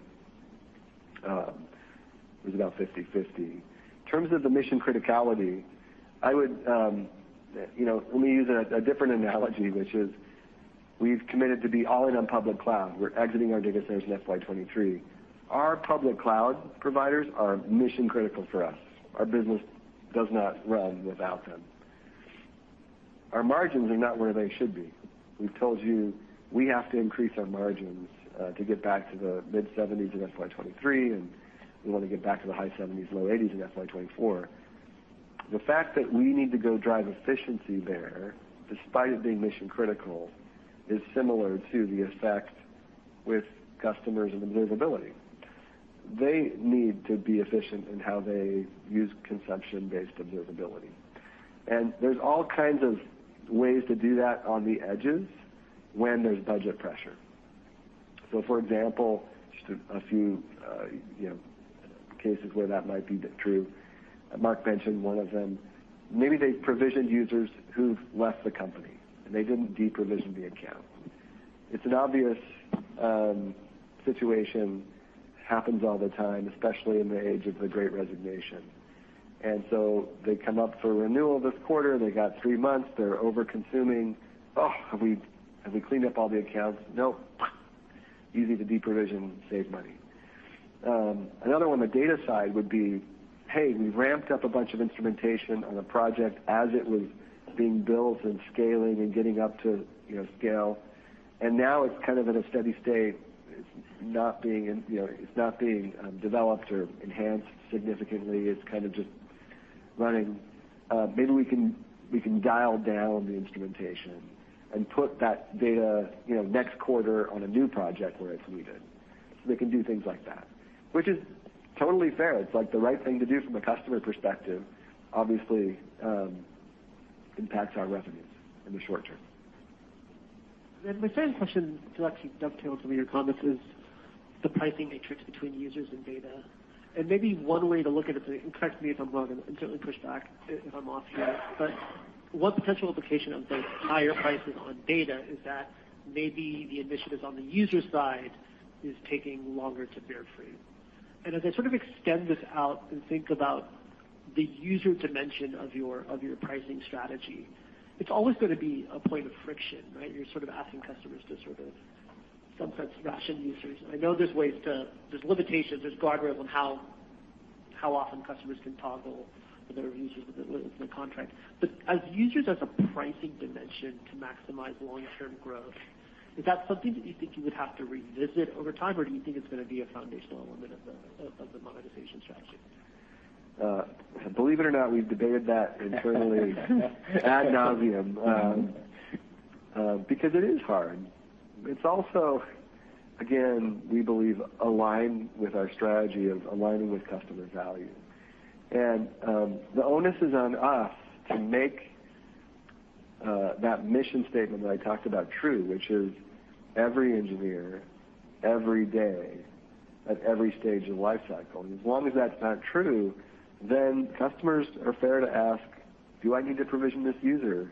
it was about 50/50. In terms of the mission criticality, I would, you know, let me use a different analogy, which is we've committed to be all in on public cloud. We're exiting our data centers in FY 2023. Our public cloud providers are mission-critical for us. Our business does not run without them. Our margins are not where they should be. We've told you we have to increase our margins to get back to the mid-70s in FY 2023, and we wanna get back to the high 70s, low 80s in FY 2024. The fact that we need to go drive efficiency there, despite it being mission-critical, is similar to the effect with customers and observability. They need to be efficient in how they use consumption-based observability. There's all kinds of ways to do that on the edges when there's budget pressure. For example, you know, cases where that might be true, Mark mentioned one of them. Maybe they provisioned users who've left the company, and they didn't deprovision the account. It's an obvious situation, happens all the time, especially in the age of the Great Resignation. They come up for renewal this quarter, they got three months, they're overconsuming. Oh, have we cleaned up all the accounts? Nope. Easy to deprovision, save money. Another one on the data side would be, hey, we ramped up a bunch of instrumentation on a project as it was being built and scaling and getting up to, you know, scale, and now it's kind of at a steady state. It's not being developed or enhanced significantly. It's kind of just running, maybe we can dial down the instrumentation and put that data, you know, next quarter on a new project where it's needed. So they can do things like that, which is totally fair. It's, like, the right thing to do from a customer perspective. Obviously, impacts our revenues in the short term. My second question to actually dovetail from your comments is the pricing matrix between users and data. Maybe one way to look at it, and correct me if I'm wrong, and certainly push back if I'm off here, but one potential implication of those higher prices on data is that maybe the initiatives on the user side is taking longer to bear fruit. As I sort of extend this out and think about the user dimension of your pricing strategy, it's always gonna be a point of friction, right? You're sort of asking customers to sort of, in some sense, ration users. I know there's limitations, there's guardrails on how often customers can toggle their users with the contract. Usage as a pricing dimension to maximize long-term growth, is that something that you think you would have to revisit over time, or do you think it's gonna be a foundational element of the monetization strategy? Believe it or not, we've debated that internally ad nauseam, because it is hard. It's also, again, we believe aligns with our strategy of aligning with customer value. The onus is on us to make that mission statement that I talked about true, which is every engineer, every day, at every stage of lifecycle. As long as that's not true, then customers are fair to ask, "Do I need to provision this user?"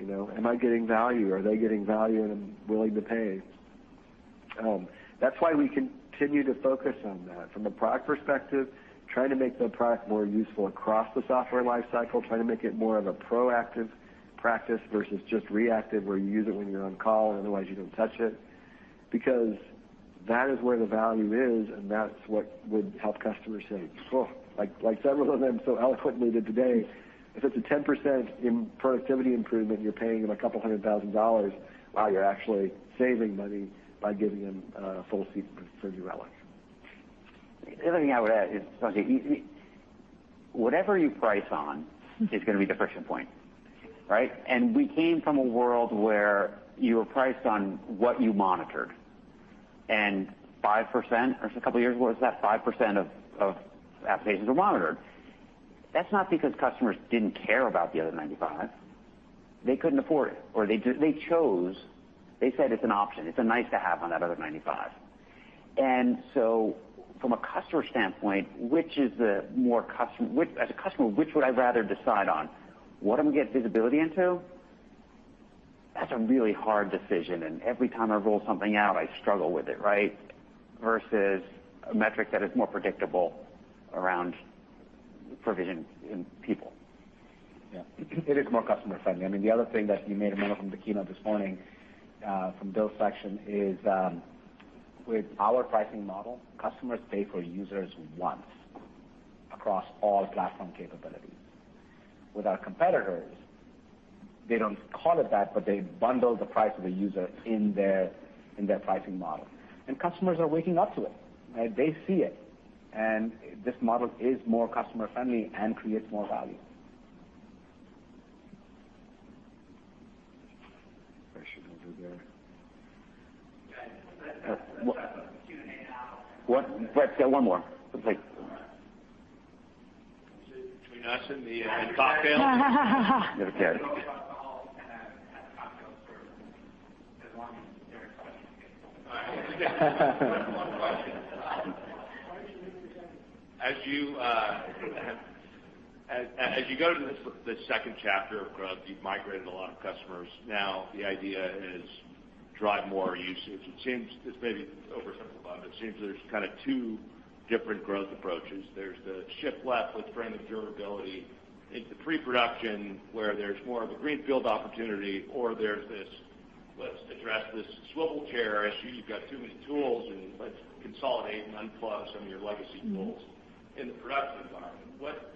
You know, "Am I getting value? Are they getting value, and I'm willing to pay?" That's why we continue to focus on that. From a product perspective, trying to make the product more useful across the software lifecycle, trying to make it more of a proactive practice versus just reactive, where you use it when you're on call, otherwise you don't touch it. Because that is where the value is, and that's what would help customers say, "Oh," like several of them so eloquently did today. If it's a 10% in productivity improvement, you're paying them $200,000, while you're actually saving money by giving them a full suite of New Relic. The other thing I would add is, uncertain, whatever you price on is gonna be the friction point, right? We came from a world where you were priced on what you monitored, 5% or a couple of years ago, was that 5% of applications were monitored. That's not because customers didn't care about the other 95%. They couldn't afford it, or they chose. They said it's an option. It's a nice to have on that other 95%. From a customer standpoint, as a customer, which would I rather decide on? What I'm getting visibility into? That's a really hard decision, and every time I roll something out, I struggle with it, right? Versus a metric that is more predictable around provisioning people. Yeah. It is more customer-friendly. I mean, the other thing that you made a mention from the keynote this morning from Bill's section is, with our pricing model, customers pay for users once across all platform capabilities. With our competitors, they don't call it that, but they bundle the price of a user in their, in their pricing model. Customers are waking up to it, right? They see it, and this model is more customer-friendly and creates more value. Question over there. Guys, let's Q&A now. What? Let's get one more, please. All right. Between us and the cocktail. Okay. No alcohol and then have cocktails served. As long as there are questions. One question. As you go to the second chapter of growth, you've migrated a lot of customers. Now, the idea is drive more usage. It seems, this may be oversimplifying, but it seems there's kind of two different growth approaches. There's the shift left with bringing durability into pre-production, where there's more of a greenfield opportunity, or there's this, let's address this swivel chair issue. You've got too many tools, and let's consolidate and unplug some of your legacy tools in the production environment. What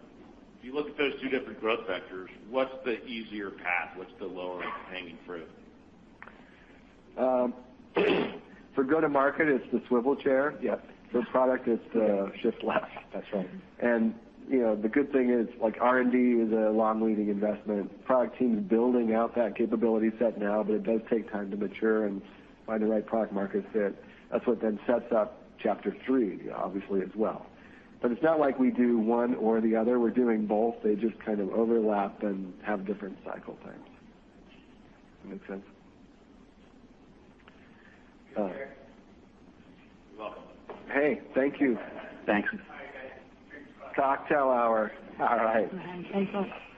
if you look at those two different growth vectors, what's the easier path? What's the low-hanging fruit? For go-to-market, it's the swivel chair. Yep. For product, it's the shift left. That's right. You know, the good thing is, like, R&D is a long-leading investment. Product team is building out that capability set now, but it does take time to mature and find the right product-market fit. That's what then sets up chapter three, obviously, as well. But it's not like we do one or the other. We're doing both. They just kind of overlap and have different cycle times. Make sense? You're clear. You're welcome. Hey, thank you. Thanks. All right, guys. Cocktail hour. All right. Thanks all.